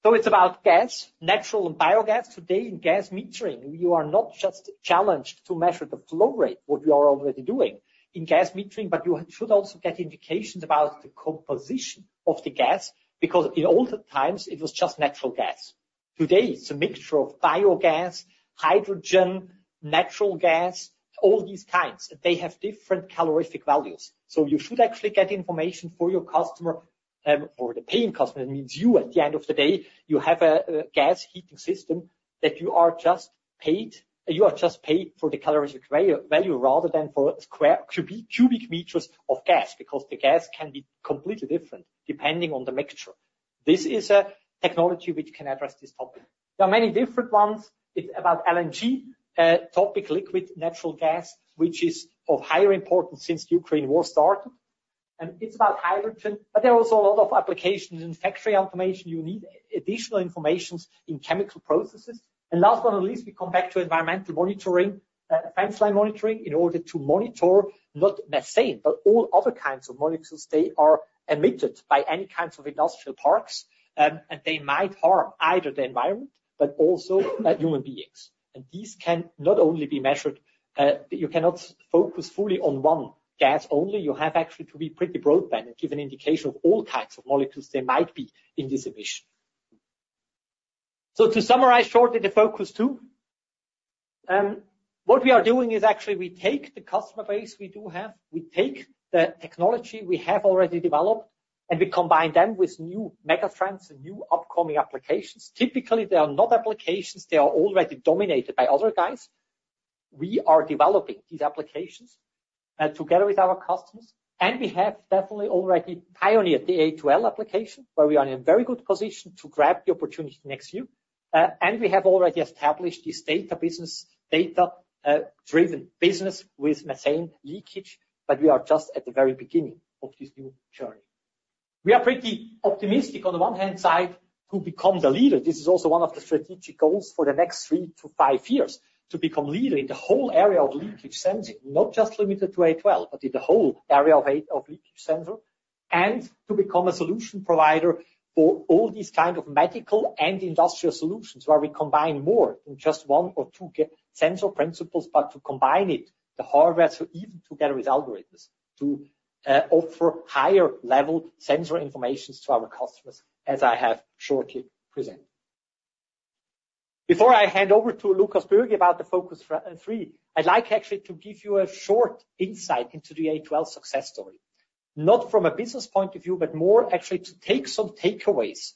So it's about gas, natural and biogas today in gas metering. You are not just challenged to measure the flow rate, what you are already doing in gas metering, but you should also get indications about the composition of the gas because in older times, it was just natural gas. Today, it's a mixture of biogas, hydrogen, natural gas, all these kinds. They have different calorific values. So you should actually get information for your customer, for the paying customer. That means you, at the end of the day, you have a gas heating system that you are just paid. You are just paid for the calorific value rather than for cubic meters of gas because the gas can be completely different depending on the mixture. This is a technology which can address this topic. There are many different ones. It's about LNG, topic liquid natural gas, which is of higher importance since the Ukraine war started. It's about hydrogen, but there are also a lot of applications in factory automation. You need additional information in chemical processes. Last but not least, we come back to environmental monitoring, fence line monitoring in order to monitor not methane, but all other kinds of molecules. They are emitted by any kinds of industrial parks, and they might harm either the environment, but also human beings. These can not only be measured. You cannot focus fully on one gas only. You have actually to be pretty broadband and give an indication of all kinds of molecules there might be in this emission. To summarize shortly the focus two, what we are doing is actually we take the customer base we do have, we take the technology we have already developed, and we combine them with new megatrends and new upcoming applications. Typically, they are not applications. They are already dominated by other guys. We are developing these applications together with our customers. And we have definitely already pioneered the A2L application, where we are in a very good position to grab the opportunity next year. And we have already established this data business, data-driven business with methane leakage, but we are just at the very beginning of this new journey. We are pretty optimistic on the one hand side to become the leader. This is also one of the strategic goals for the next three to five years to become leader in the whole area of leakage sensing, not just limited to A2L, but in the whole area of leakage sensor, and to become a solution provider for all these kinds of medical and industrial solutions where we combine more than just one or two sensor principles, but to combine it, the hardware, so even together with algorithms to offer higher level sensor information to our customers, as I have shortly presented. Before I hand over to Lukas Bürgi about the focus three, I'd like actually to give you a short insight into the A2L success story, not from a business point of view, but more actually to take some takeaways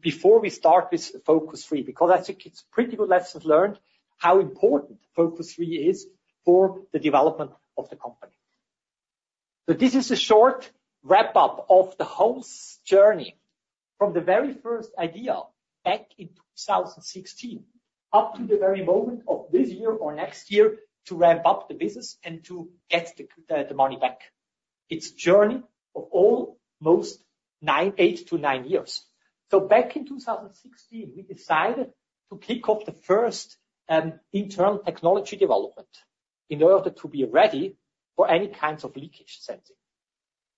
before we start with focus three, because I think it's pretty good lessons learned how important focus three is for the development of the company. So this is a short wrap-up of the whole journey from the very first idea back in 2016 up to the very moment of this year or next year to ramp up the business and to get the money back. It's a journey of almost eight to nine years. So back in 2016, we decided to kick off the first internal technology development in order to be ready for any kinds of leakage sensing.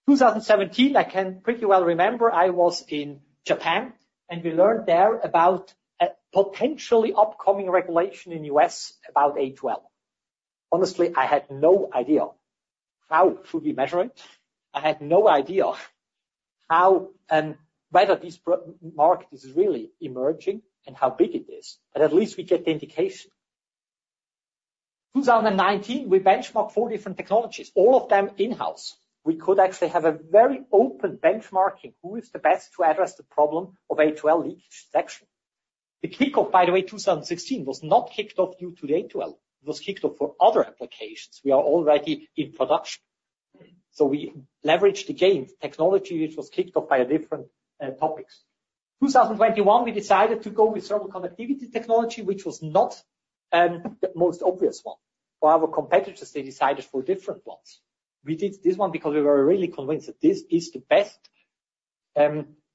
2017, I can pretty well remember I was in Japan, and we learned there about a potentially upcoming regulation in the U.S. about A2L. Honestly, I had no idea how should we measure it. I had no idea whether this Market is really emerging and how big it is, but at least we get the indication. 2019, we benchmarked four different technologies, all of them in-house. We could actually have a very open benchmarking who is the best to address the problem of A2L leakage detection. The kickoff, by the way, 2016 was not kicked off due to the A2L. It was kicked off for other applications. We are already in production. So we leveraged again technology which was kicked off by different topics. 2021, we decided to go with thermal conductivity technology, which was not the most obvious one. For our competitors, they decided for different ones. We did this one because we were really convinced that this is the best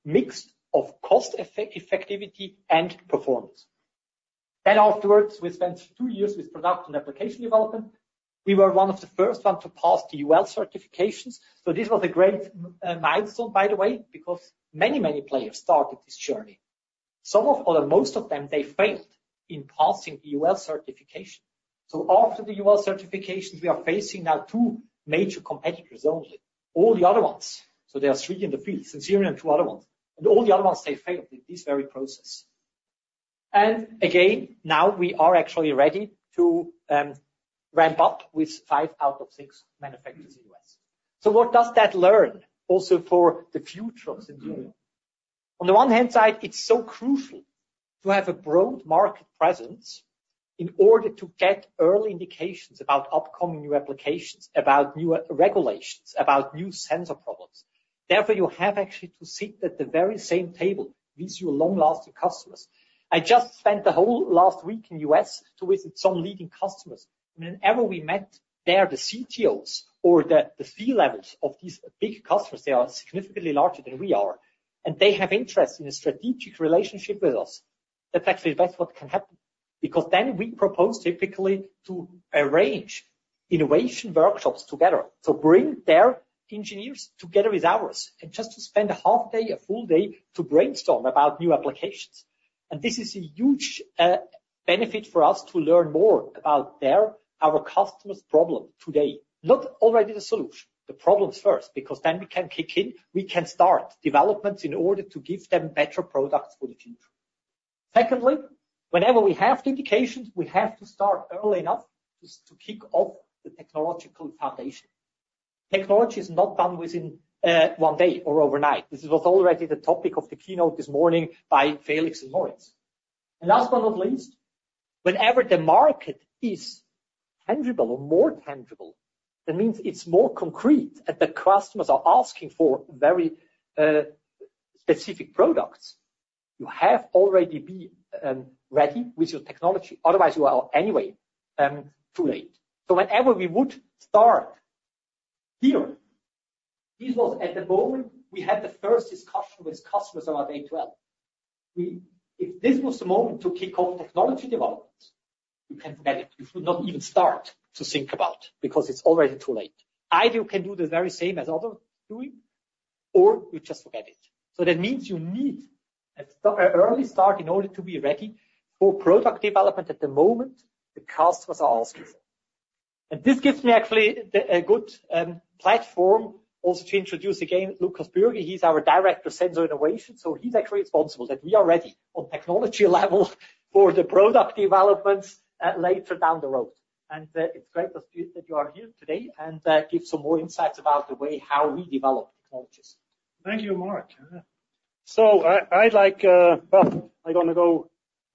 mix of cost-effectiveness and performance. Then afterwards, we spent two years with production application development. We were one of the first ones to pass the UL certifications. So this was a great milestone, by the way, because many, many players started this journey. Some of, or most of them, they failed in passing the UL certification. So after the UL certification, we are facing now two major competitors only. All the other ones, so there are three in the field, Sensirion and two other ones. And all the other ones, they failed in this very process. And again, now we are actually ready to ramp up with five out of six manufacturers in the US. So what does that learn also for the future of Sensirion? On the one hand side, it's so crucial to have a broad Market presence in order to get early indications about upcoming new applications, about new regulations, about new sensor problems. Therefore, you have actually to sit at the very same table with your long-lasting customers. I just spent the whole last week in the U.S. to visit some leading customers. Whenever we met there, the CTOs or the C levels of these big customers, they are significantly larger than we are, and they have interest in a strategic relationship with us. That's actually the best what can happen because then we propose typically to arrange innovation workshops together to bring their engineers together with ours and just to spend a half a day, a full day to brainstorm about new applications. This is a huge benefit for us to learn more about our customers' problem today, not already the solution, the problems first, because then we can kick in, we can start developments in order to give them better products for the future. Secondly, whenever we have the indications, we have to start early enough to kick off the technological foundation. Technology is not done within one day or overnight. This was already the topic of the keynote this morning by Felix and Moritz. Last but not least, whenever the Market is tangible or more tangible, that means it's more concrete at the customers are asking for very specific products. You have already been ready with your technology. Otherwise, you are anyway too late. So whenever we would start here, this was at the moment we had the first discussion with customers about A2L. If this was the moment to kick off technology development, you can forget it. You should not even start to think about it because it's already too late. Either you can do the very same as others are doing, or you just forget it. So that means you need an early start in order to be ready for product development at the moment the customers are asking for. And this gives me actually a good platform also to introduce again Lukas Bürgi. He's our Director of Sensor Innovation. So he's actually responsible that we are ready on technology level for the product developments later down the road. And it's great that you are here today and give some more insights about the way how we develop technologies. Thank you, Marc. So I'd like, well, I'm going to go,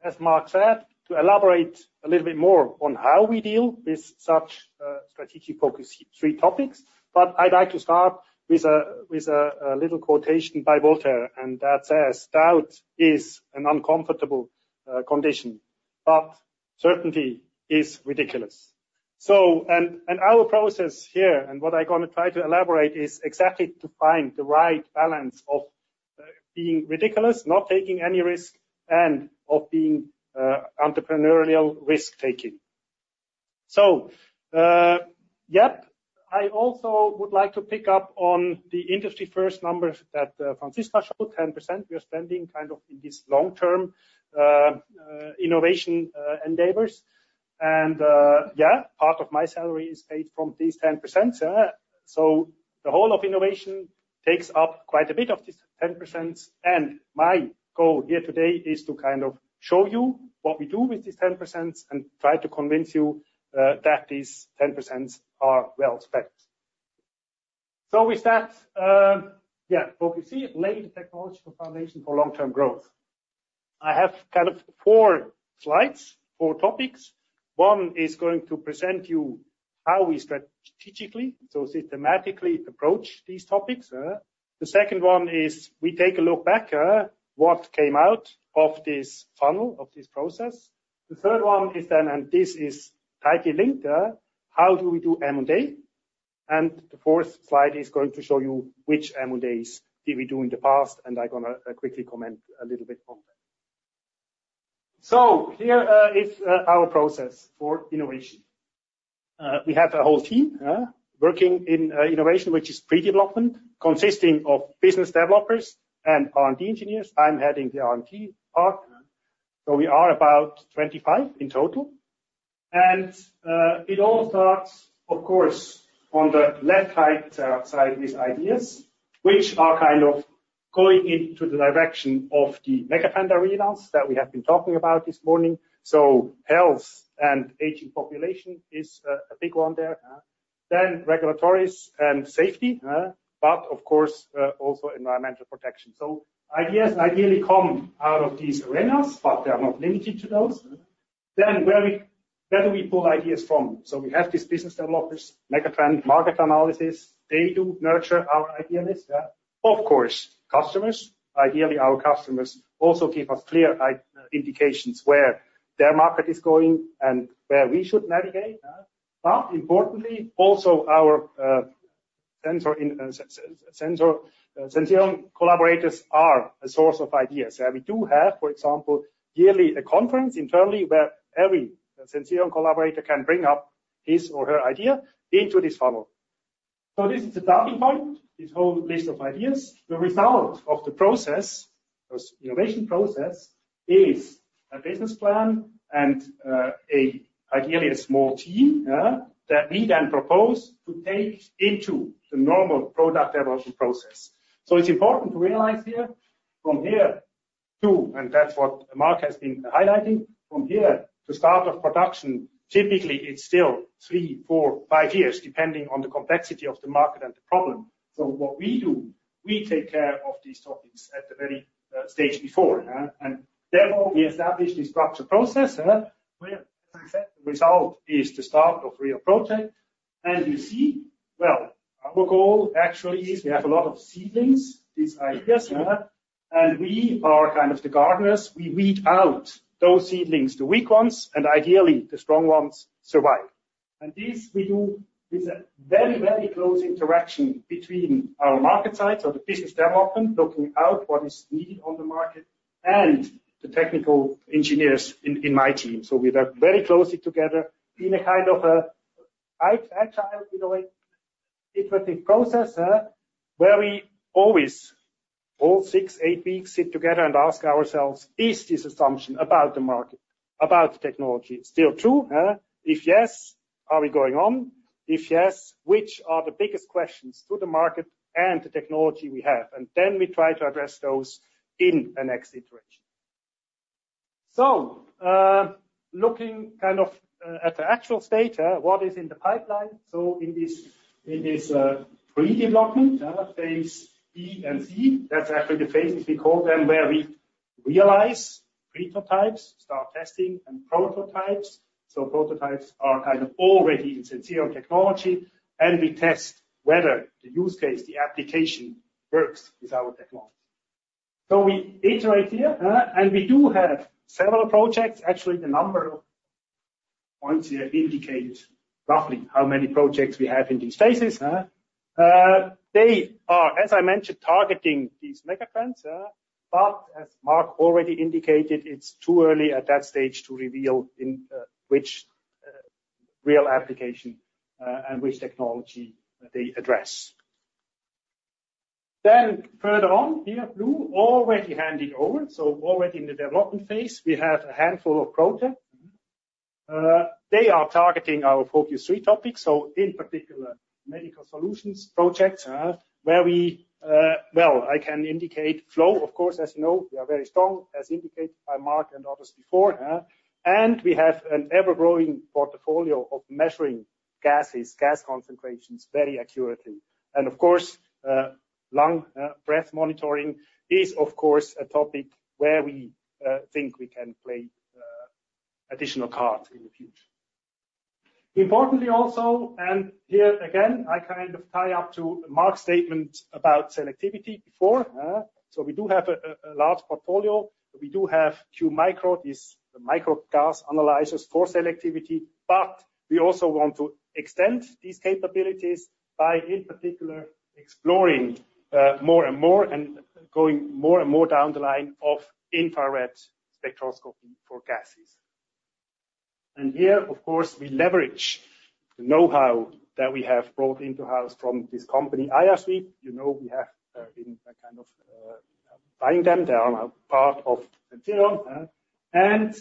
as Marc said, to elaborate a little bit more on how we deal with such strategic focus three topics. But I'd like to start with a little quotation by Voltaire, and that says, "Doubt is an uncomfortable condition, but certainty is ridiculous." Our process here and what I'm going to try to elaborate is exactly to find the right balance of being ridiculous, not taking any risk, and of being entrepreneurial risk-taking. Yep, I also would like to pick up on the industry first number that Franziska showed, 10% we are spending kind of in this long-term innovation endeavors. Yeah, part of my salary is paid from these 10%. The whole of innovation takes up quite a bit of these 10%. My goal here today is to kind of show you what we do with these 10% and try to convince you that these 10% are well spent. With that, yeah, focus C, lay the technological foundation for long-term growth. I have kind of four slides, four topics. One is going to present you how we strategically, so systematically approach these topics. The second one is we take a look back at what came out of this funnel, of this process. The third one is then, and this is tightly linked, how do we do M&A? The fourth slide is going to show you which M&As did we do in the past, and I'm going to quickly comment a little bit on that. Here is our process for innovation. We have a whole team working in innovation, which is pre-development, consisting of business developers and R&D engineers. I'm heading the R&D part, so we are about 25 in total. It all starts, of course, on the left-hand side with ideas, which are kind of going into the direction of the megatrend arenas that we have been talking about this morning. Health and aging population is a big one there. Regulatory and safety, but of course, also environmental protection. Ideas ideally come out of these arenas, but they are not limited to those. Where do we pull ideas from? We have these business developers, megatrend, Market analysis. They do nurture our ideators. Customers, ideally our customers, also give us clear indications where their Market is going and where we should navigate, but importantly, also our sensor collaborators are a source of ideas. We do have, for example, yearly a conference internally where every sensor collaborator can bring up his or her idea into this funnel. So this is the starting point, this whole list of ideas. The result of the process, the innovation process, is a business plan and ideally a small team that we then propose to take into the normal product development process. So it's important to realize here, from here to, and that's what Marc has been highlighting, from here to start of production, typically it's still three, four, five years, depending on the complexity of the Market and the problem. So what we do, we take care of these topics at the very stage before. And therefore, we establish this structured process where, as I said, the result is the start of real project. And you see, well, our goal actually is we have a lot of seedlings, these ideas, and we are kind of the gardeners. We weed out those seedlings, the weak ones, and ideally the strong ones survive. And this we do with a very, very close interaction between our Market side, so the business development, looking out what is needed on the Market, and the technical engineers in my team. So we work very closely together in a kind of a high-agile, in a way, iterative process where we always, all six, eight weeks, sit together and ask ourselves, is this assumption about the Market, about the technology still true? If yes, are we going on? If yes, which are the biggest questions to the Market and the technology we have? And then we try to address those in the next iteration. So, looking kind of at the actual state, what is in the pipeline? So, in this pre-development phase, B and C, that's actually the phases we call them where we realize prototypes, start testing. So, prototypes are kind of already in sensor technology, and we test whether the use case, the application works with our technology. So, we iterate here, and we do have several projects. Actually, the number of points here indicates roughly how many projects we have in these phases. They are, as I mentioned, targeting these megatrends, but as Marc already indicated, it's too early at that stage to reveal which real application and which technology they address. Then, further on here, blue already handed over. So, already in the development phase, we have a handful of prototypes. They are targeting our focus three topics, so in particular, medical solutions projects where we, well, I can indicate flow, of course, as you know, we are very strong, as indicated by Marc and others before. We have an ever-growing portfolio of measuring gases, gas concentrations very accurately. Of course, lung breath monitoring is, of course, a topic where we think we can play additional cards in the future. Importantly also, here again, I kind of tie up to Marc's statement about selectivity before. We do have a large portfolio. We do have Qmicro, these micro gas analyzers for selectivity, but we also want to extend these capabilities by, in particular, exploring more and more and going more and more down the line of infrared spectroscopy for gases. Here, of course, we leverage the know-how that we have brought into house from this company, IRsweep. You know we have been kind of buying them. They are now part of Sensirion. And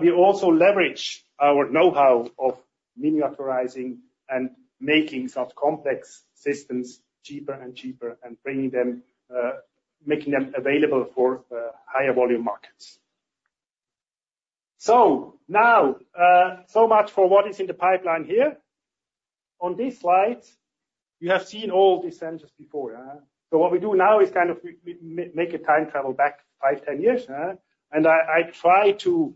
we also leverage our know-how of miniaturizing and making such complex systems cheaper and cheaper and making them available for higher volume Markets. So now, so much for what is in the pipeline here. On this slide, you have seen all these sensors before. So what we do now is kind of make a time travel back five, ten years. And I try to,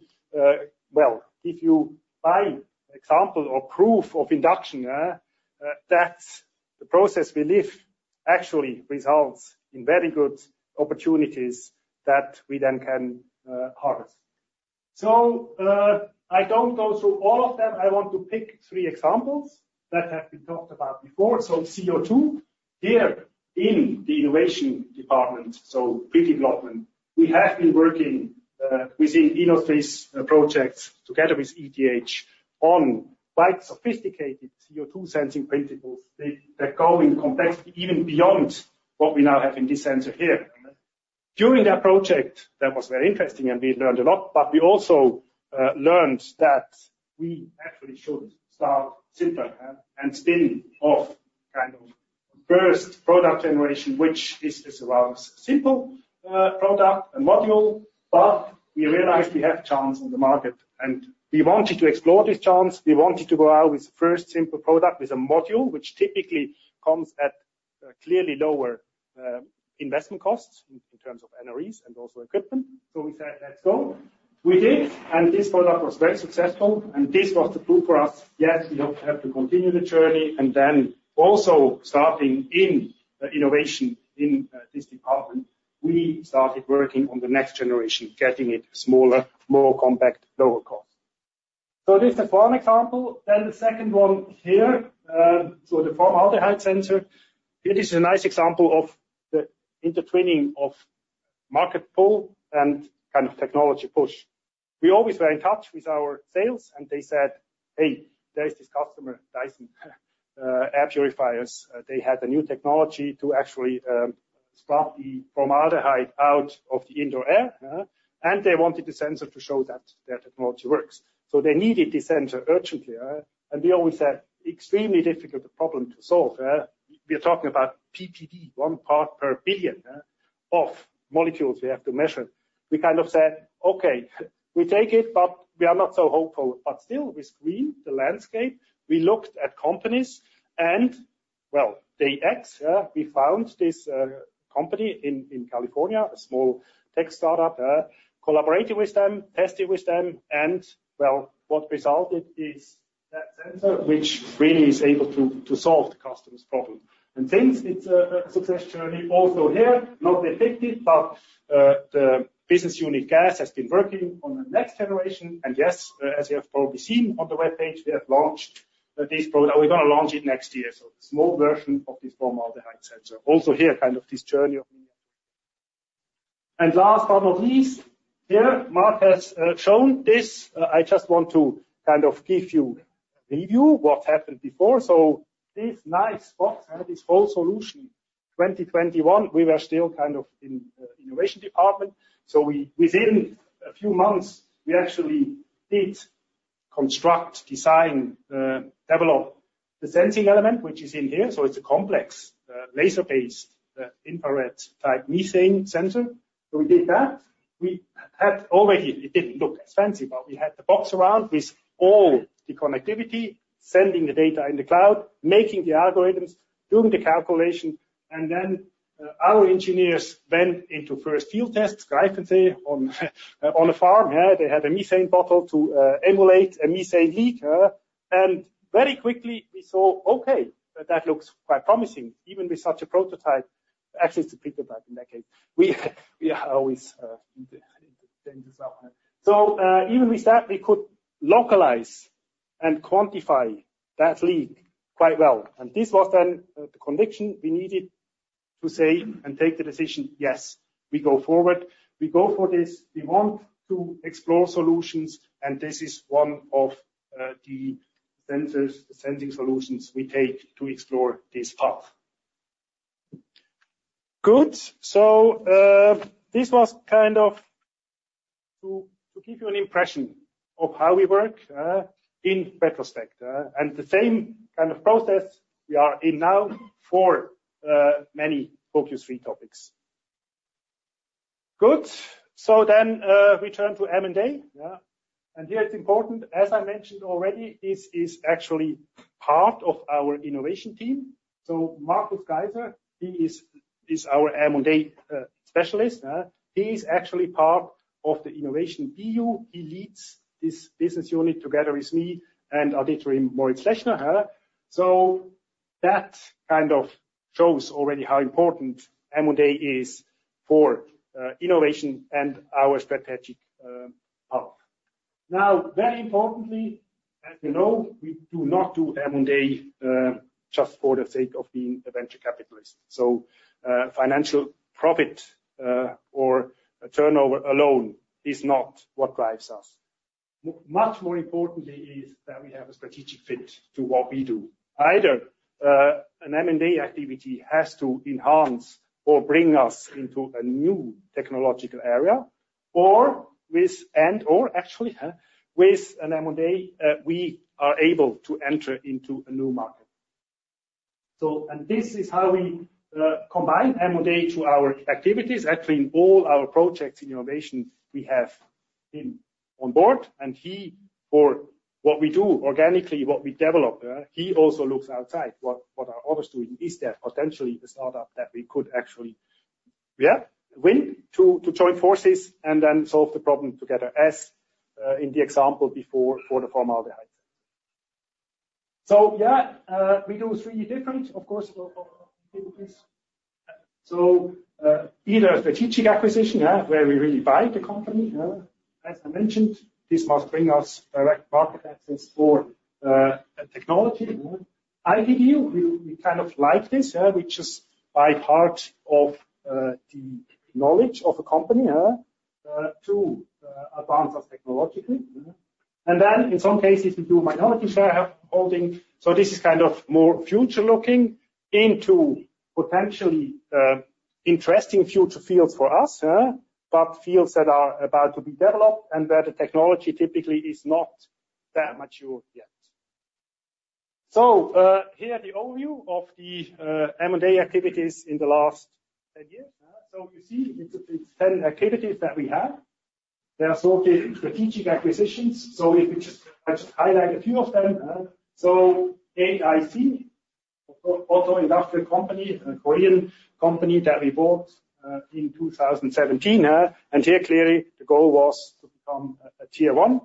well, if you buy an example or proof of induction, that's the process we live actually results in very good opportunities that we then can harvest. So I don't go through all of them. I want to pick three examples that have been talked about before. So, CO2 here in the innovation department, so pre-development, we have been working within Innosuisse projects together with ETH on quite sophisticated CO2 sensing principles that go in complexity even beyond what we now have in this sensor here. During that project, that was very interesting and we learned a lot, but we also learned that we actually should start simpler and spin off kind of first product generation, which is this around a simple product, a module, but we realized we have a chance in the Market and we wanted to explore this chance. We wanted to go out with the first simple product with a module, which typically comes at clearly lower investment costs in terms of NREs and also equipment. So we said, let's go. We did, and this product was very successful. And this was the proof for us, yes, we have to continue the journey. And then also starting in innovation in this department, we started working on the next generation, getting it smaller, more compact, lower cost. So this is one example. Then the second one here, so the formaldehyde sensor. This is a nice example of the intertwining of Market pull and kind of technology push. We always were in touch with our sales and they said, hey, there is this customer, Dyson air purifiers. They had a new technology to actually spot the formaldehyde out of the indoor air. And they wanted the sensor to show that their technology works. So they needed the sensor urgently. And we always said, extremely difficult problem to solve. We are talking about ppb, one part per billion of molecules we have to measure. We kind of said, okay, we take it, but we are not so hopeful. But still, we screened the landscape. We looked at companies and, well, they X. We found this company in California, a small tech startup, collaborating with them, testing with them, and well, what resulted is that sensor, which really is able to solve the customer's problem, and since it's a success journey also here, not depicted, but the business unit gas has been working on the next generation, and yes, as you have probably seen on the web page, we have launched this product. We're going to launch it next year, so a small version of this formaldehyde sensor. Also here, kind of this journey of miniaturization, and last but not least, here, Marc has shown this. I just want to kind of give you a review of what happened before, so this nice box had this whole solution. 2021, we were still kind of in the innovation department. Within a few months, we actually did construct, design, develop the sensing element, which is in here. So it's a complex laser-based infrared type methane sensor. So we did that. We had already; it didn't look as fancy, but we had the box around with all the connectivity, sending the data in the cloud, making the algorithms, doing the calculation. And then our engineers went into first field tests. Griffin's here on a farm. They had a methane bottle to emulate a methane leak. And very quickly, we saw, okay, that looks quite promising even with such a prototype. Actually, it's a pre-development in that case. We are always in the danger zone. So even with that, we could localize and quantify that leak quite well. And this was then the conviction we needed to say and take the decision, yes, we go forward. We go for this. We want to explore solutions. And this is one of the sensors, the sensing solutions we take to explore this path. Good. So this was kind of to give you an impression of how we work in retrospect. And the same kind of process we are in now for many focus three topics. Good. So then we turn to M&A. And here it's important, as I mentioned already, this is actually part of our innovation team. So Markus Geiser, he is our M&A specialist. He is actually part of the innovation BU. He leads this business unit together with me and Moritz Lechner. So that kind of shows already how important M&A is for innovation and our strategic path. Now, very importantly, as you know, we do not do M&A just for the sake of being a venture capitalist. Financial profit or turnover alone is not what drives us. Much more importantly is that we have a strategic fit to what we do. Either an M&A activity has to enhance or bring us into a new technological area or with and/or actually with an M&A, we are able to enter into a new Market. This is how we combine M&A to our activities. Actually, in all our projects in innovation, we have been on board. And he, for what we do organically, what we develop, he also looks outside. What are others doing? Is there potentially a startup that we could actually win to join forces and then solve the problem together, as in the example before for the formaldehyde? Yeah, we do three different, of course. Either strategic acquisition, where we really buy the company. As I mentioned, this must bring us direct Market access for technology. IPBU, we kind of like this. We just buy part of the knowledge of a company to advance us technologically, and then in some cases, we do minority share holding, so this is kind of more future looking into potentially interesting future fields for us, but fields that are about to be developed and where the technology typically is not that mature yet, so here's the overview of the M&A activities in the last 10 years. So you see it's 10 activities that we have. They are sorted strategic acquisitions, so if we just highlight a few of them, so AIC, an Auto Industrial company, a Korean company that we bought in 2017, and here clearly the goal was to become a tier one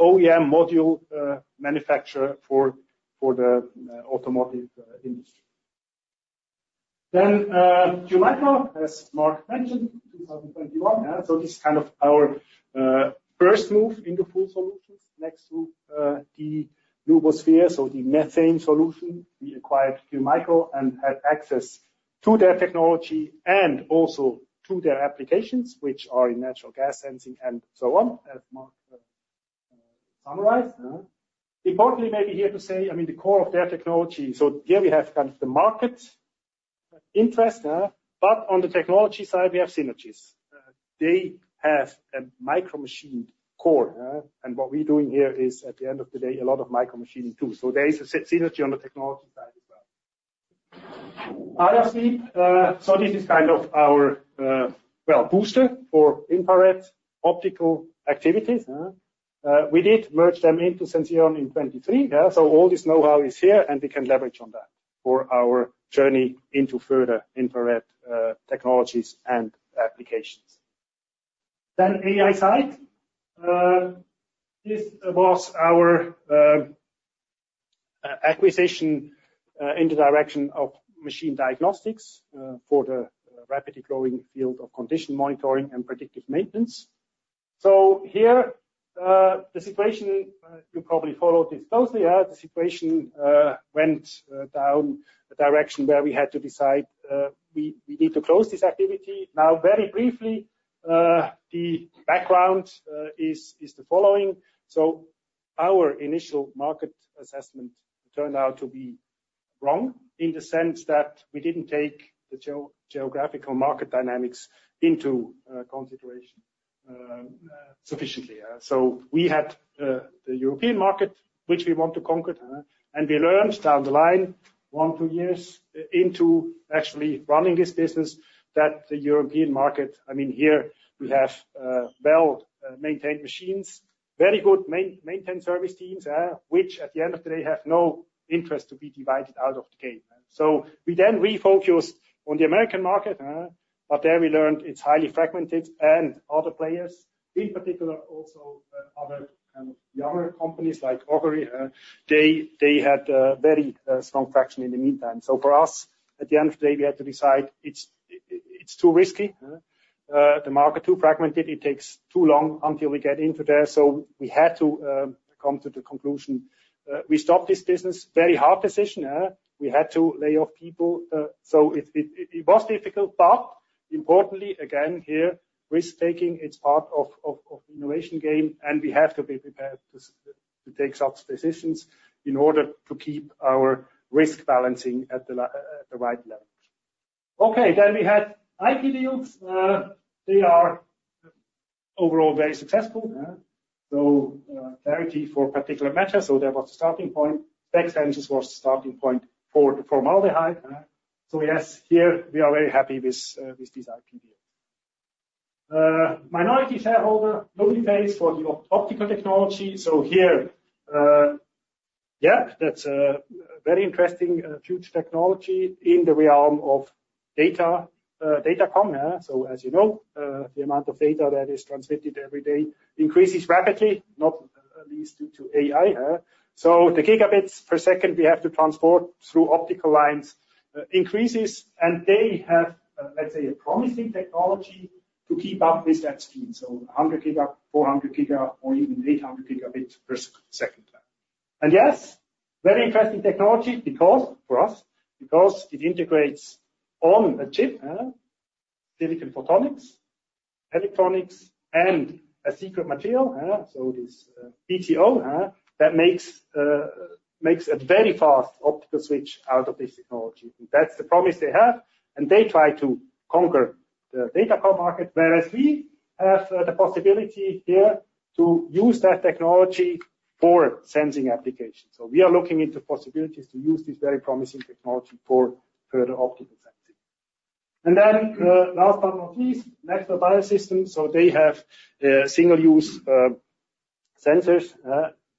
OEM module manufacturer for the automotive industry, then Qmicro, as Marc mentioned, 2021. This is kind of our first move into full solutions. Next to the Nubo Sphere, so the methane solution, we acquired Qmicro and had access to their technology and also to their applications, which are in natural gas sensing and so on, as Marc summarized. Importantly, maybe here to say, I mean, the core of their technology. So here we have kind of the Market interest. But on the technology side, we have synergies. They have a micro machine core. And what we're doing here is, at the end of the day, a lot of micro machining too. So there is a synergy on the technology side as well. IRsweep. So this is kind of our, well, booster for infrared optical activities. We did merge them into Sensirion in 2023. So all this know-how is here and we can leverage on that for our journey into further infrared technologies and applications. Then AiSight. This was our acquisition in the direction of machine diagnostics for the rapidly growing field of condition monitoring and predictive maintenance. So here the situation, you probably followed this closely. The situation went down a direction where we had to decide we need to close this activity. Now, very briefly, the background is the following. So our initial Market assessment turned out to be wrong in the sense that we didn't take the geographical Market dynamics into consideration sufficiently. So we had the European Market, which we want to conquer. We learned down the line, one, two years into actually running this business, that the European Market, I mean, here we have well-maintained machines, very good maintenance service teams, which at the end of the day have no interest to be driven out of the game. So we then refocused on the American Market, but there we learned it's highly fragmented and other players, in particular also other kind of younger companies like Augury, they had a very strong traction in the meantime. So for us, at the end of the day, we had to decide it's too risky. The Market is too fragmented. It takes too long until we get into there. So we had to come to the conclusion. We stopped this business. Very hard decision. We had to lay off people. So it was difficult, but importantly, again, here risk-taking is part of the innovation game and we have to be prepared to take such decisions in order to keep our risk balancing at the right level. Okay, then we had IP deals. They are overall very successful. So Clarity for particulate matter. So that was the starting point. SPEC Sensors was the starting point for the formaldehyde. So yes, here we are very happy with these IP deals. Minority shareholder, nobody pays for the optical technology. So here, yep, that's a very interesting future technology in the realm of data com. So as you know, the amount of data that is transmitted every day increases rapidly, not least due to AI. So the gigabits per second we have to transport through optical lines increases. And they have, let's say, a promising technology to keep up with that speed. 100 giga, 400 giga, or even 800 gigabits per second. Yes, very interesting technology for us because it integrates on the chip silicon photonics, electronics, and a secret material, so this polymer that makes a very fast optical switch out of this technology. And that's the promise they have. And they try to conquer the data center Market, whereas we have the possibility here to use that technology for sensing applications. So we are looking into possibilities to use this very promising technology for further optical sensing. And then last but not least, MaxWell Biosystems. So they have single-use sensors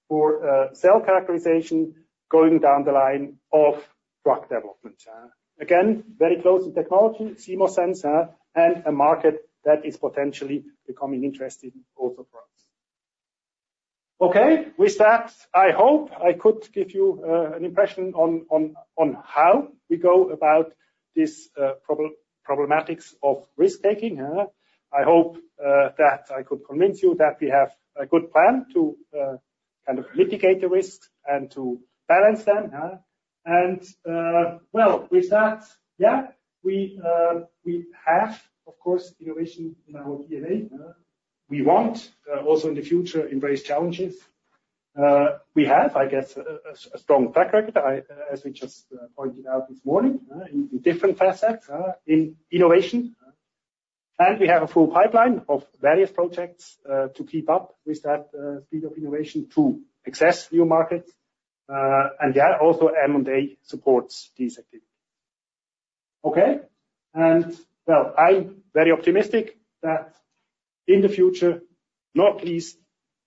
for cell characterization going down the line of drug development. Again, very close technology, CMOS sensor, and a Market that is potentially becoming interested also for us. Okay, with that, I hope I could give you an impression on how we go about this problematics of risk-taking. I hope that I could convince you that we have a good plan to kind of mitigate the risks and to balance them, and well, with that, yeah, we have, of course, innovation in our DNA. We want also in the future embrace challenges. We have, I guess, a strong track record, as we just pointed out this morning, in different facets in innovation, and we have a full pipeline of various projects to keep up with that speed of innovation to access new Markets, and yeah, also M&A supports these activities. Okay, and well, I'm very optimistic that in the future, not least,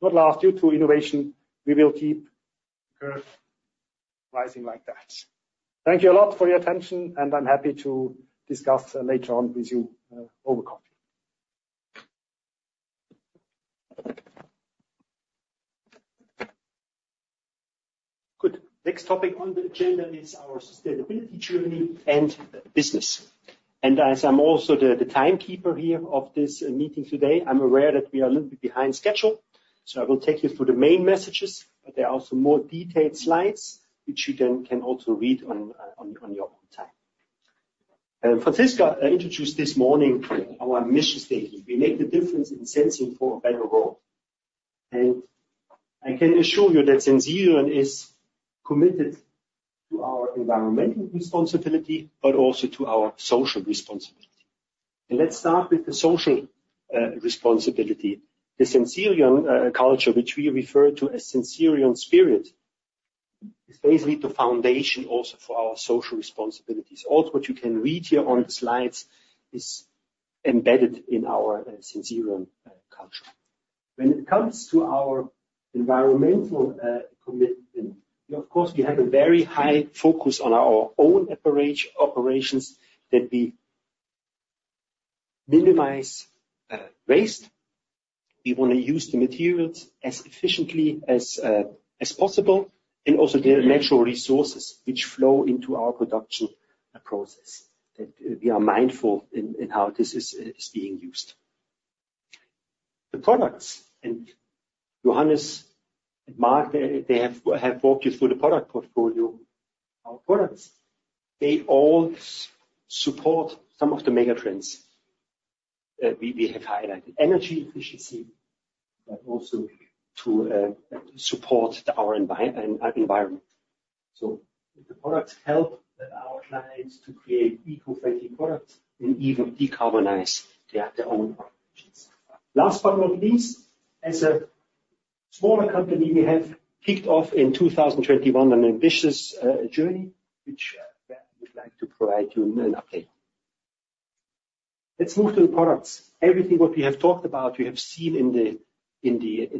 not last year to innovation, we will keep the curve rising like that. Thank you a lot for your attention. I'm happy to discuss later on with you over coffee. Good. Next topic on the agenda is our sustainability journey and business. As I'm also the timekeeper here of this meeting today, I'm aware that we are a little bit behind schedule. So I will take you through the main messages, but there are also more detailed slides, which you then can also read on your own time. Franziska introduced this morning our mission statement. We make the difference in sensing for a better world. I can assure you that Sensirion is committed to our environmental responsibility, but also to our social responsibility. Let's start with the social responsibility. The Sensirion culture, which we refer to as Sensirion spirit, is basically the foundation also for our social responsibilities. All what you can read here on the slides is embedded in our Sensirion culture. When it comes to our environmental commitment, of course, we have a very high focus on our own operations that we minimize waste. We want to use the materials as efficiently as possible and also the natural resources which flow into our production process. We are mindful in how this is being used. The products and Johannes and Marc, they have walked you through the product portfolio. Our products, they all support some of the megatrends we have highlighted. Energy efficiency, but also to support our environment. So the products help our clients to create eco-friendly products and even decarbonize their own operations. Last but not least, as a smaller company, we have kicked off in 2021 an ambitious journey, which we'd like to provide you an update. Let's move to the products. Everything what we have talked about, we have seen in the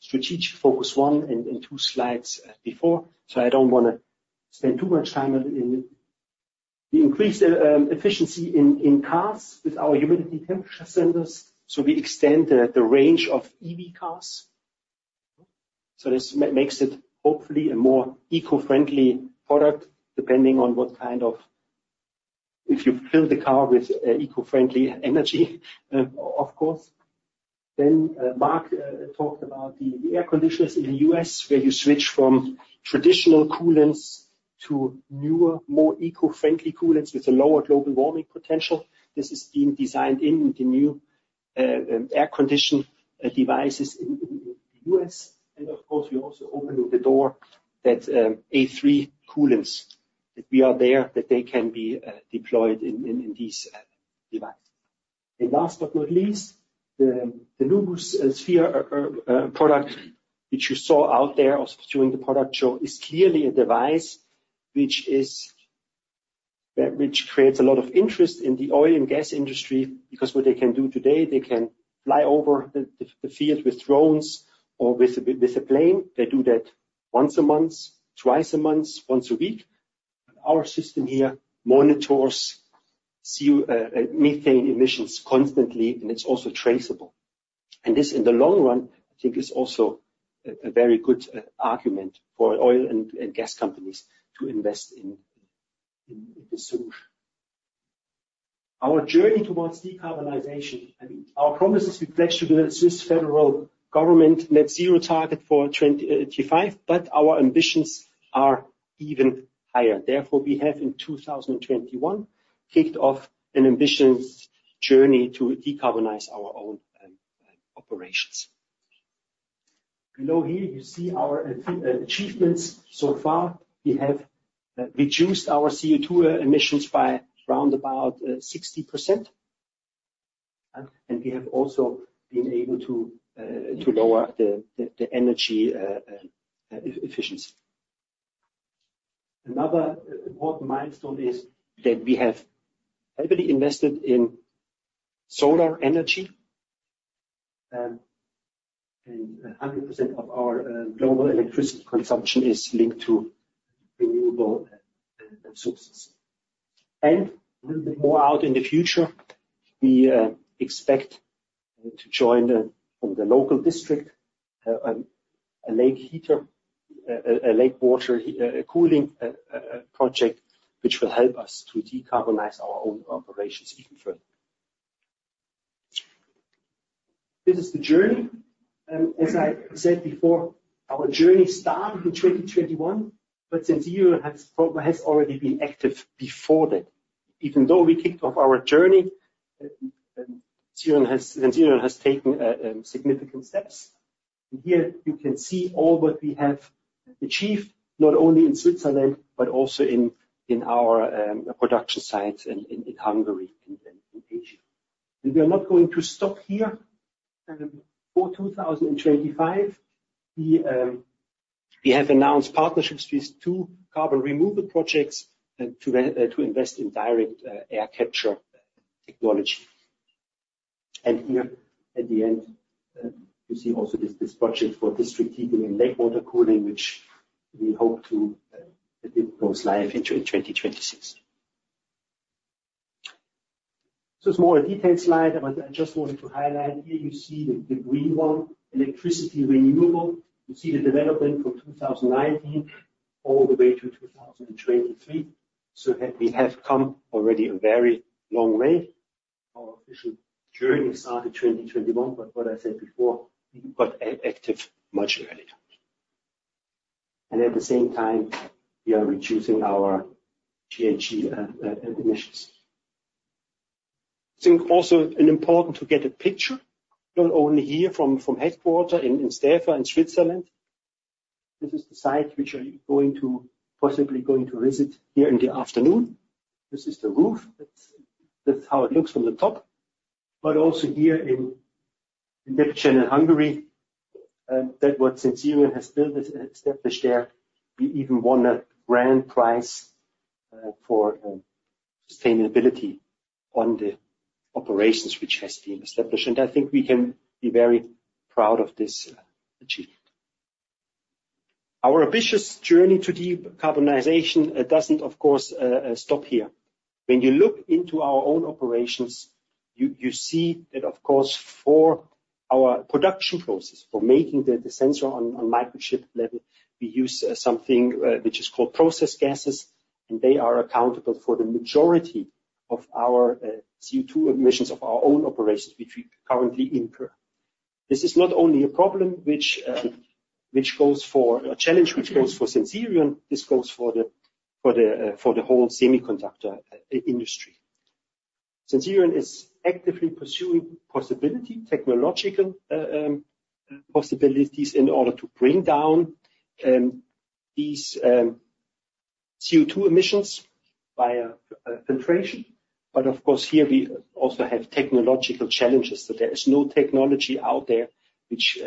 strategic focus one and two slides before. So I don't want to spend too much time on it. We increased efficiency in cars with our humidity temperature sensors. So we extend the range of EV cars. So this makes it hopefully a more eco-friendly product, depending on what kind of, if you fill the car with eco-friendly energy, of course. Then Marc talked about the air conditioners in the U.S., where you switch from traditional coolants to newer, more eco-friendly coolants with a lower global warming potential. This is being designed in the new air conditioning devices in the U.S. And of course, we also opened the door that A3 coolants, that we are there, that they can be deployed in these devices. And last but not least, the Nubo Sphere product, which you saw out there during the product show, is clearly a device which creates a lot of interest in the oil and gas industry because what they can do today, they can fly over the field with drones or with a plane. They do that once a month, twice a month, once a week. Our system here monitors methane emissions constantly, and it's also traceable. And this in the long run, I think, is also a very good argument for oil and gas companies to invest in this solution. Our journey towards decarbonization, I mean, our promises we pledged to the Swiss federal government, net zero target for 2025, but our ambitions are even higher. Therefore, we have in 2021 kicked off an ambition journey to decarbonize our own operations. Below here, you see our achievements so far. We have reduced our CO2 emissions by around about 60%. And we have also been able to lower the energy efficiency. Another important milestone is that we have heavily invested in solar energy. And 100% of our global electricity consumption is linked to renewable sources. And a little bit more out in the future, we expect to join from the local district a lake heater, a lake water cooling project, which will help us to decarbonize our own operations even further. This is the journey. As I said before, our journey started in 2021, but Sensirion has already been active before that. Even though we kicked off our journey, Sensirion has taken significant steps. And here you can see all what we have achieved, not only in Switzerland, but also in our production sites in Hungary and Asia. And we are not going to stop here. For 2025, we have announced partnerships with two carbon removal projects to invest in direct air capture technology. Here at the end, you see also this project for district heating and lake water cooling, which we hope to go live in 2026. It's more a detailed slide, but I just wanted to highlight. Here you see the green one, electricity renewable. You see the development from 2019 all the way to 2023. We have come already a very long way. Our official journey started 2021, but what I said before, we got active much earlier. At the same time, we are reducing our GHG emissions. I think also it's important to get a picture, not only here from headquarters in Stäfa in Switzerland. This is the site which I'm possibly going to visit here in the afternoon. This is the roof. That's how it looks from the top. But also here in Debrecen in Hungary, that's what Sensirion has built established there, we even won a grand prize for sustainability on the operations which has been established. And I think we can be very proud of this achievement. Our ambitious journey to decarbonization doesn't, of course, stop here. When you look into our own operations, you see that, of course, for our production process, for making the sensor on microchip level, we use something which is called process gases. And they are accountable for the majority of our CO2 emissions of our own operations, which we currently incur. This is not only a problem which goes for a challenge which goes for Sensirion. This goes for the whole semiconductor industry. Sensirion is actively pursuing technological possibilities in order to bring down these CO2 emissions via filtration. Of course, here we also have technological challenges. So there is no technology out there which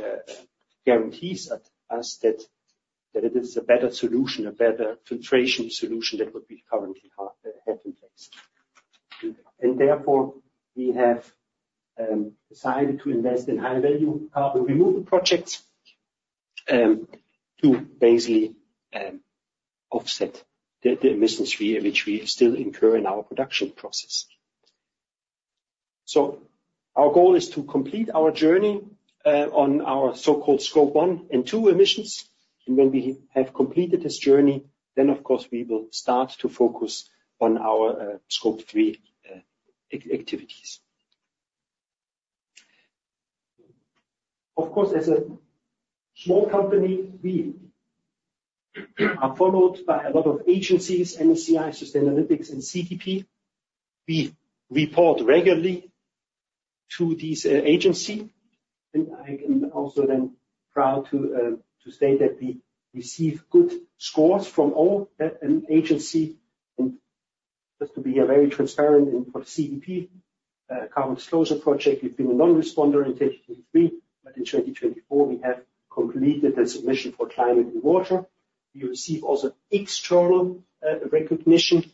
guarantees us that it is a better solution, a better filtration solution than what we currently have in place. And therefore, we have decided to invest in high-value carbon removal projects to basically offset the emissions which we still incur in our production process. So our goal is to complete our journey on our so-called Scope 1 and 2 emissions. And when we have completed this journey, then of course, we will start to focus on our Scope 3 activities. Of course, as a small company, we are followed by a lot of agencies, MSCI, Sustainalytics, and CDP. We report regularly to these agencies. And I am also then proud to state that we receive good scores from all agencies. Just to be very transparent for the CDP carbon disclosure project, we've been a non-responder, but in 2024, we have completed the submission for climate and water. We receive also external recognition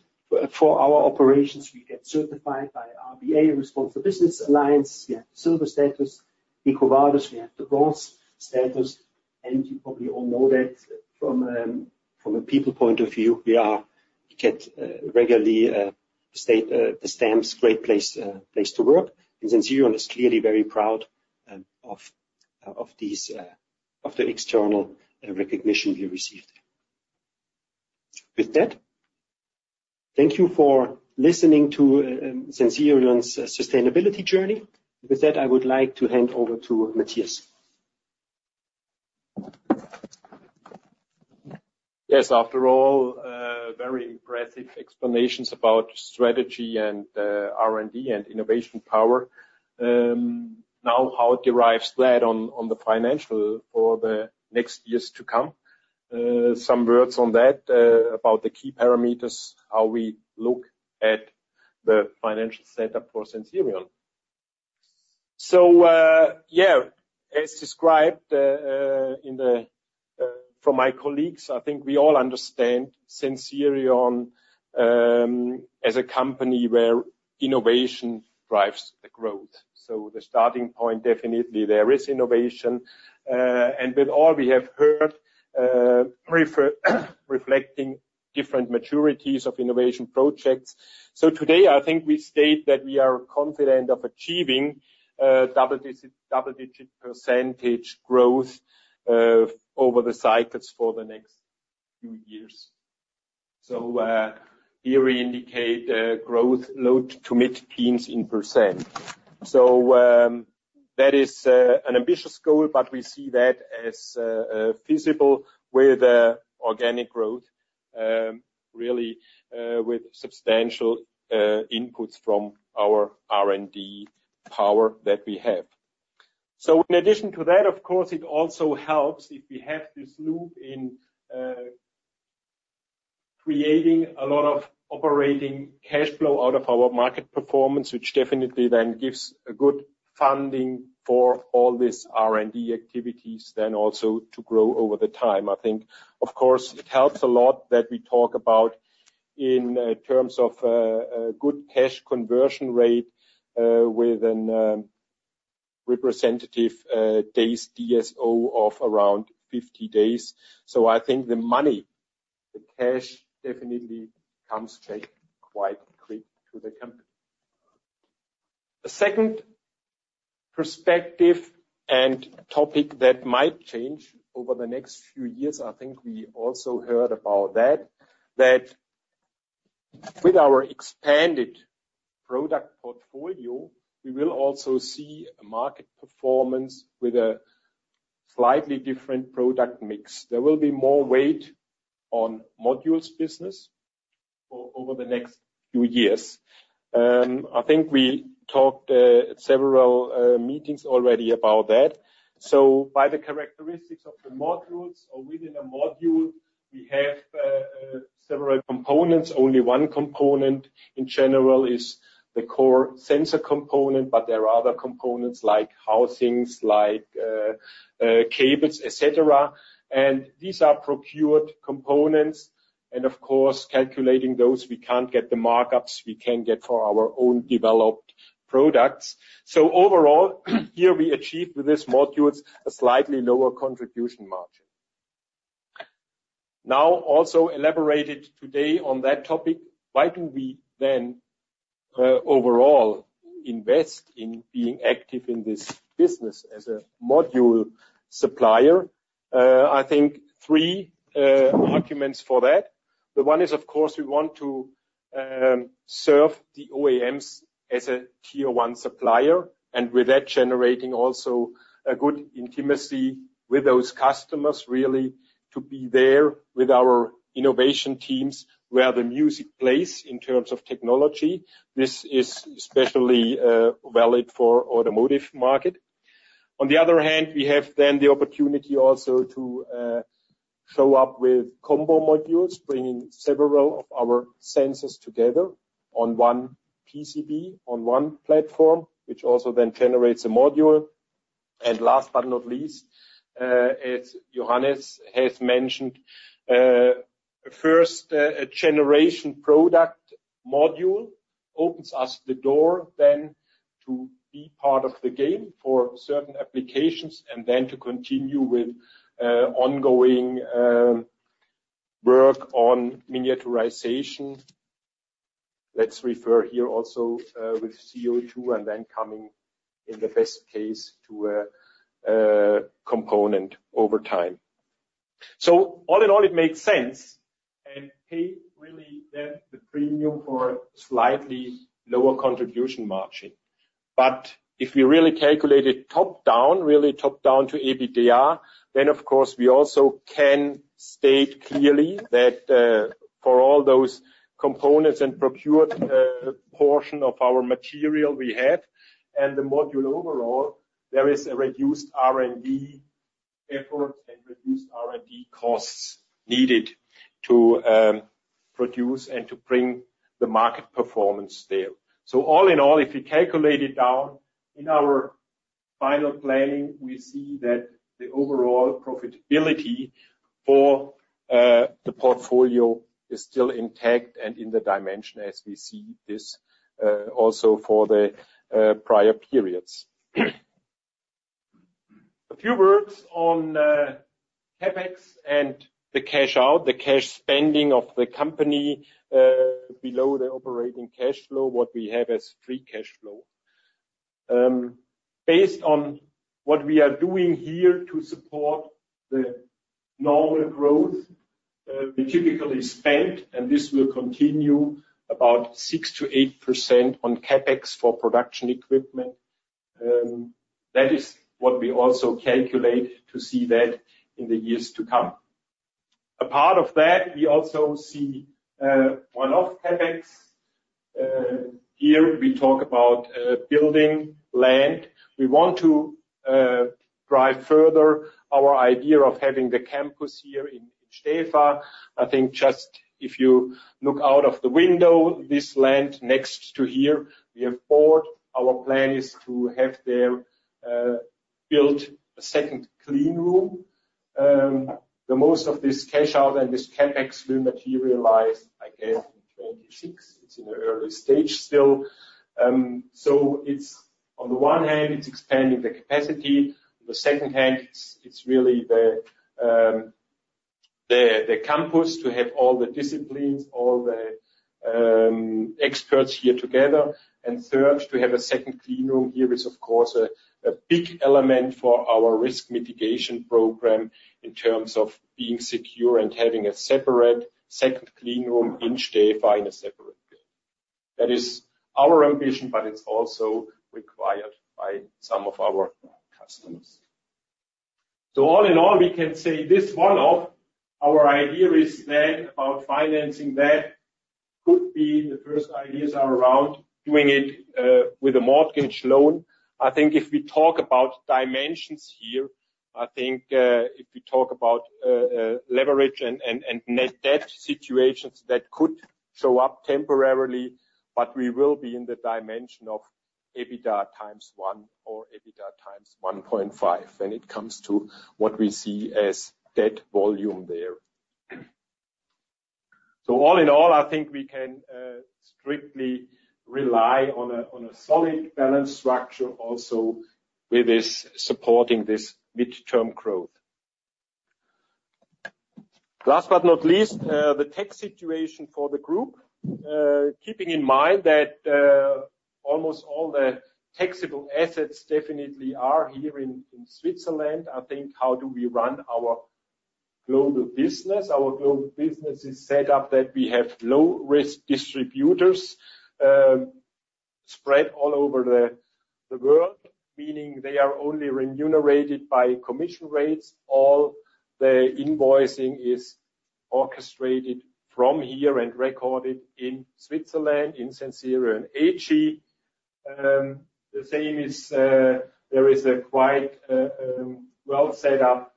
for our operations. We get certified by RBA, Responsible Business Alliance. We have the silver status, EcoVadis, we have the bronze status. And you probably all know that from a people point of view, we get regularly the stamps, great place to work. And Sensirion is clearly very proud of the external recognition we received. With that, thank you for listening to Sensirion's sustainability journey. With that, I would like to hand over to Matthias. Yes, after all, very impressive explanations about strategy and R&D and innovation power. Now, how derives that on the financial for the next years to come? Some words on that about the key parameters, how we look at the financial setup for Sensirion. So yeah, as described from my colleagues, I think we all understand Sensirion as a company where innovation drives the growth. So the starting point, definitely, there is innovation. And with all we have heard, reflecting different maturities of innovation projects. So today, I think we state that we are confident of achieving double-digit % growth over the cycles for the next few years. So here we indicate growth low to mid-teens %. So that is an ambitious goal, but we see that as feasible with organic growth, really, with substantial inputs from our R&D power that we have. In addition to that, of course, it also helps if we have this loop in creating a lot of operating cash flow out of our Market performance, which definitely then gives good funding for all these R&D activities, then also to grow over time. I think, of course, it helps a lot that we talk about in terms of good cash conversion rate with a representative day's DSO of around 50 days. So I think the money, the cash definitely comes back quite quick to the company. A second perspective and topic that might change over the next few years, I think we also heard about that, that with our expanded product portfolio, we will also see a Market performance with a slightly different product mix. There will be more weight on modules business over the next few years. I think we talked at several meetings already about that. So by the characteristics of the modules or within a module, we have several components. Only one component in general is the core sensor component, but there are other components like housings, like cables, etc. And these are procured components. And of course, calculating those, we can't get the Marcups we can get for our own developed products. So overall, here we achieve with these modules a slightly lower contribution margin. Now, also elaborated today on that topic, why do we then overall invest in being active in this business as a module supplier? I think three arguments for that. The one is, of course, we want to serve the OEMs as a tier one supplier and with that generating also a good intimacy with those customers, really to be there with our innovation teams where the music plays in terms of technology. This is especially valid for the automotive Market. On the other hand, we have then the opportunity also to show up with combo modules, bringing several of our sensors together on one PCB, on one platform, which also then generates a module, and last but not least, as Johannes has mentioned, a first-generation product module opens us the door then to be part of the game for certain applications and then to continue with ongoing work on miniaturization. Let's refer here also with CO2 and then coming in the best case to a component over time. So all in all, it makes sense and pay really then the premium for a slightly lower contribution margin. But if we really calculate it top down, really top down to EBITDA, then of course, we also can state clearly that for all those components and procured portion of our material we have and the module overall, there is a reduced R&D effort and reduced R&D costs needed to produce and to bring the Market performance there. So all in all, if we calculate it down in our final planning, we see that the overall profitability for the portfolio is still intact and in the dimension as we see this also for the prior periods. A few words on CapEx and the cash out, the cash spending of the company below the operating cash flow, what we have as free cash flow. Based on what we are doing here to support the normal growth, we typically spent, and this will continue, about 6%-8% on CapEx for production equipment. That is what we also calculate to see that in the years to come. A part of that, we also see one-off CapEx here. We talk about buying land. We want to drive further our idea of having the campus here in Stäfa. I think just if you look out of the window, this land next to here, we have bought. Our plan is to have there built a second clean room. The most of this cash outflow and this CapEx will materialize, I guess, in 2026. It's in the early stage still. So on the one hand, it's expanding the capacity. On the second hand, it's really the campus to have all the disciplines, all the experts here together. And third, to have a second clean room here is, of course, a big element for our risk mitigation program in terms of being secure and having a separate second clean room in Stäfa in a separate building. That is our ambition, but it's also required by some of our customers. So all in all, we can say this one of our ideas is that about financing that could be the first ideas are around doing it with a mortgage loan. I think if we talk about dimensions here, I think if we talk about leverage and net debt situations that could show up temporarily, but we will be in the dimension of EBITDA times one or EBITDA times 1.5 when it comes to what we see as debt volume there. So all in all, I think we can strictly rely on a solid balance structure also with this supporting this midterm growth. Last but not least, the tax situation for the group, keeping in mind that almost all the taxable assets definitely are here in Switzerland. I think how do we run our global business? Our global business is set up that we have low-risk distributors spread all over the world, meaning they are only remunerated by commission rates. All the invoicing is orchestrated from here and recorded in Switzerland, in Sensirion AG. The same is true, there is a quite well set up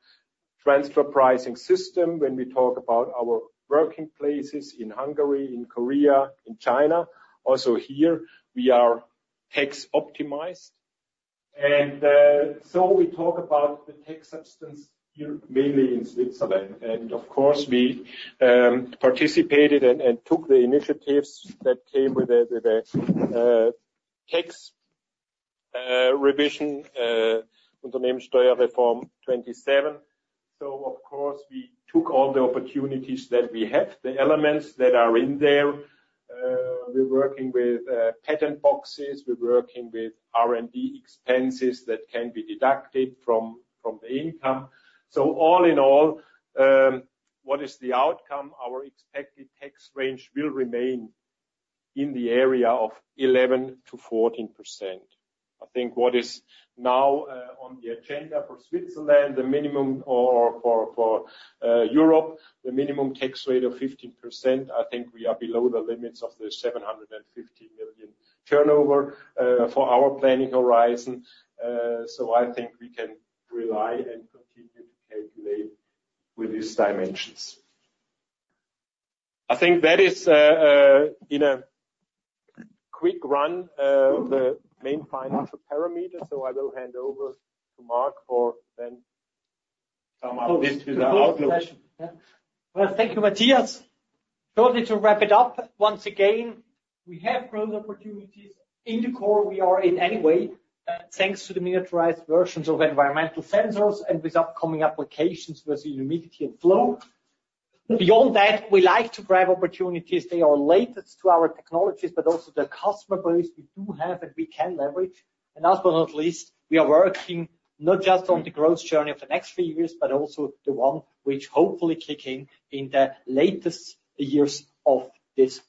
transfer pricing system when we talk about our working places in Hungary, in Korea, in China. Also here, we are tax optimized. And so we talk about the tax substance here mainly in Switzerland. Of course, we participated and took the initiatives that came with the tax revision, Unternehmenssteuerreform 27. So of course, we took all the opportunities that we have, the elements that are in there. We're working with patent boxes. We're working with R&D expenses that can be deducted from the income. So all in all, what is the outcome? Our expected tax range will remain in the area of 11%-14%. I think what is now on the agenda for Switzerland, the minimum or for Europe, the minimum tax rate of 15%, I think we are below the limits of the 750 million turnover for our planning horizon. So I think we can rely and continue to calculate with these dimensions. I think that is in a quick run, the main financial parameters. I will hand over to Marc for then some of this with the outlook. Thank you, Matthias. Shortly to wrap it up, once again, we have growth opportunities in the core we are in anyway. Thanks to the miniaturized versions of environmental sensors and with upcoming applications with humidity and flow. Beyond that, we like to grab opportunities. They are closest to our technologies, but also the customer base we do have and we can leverage. And last but not least, we are working not just on the growth journey of the next few years, but also the one which hopefully kick in in the latter years of this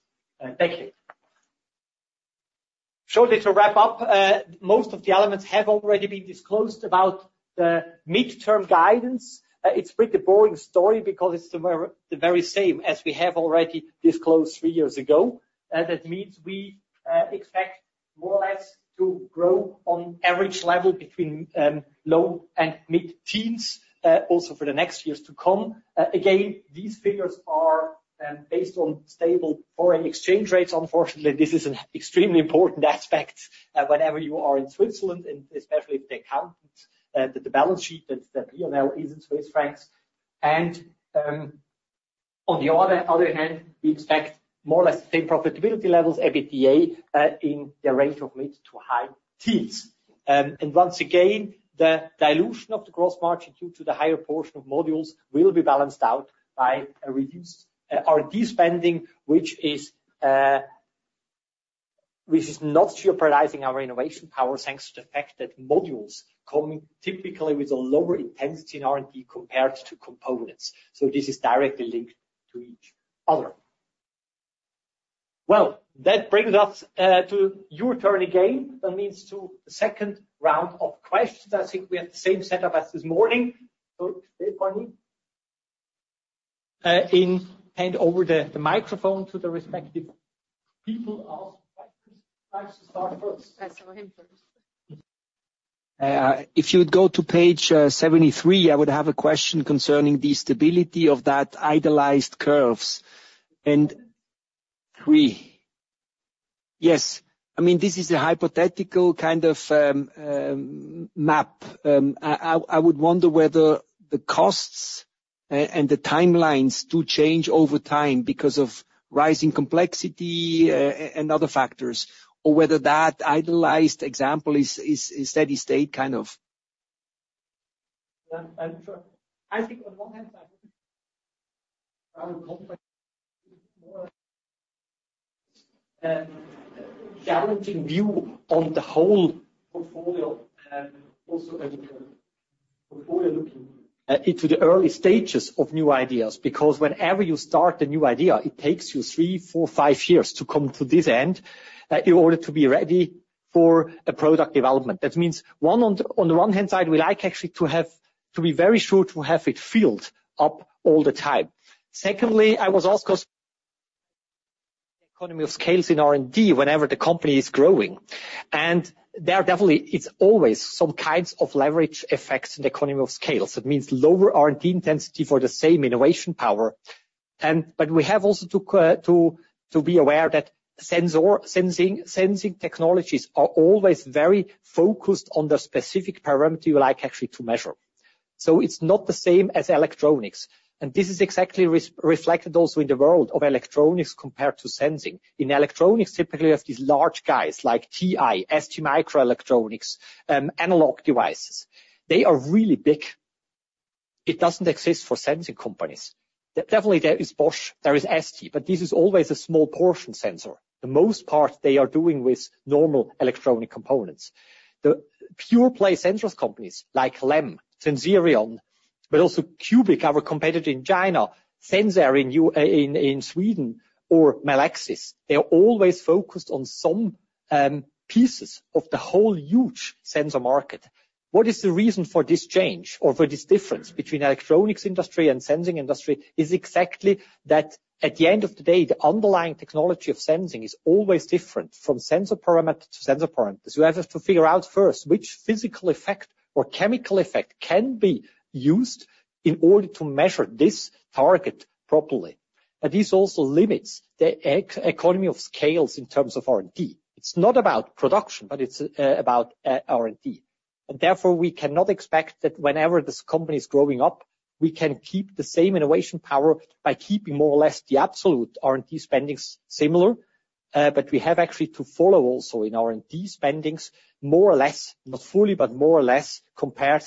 decade. Shortly to wrap up, most of the elements have already been disclosed about the midterm guidance. It's a pretty boring story because it's the very same as we have already disclosed three years ago. That means we expect more or less to grow on average level between low and mid-teens also for the next years to come. Again, these figures are based on stable foreign exchange rates. Unfortunately, this is an extremely important aspect whenever you are in Switzerland, and especially if the accountant, the balance sheet, the P&L is in Swiss francs. And on the other hand, we expect more or less the same profitability levels, EBITDA, in the range of mid to high teens. And once again, the dilution of the gross margin due to the higher portion of modules will be balanced out by a reduced R&D spending, which is not jeopardizing our innovation power thanks to the fact that modules come typically with a lower intensity in R&D compared to components. So this is directly linked to each other. Well, that brings us to your turn again. That means to the second round of questions. I think we have the same setup as this morning. So Stefanie, hand over the microphone to the respective people asking questions. Who likes to start first? I'll start with him first. If you would go to page 73, I would have a question concerning the stability of that idealized curves. And three. Yes. I mean, this is a hypothetical kind of map. I would wonder whether the costs and the timelines do change over time because of rising complexity and other factors, or whether that idealized example is steady state kind of. I think on one hand, I would challenge you on the whole portfolio and also portfolio looking into the early stages of new ideas, because whenever you start a new idea, it takes you three, four, five years to come to this end in order to be ready for a product development. That means on the one hand side, we like actually to be very sure to have it filled up all the time. Secondly, I was also the economies of scale in R&D whenever the company is growing. And there definitely is always some kinds of leverage effects in the economies of scale. That means lower R&D intensity for the same innovation power. But we have also to be aware that sensing technologies are always very focused on the specific parameter you like actually to measure. So it's not the same as electronics. This is exactly reflected also in the world of electronics compared to sensing. In electronics, typically you have these large guys like TI, STMicroelectronics, Analog Devices. They are really big. It doesn't exist for sensing companies. Definitely, there is Bosch, there is ST, but this is always a small portion sensor. The most part they are doing with normal electronic components. The pure play sensors companies like LEM, Sensirion, but also Cubic, our competitor in China, Senseair in Sweden, or Melexis, they are always focused on some pieces of the whole huge sensor Market. What is the reason for this change or for this difference between the electronics industry and sensing industry is exactly that at the end of the day, the underlying technology of sensing is always different from sensor parameter to sensor parameters. You have to figure out first which physical effect or chemical effect can be used in order to measure this target properly. And this also limits the economies of scale in terms of R&D. It's not about production, but it's about R&D. And therefore, we cannot expect that whenever this company is growing up, we can keep the same innovation power by keeping more or less the absolute R&D spending similar, but we have actually to follow also in R&D spending more or less, not fully, but more or less compared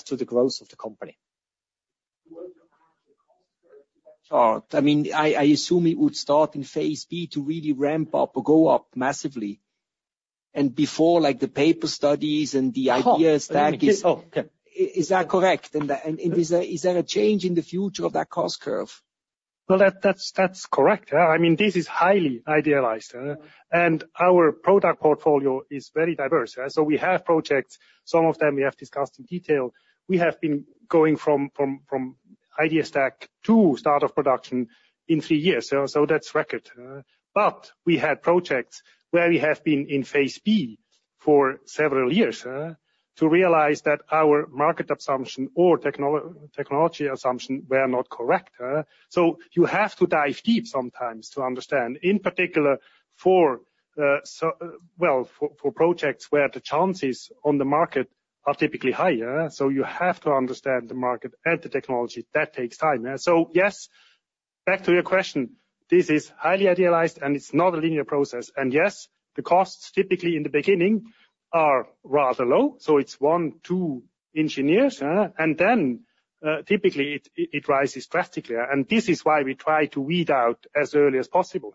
to the growth of the company. I mean, I assume it would start in phase B to really ramp up or go up massively. And before the paper studies and the ideas that is, is that correct? And is there a change in the future of that cost curve? Well, that's correct. I mean, this is highly idealized. Our product portfolio is very diverse. So we have projects, some of them we have discussed in detail. We have been going from idea stage to start of production in three years. So that's a record. But we had projects where we have been in phase B for several years to realize that our Market assumption or technology assumption were not correct. So you have to dive deep sometimes to understand, in particular, well, for projects where the chances on the Market are typically higher. So you have to understand the Market and the technology. That takes time. So yes, back to your question, this is highly idealized and it's not a linear process. And yes, the costs typically in the beginning are rather low. So it's one, two engineers, and then typically it rises drastically. And this is why we try to weed out as early as possible.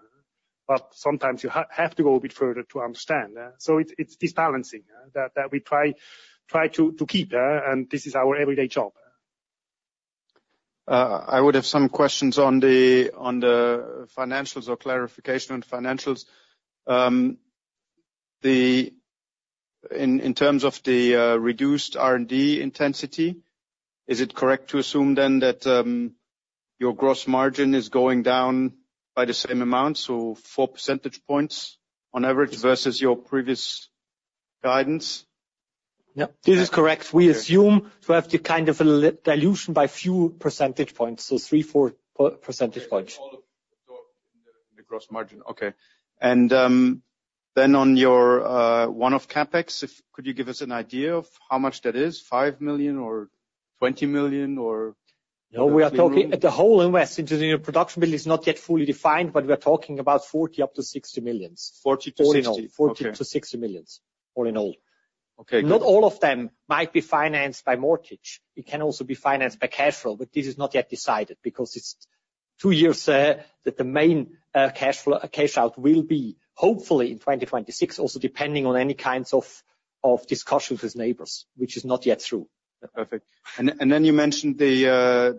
But sometimes you have to go a bit further to understand. So it's this balancing that we try to keep. And this is our everyday job. I would have some questions on the financials or clarification on financials. In terms of the reduced R&D intensity, is it correct to assume then that your gross margin is going down by the same amount, so four percentage points on average versus your previous guidance? This is correct. We assume to have the kind of dilution by few percentage points, so three, four percentage points. In the gross margin. Okay. And then on your one-off CapEx, could you give us an idea of how much that is, 5 million or 20 million or? No, we are talking about the whole investment in the production build is not yet fully defined, but we are talking about 40-60 million. 40-60. 40 million-CHF 60 million all in all. Not all of them might be financed by mortgage. It can also be financed by cash flow, but this is not yet decided because it's two years that the main cash out will be hopefully in 2026, also depending on any kinds of discussions with neighbors, which is not yet through. Perfect. And then you mentioned the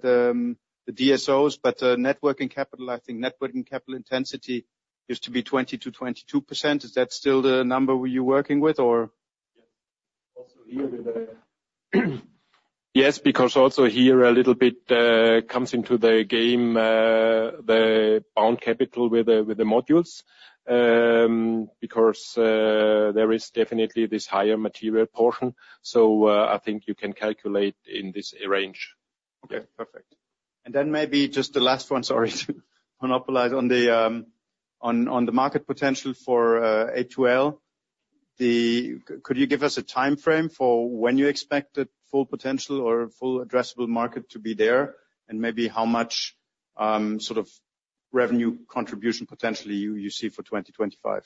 DSOs, but net working capital, I think net working capital intensity used to be 20%-22%. Is that still the number you're working with or? Yes, because also here a little bit comes into the game, the bound capital with the modules, because there is definitely this higher material portion. So I think you can calculate in this range. Okay, perfect. And then maybe just the last one, sorry to monopolize on the Market potential for A2L. Could you give us a timeframe for when you expect that full potential or full addressable Market to be there? And maybe how much sort of revenue contribution potentially you see for 2025?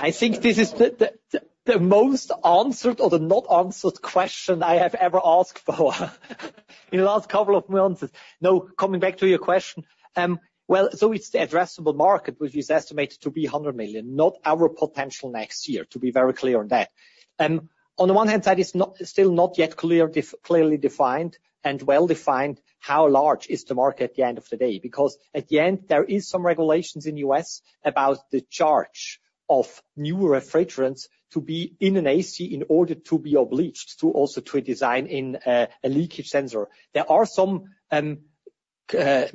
I think this is the most answered or the not answered question I have ever asked for in the last couple of months. No, coming back to your question. Well, so it's the addressable Market, which is estimated to be 100 million, not our potential next year, to be very clear on that. On the one hand side, it's still not yet clearly defined and well defined how large is the Market at the end of the day, because at the end, there are some regulations in the U.S. about the charge of new refrigerants to be in an AC in order to be obliged to also design a leakage sensor. There are some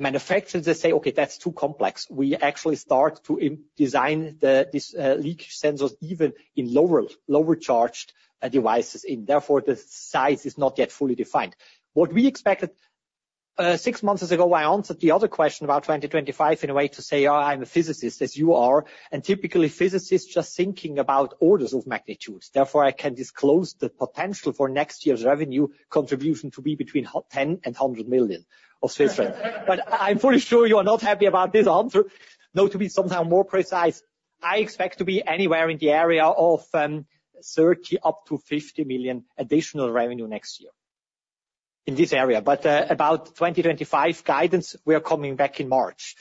manufacturers that say, "Okay, that's too complex." We actually start to design these leakage sensors even in lower charged devices. Therefore, the size is not yet fully defined. What we expected six months ago, I answered the other question about 2025 in a way to say, "I'm a physicist as you are," and typically physicists just thinking about orders of magnitude. Therefore, I can disclose the potential for next year's revenue contribution to be between 10 million and 100 million. But I'm fully sure you are not happy about this answer. Now, to be somehow more precise, I expect to be anywhere in the area of 30 million to 50 million additional revenue next year in this area. But about 2025 guidance, we are coming back in March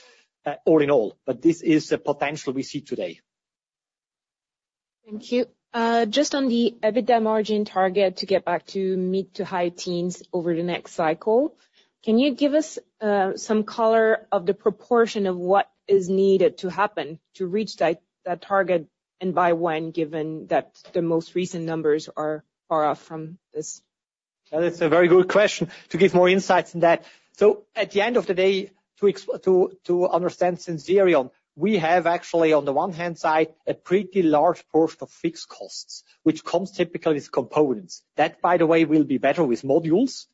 all in all, but this is the potential we see today. Thank you. Just on the EBITDA margin target to get back to mid- to high teens over the next cycle, can you give us some color on the proportion of what is needed to happen to reach that target and by when given that the most recent numbers are far off from this? That's a very good question to give more insights into that. So at the end of the day, to understand Sensirion, we have actually on the one hand side a pretty large portion of fixed costs, which comes typically with components. That, by the way, will be better with modules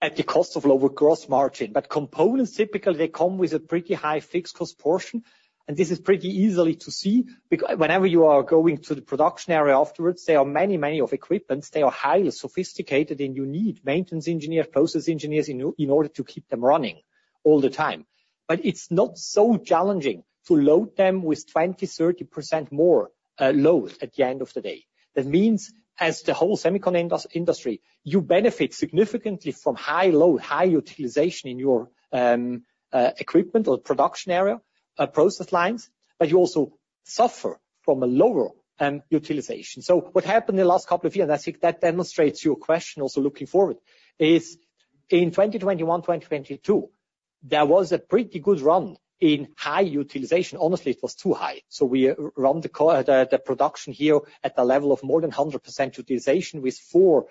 at the cost of lower gross margin. But components, typically they come with a pretty high fixed cost portion. And this is pretty easily to see whenever you are going to the production area afterwards. There are many, many of equipment. They are highly sophisticated and you need maintenance engineers, process engineers in order to keep them running all the time. But it's not so challenging to load them with 20%-30% more load at the end of the day. That means as the whole semiconductor industry, you benefit significantly from high load, high utilization in your equipment or production area, process lines, but you also suffer from a lower utilization. So what happened in the last couple of years, and I think that demonstrates your question also looking forward, is in 2021, 2022, there was a pretty good run in high utilization. Honestly, it was too high. So we run the production here at the level of more than 100% utilization with four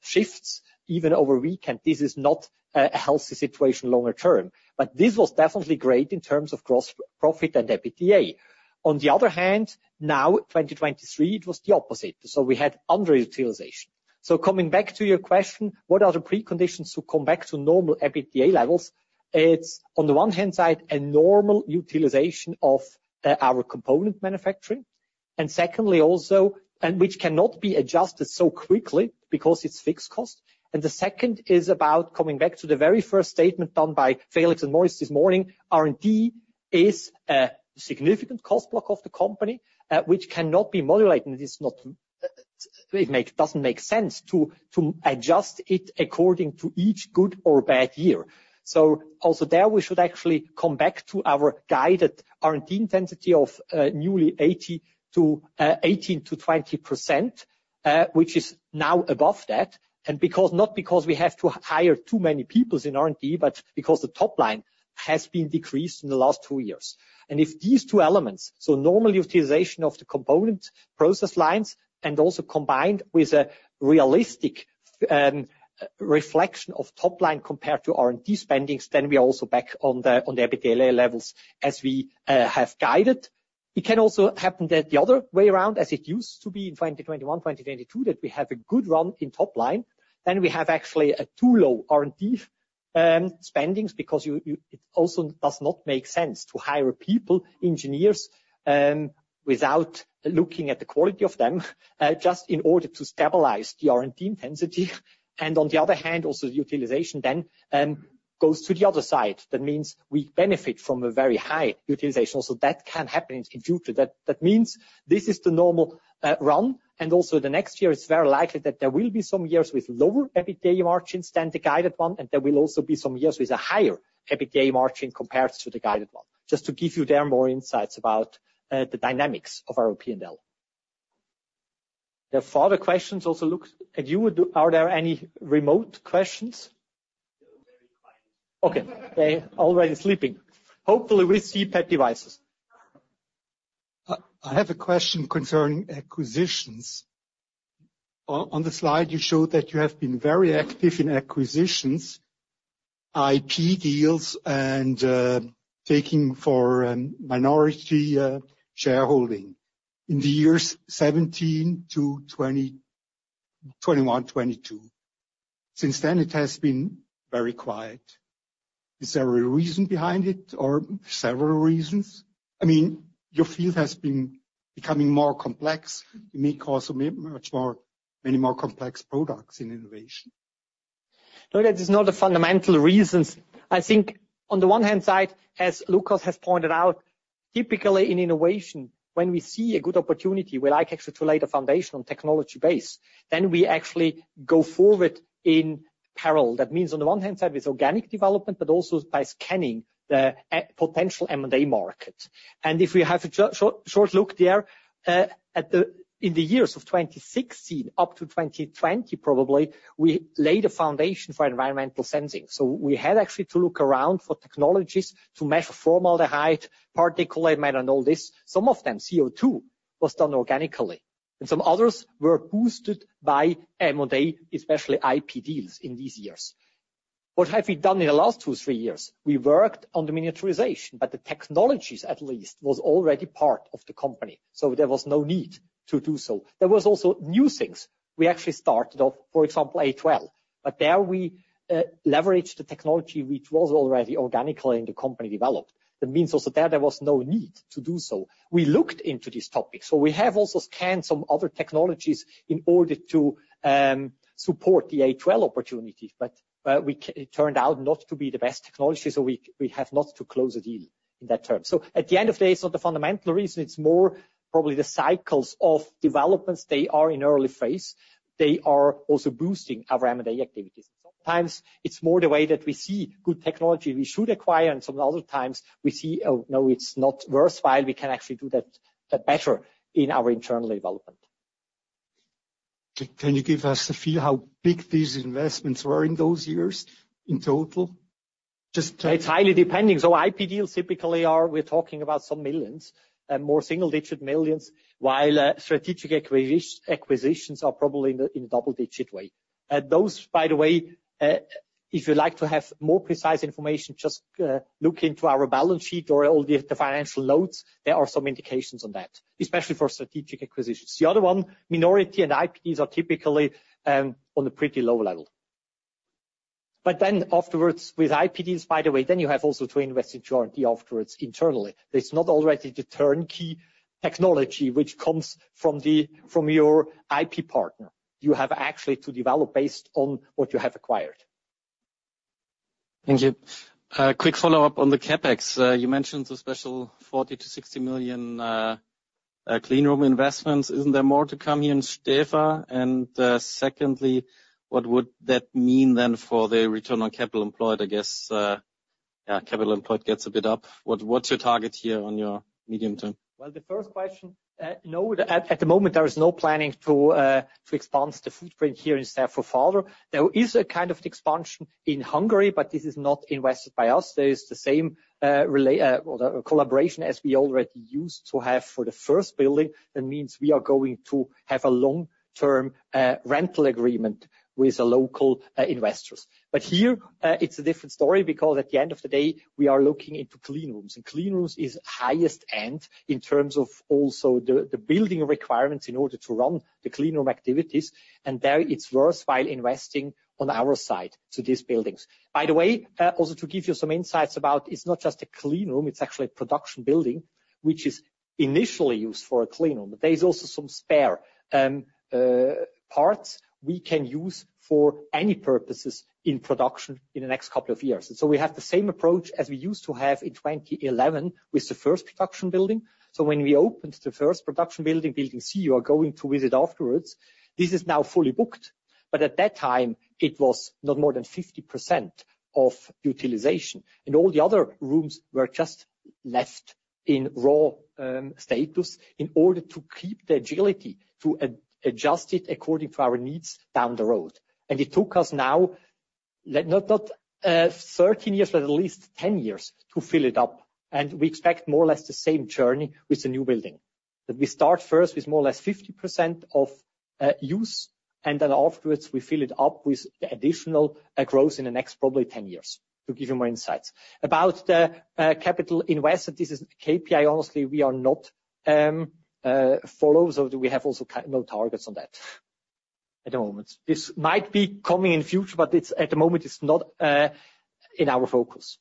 shifts even over weekend. This is not a healthy situation longer term. But this was definitely great in terms of gross profit and EBITDA. On the other hand, now 2023, it was the opposite. So we had underutilization. So coming back to your question, what are the preconditions to come back to normal EBITDA levels? It's on the one hand side, a normal utilization of our component manufacturing. And secondly also, and which cannot be adjusted so quickly because it's fixed cost. And the second is about coming back to the very first statement done by Felix and Moritz this morning. R&D is a significant cost block of the company, which cannot be modulated. It doesn't make sense to adjust it according to each good or bad year. So also there we should actually come back to our guided R&D intensity of newly 18%-20%, which is now above that. And not because we have to hire too many people in R&D, but because the top line has been decreased in the last two years. If these two elements, so normal utilization of the component process lines and also combined with a realistic reflection of top line compared to R&D spending, then we are also back on the EBITDA levels as we have guided. It can also happen the other way around as it used to be in 2021, 2022, that we have a good run in top line. Then we have actually too low R&D spending because it also does not make sense to hire people, engineers without looking at the quality of them just in order to stabilize the R&D intensity. And on the other hand, also the utilization then goes to the other side. That means we benefit from a very high utilization. So that can happen in future. That means this is the normal run. Also the next year is very likely that there will be some years with lower EBITDA margins than the guided one, and there will also be some years with a higher EBITDA margin compared to the guided one. Just to give you some more insights about the dynamics of our P&L. There are further questions also directed at you. Are there any remote questions? Okay, they're already sleeping. Hopefully, we see pet devices. I have a question concerning acquisitions. On the slide, you showed that you have been very active in acquisitions, IP deals, and minority shareholdings in the years 2017 to 2021, 2022. Since then, it has been very quiet. Is there a reason behind it or several reasons? I mean, your field has been becoming more complex. You may have many more complex products and innovations. No, that is not a fundamental reason. I think on the one hand side, as Lukas has pointed out, typically in innovation, when we see a good opportunity, we like actually to lay the foundation on technology base, then we actually go forward in parallel. That means on the one hand side with organic development, but also by scanning the potential M&A Market. If we have a short look there in the years of 2016 up to 2020, probably we laid a foundation for environmental sensing. So we had actually to look around for technologies to measure formaldehyde, particulate matter, and all this. Some of them, CO2, was done organically. Some others were boosted by M&A, especially IP deals in these years. What have we done in the last two, three years? We worked on the miniaturization, but the technologies at least was already part of the company. So there was no need to do so. There was also new things. We actually started off, for example, A2L, but there we leveraged the technology which was already organically in the company developed. That means also there was no need to do so. We looked into this topic. So we have also scanned some other technologies in order to support the A2L opportunity, but it turned out not to be the best technology. So we have not to close a deal in that term. So at the end of the day, it's not the fundamental reason. It's more probably the cycles of developments. They are in early phase. They are also boosting our M&A activities. Sometimes it's more the way that we see good technology we should acquire, and some other times we see, no, it's not worthwhile. We can actually do that better in our internal development. Can you give us a feel how big these investments were in those years in total? It's highly depending. So IP deals typically we're talking about some millions, more single-digit millions, while strategic acquisitions are probably in a double-digit way. Those, by the way, if you'd like to have more precise information, just look into our balance sheet or all the financial notes. There are some indications on that, especially for strategic acquisitions. The other one, minority and IP deals are typically on a pretty low level. But then with IP deals, by the way, you have also to invest in R&D internally afterwards. There's not already the turnkey technology which comes from your IP partner. You have actually to develop based on what you have acquired. Thank you. Quick follow-up on the CapEx. You mentioned the special 40 million-60 million clean room investments. Isn't there more to come here in Stäfa? And secondly, what would that mean then for the return on capital employed? I guess capital employed gets a bit up. What's your target here on your medium term? The first question, no, at the moment, there is no planning to expand the footprint here in Stäfa further. There is a kind of expansion in Hungary, but this is not invested by us. There is the same collaboration as we already used to have for the first building. That means we are going to have a long-term rental agreement with local investors. But here, it's a different story because at the end of the day, we are looking into clean rooms. And clean rooms is highest end in terms of also the building requirements in order to run the clean room activities. And there, it's worthwhile investing on our side to these buildings. By the way, also to give you some insights about, it's not just a clean room, it's actually a production building which is initially used for a clean room. But there's also some spare parts we can use for any purposes in production in the next couple of years. And so we have the same approach as we used to have in 2011 with the first production building. So when we opened the first production building, Building C, you are going to visit afterwards. This is now fully booked. But at that time, it was not more than 50% of utilization. And all the other rooms were just left in raw status in order to keep the agility, to adjust it according to our needs down the road. And it took us now not 13 years, but at least 10 years to fill it up. And we expect more or less the same journey with the new building. That we start first with more or less 50% of use, and then afterwards we fill it up with the additional growth in the next probably 10 years to give you more insights. About the capital invested, this is KPI. Honestly, we are not followed. So we have also no targets on that at the moment. This might be coming in the future, but at the moment, it's not in our focus.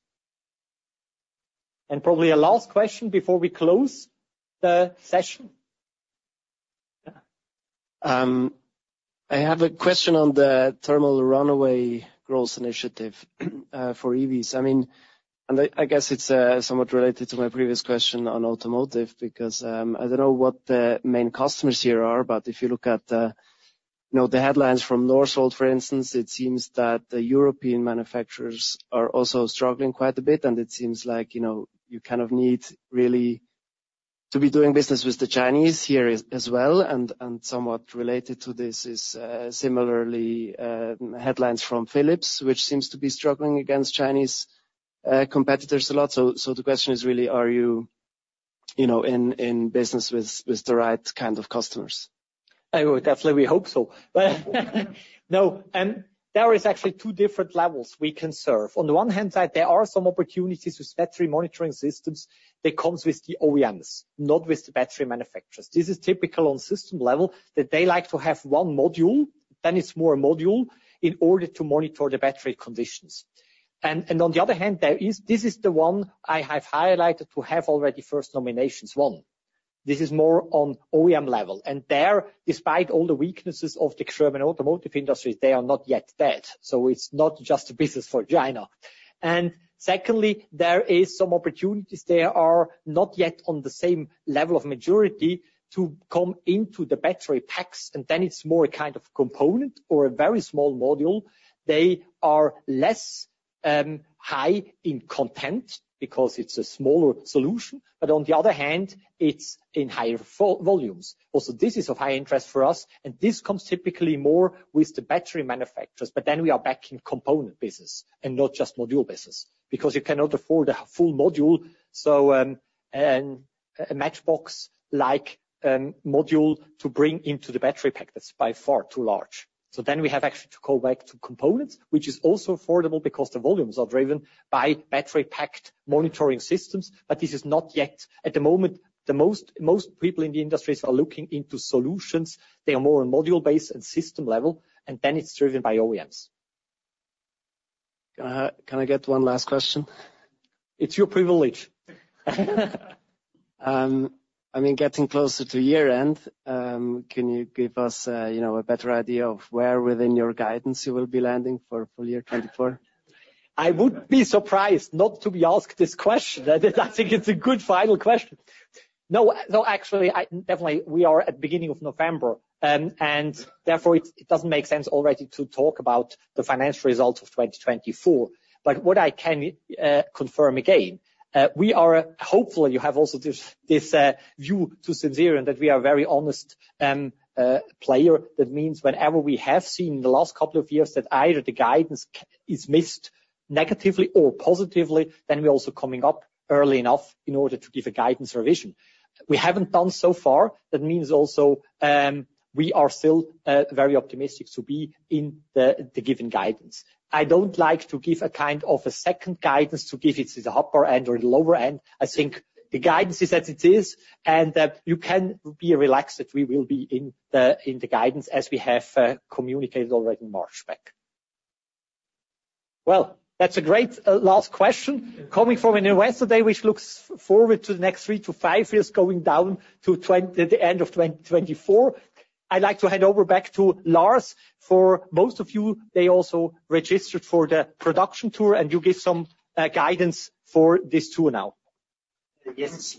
And probably a last question before we close the session. I have a question on the thermal runaway growth initiative for EVs. I mean, and I guess it's somewhat related to my previous question on automotive because I don't know what the main customers here are, but if you look at the headlines from Northvolt, for instance, it seems that the European manufacturers are also struggling quite a bit, and it seems like you kind of need really to be doing business with the Chinese here as well, and somewhat related to this is similarly headlines from Philips, which seems to be struggling against Chinese competitors a lot, so the question is really, are you in business with the right kind of customers? I would definitely hope so. No, there is actually two different levels we can serve. On the one hand side, there are some opportunities with battery monitoring systems that come with the OEMs, not with the battery manufacturers. This is typical on system level that they like to have one module, then it's more a module in order to monitor the battery conditions, and on the other hand, this is the one I have highlighted to have already first nominations won. This is more on OEM level, and there, despite all the weaknesses of the German automotive industry, they are not yet dead, so it's not just a business for China, and secondly, there are some opportunities. They are not yet on the same level of maturity to come into the battery packs, and then it's more a kind of component or a very small module. They are less high in content because it's a smaller solution, but on the other hand, it's in higher volumes. Also, this is of high interest for us, and this comes typically more with the battery manufacturers. But then we are back in component business and not just module business because you cannot afford a full module. So a matchbox-like module to bring into the battery pack, that's by far too large. So then we have actually to go back to components, which is also affordable because the volumes are driven by battery packed monitoring systems. But this is not yet at the moment. Most people in the industries are looking into solutions. They are more on module-based and system level. And then it's driven by OEMs. Can I get one last question? It's your privilege. I mean, getting closer to year-end, can you give us a better idea of where within your guidance you will be landing for year 2024? I would be surprised not to be asked this question. I think it's a good final question. No, actually, definitely, we are at the beginning of November. And therefore, it doesn't make sense already to talk about the financial results of 2024. But what I can confirm again, we are, hopefully you have also this view to Sensirion that we are a very honest player. That means whenever we have seen in the last couple of years that either the guidance is missed negatively or positively, then we're also coming up early enough in order to give a guidance revision. We haven't done so far. That means also we are still very optimistic to be in the given guidance. I don't like to give a kind of a second guidance to give it to the upper end or the lower end. I think the guidance is as it is. And you can be relaxed that we will be in the guidance as we have communicated already in March back. That's a great last question coming from an investor, which looks forward to the next three to five years going down to the end of 2024. I'd like to hand over back to Lars for most of you. They also registered for the production tour, and you give some guidance for this tour now. Yes.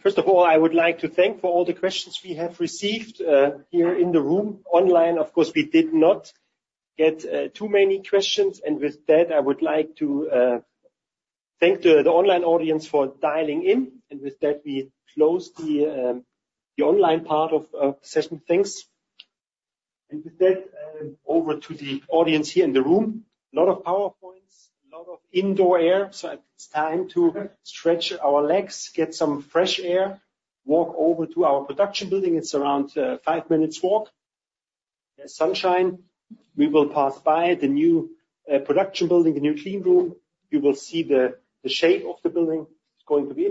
First of all, I would like to thank for all the questions we have received here in the room online. Of course, we did not get too many questions. With that, I would like to thank the online audience for dialing in. With that, we close the online part of our session. Thanks. With that, over to the audience here in the room. A lot of PowerPoints, a lot of indoor air. It's time to stretch our legs, get some fresh air, walk over to our production building. It's around five minutes' walk. There's sunshine. We will pass by the new production building, the new clean room. You will see the shape of the building. It's going to be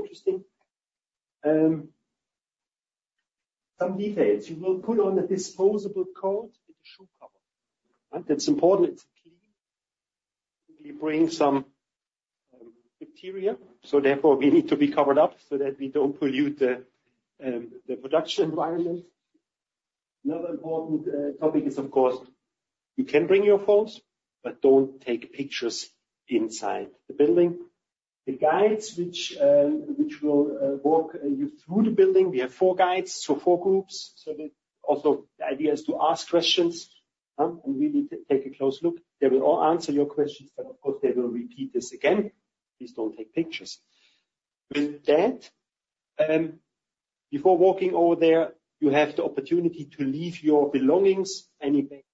interesting. Some details. You will put on a disposable coat with a shoe cover. That's important. It's clean. We bring some bacteria. So therefore, we need to be covered up so that we don't pollute the production environment. Another important topic is, of course, you can bring your phones, but don't take pictures inside the building. The guides which will walk you through the building. We have four guides, so four groups. So also the idea is to ask questions and really take a close look. They will all answer your questions, but of course, they will repeat this again. Please don't take pictures. With that, before walking over there, you have the opportunity to leave your belongings. Any bag.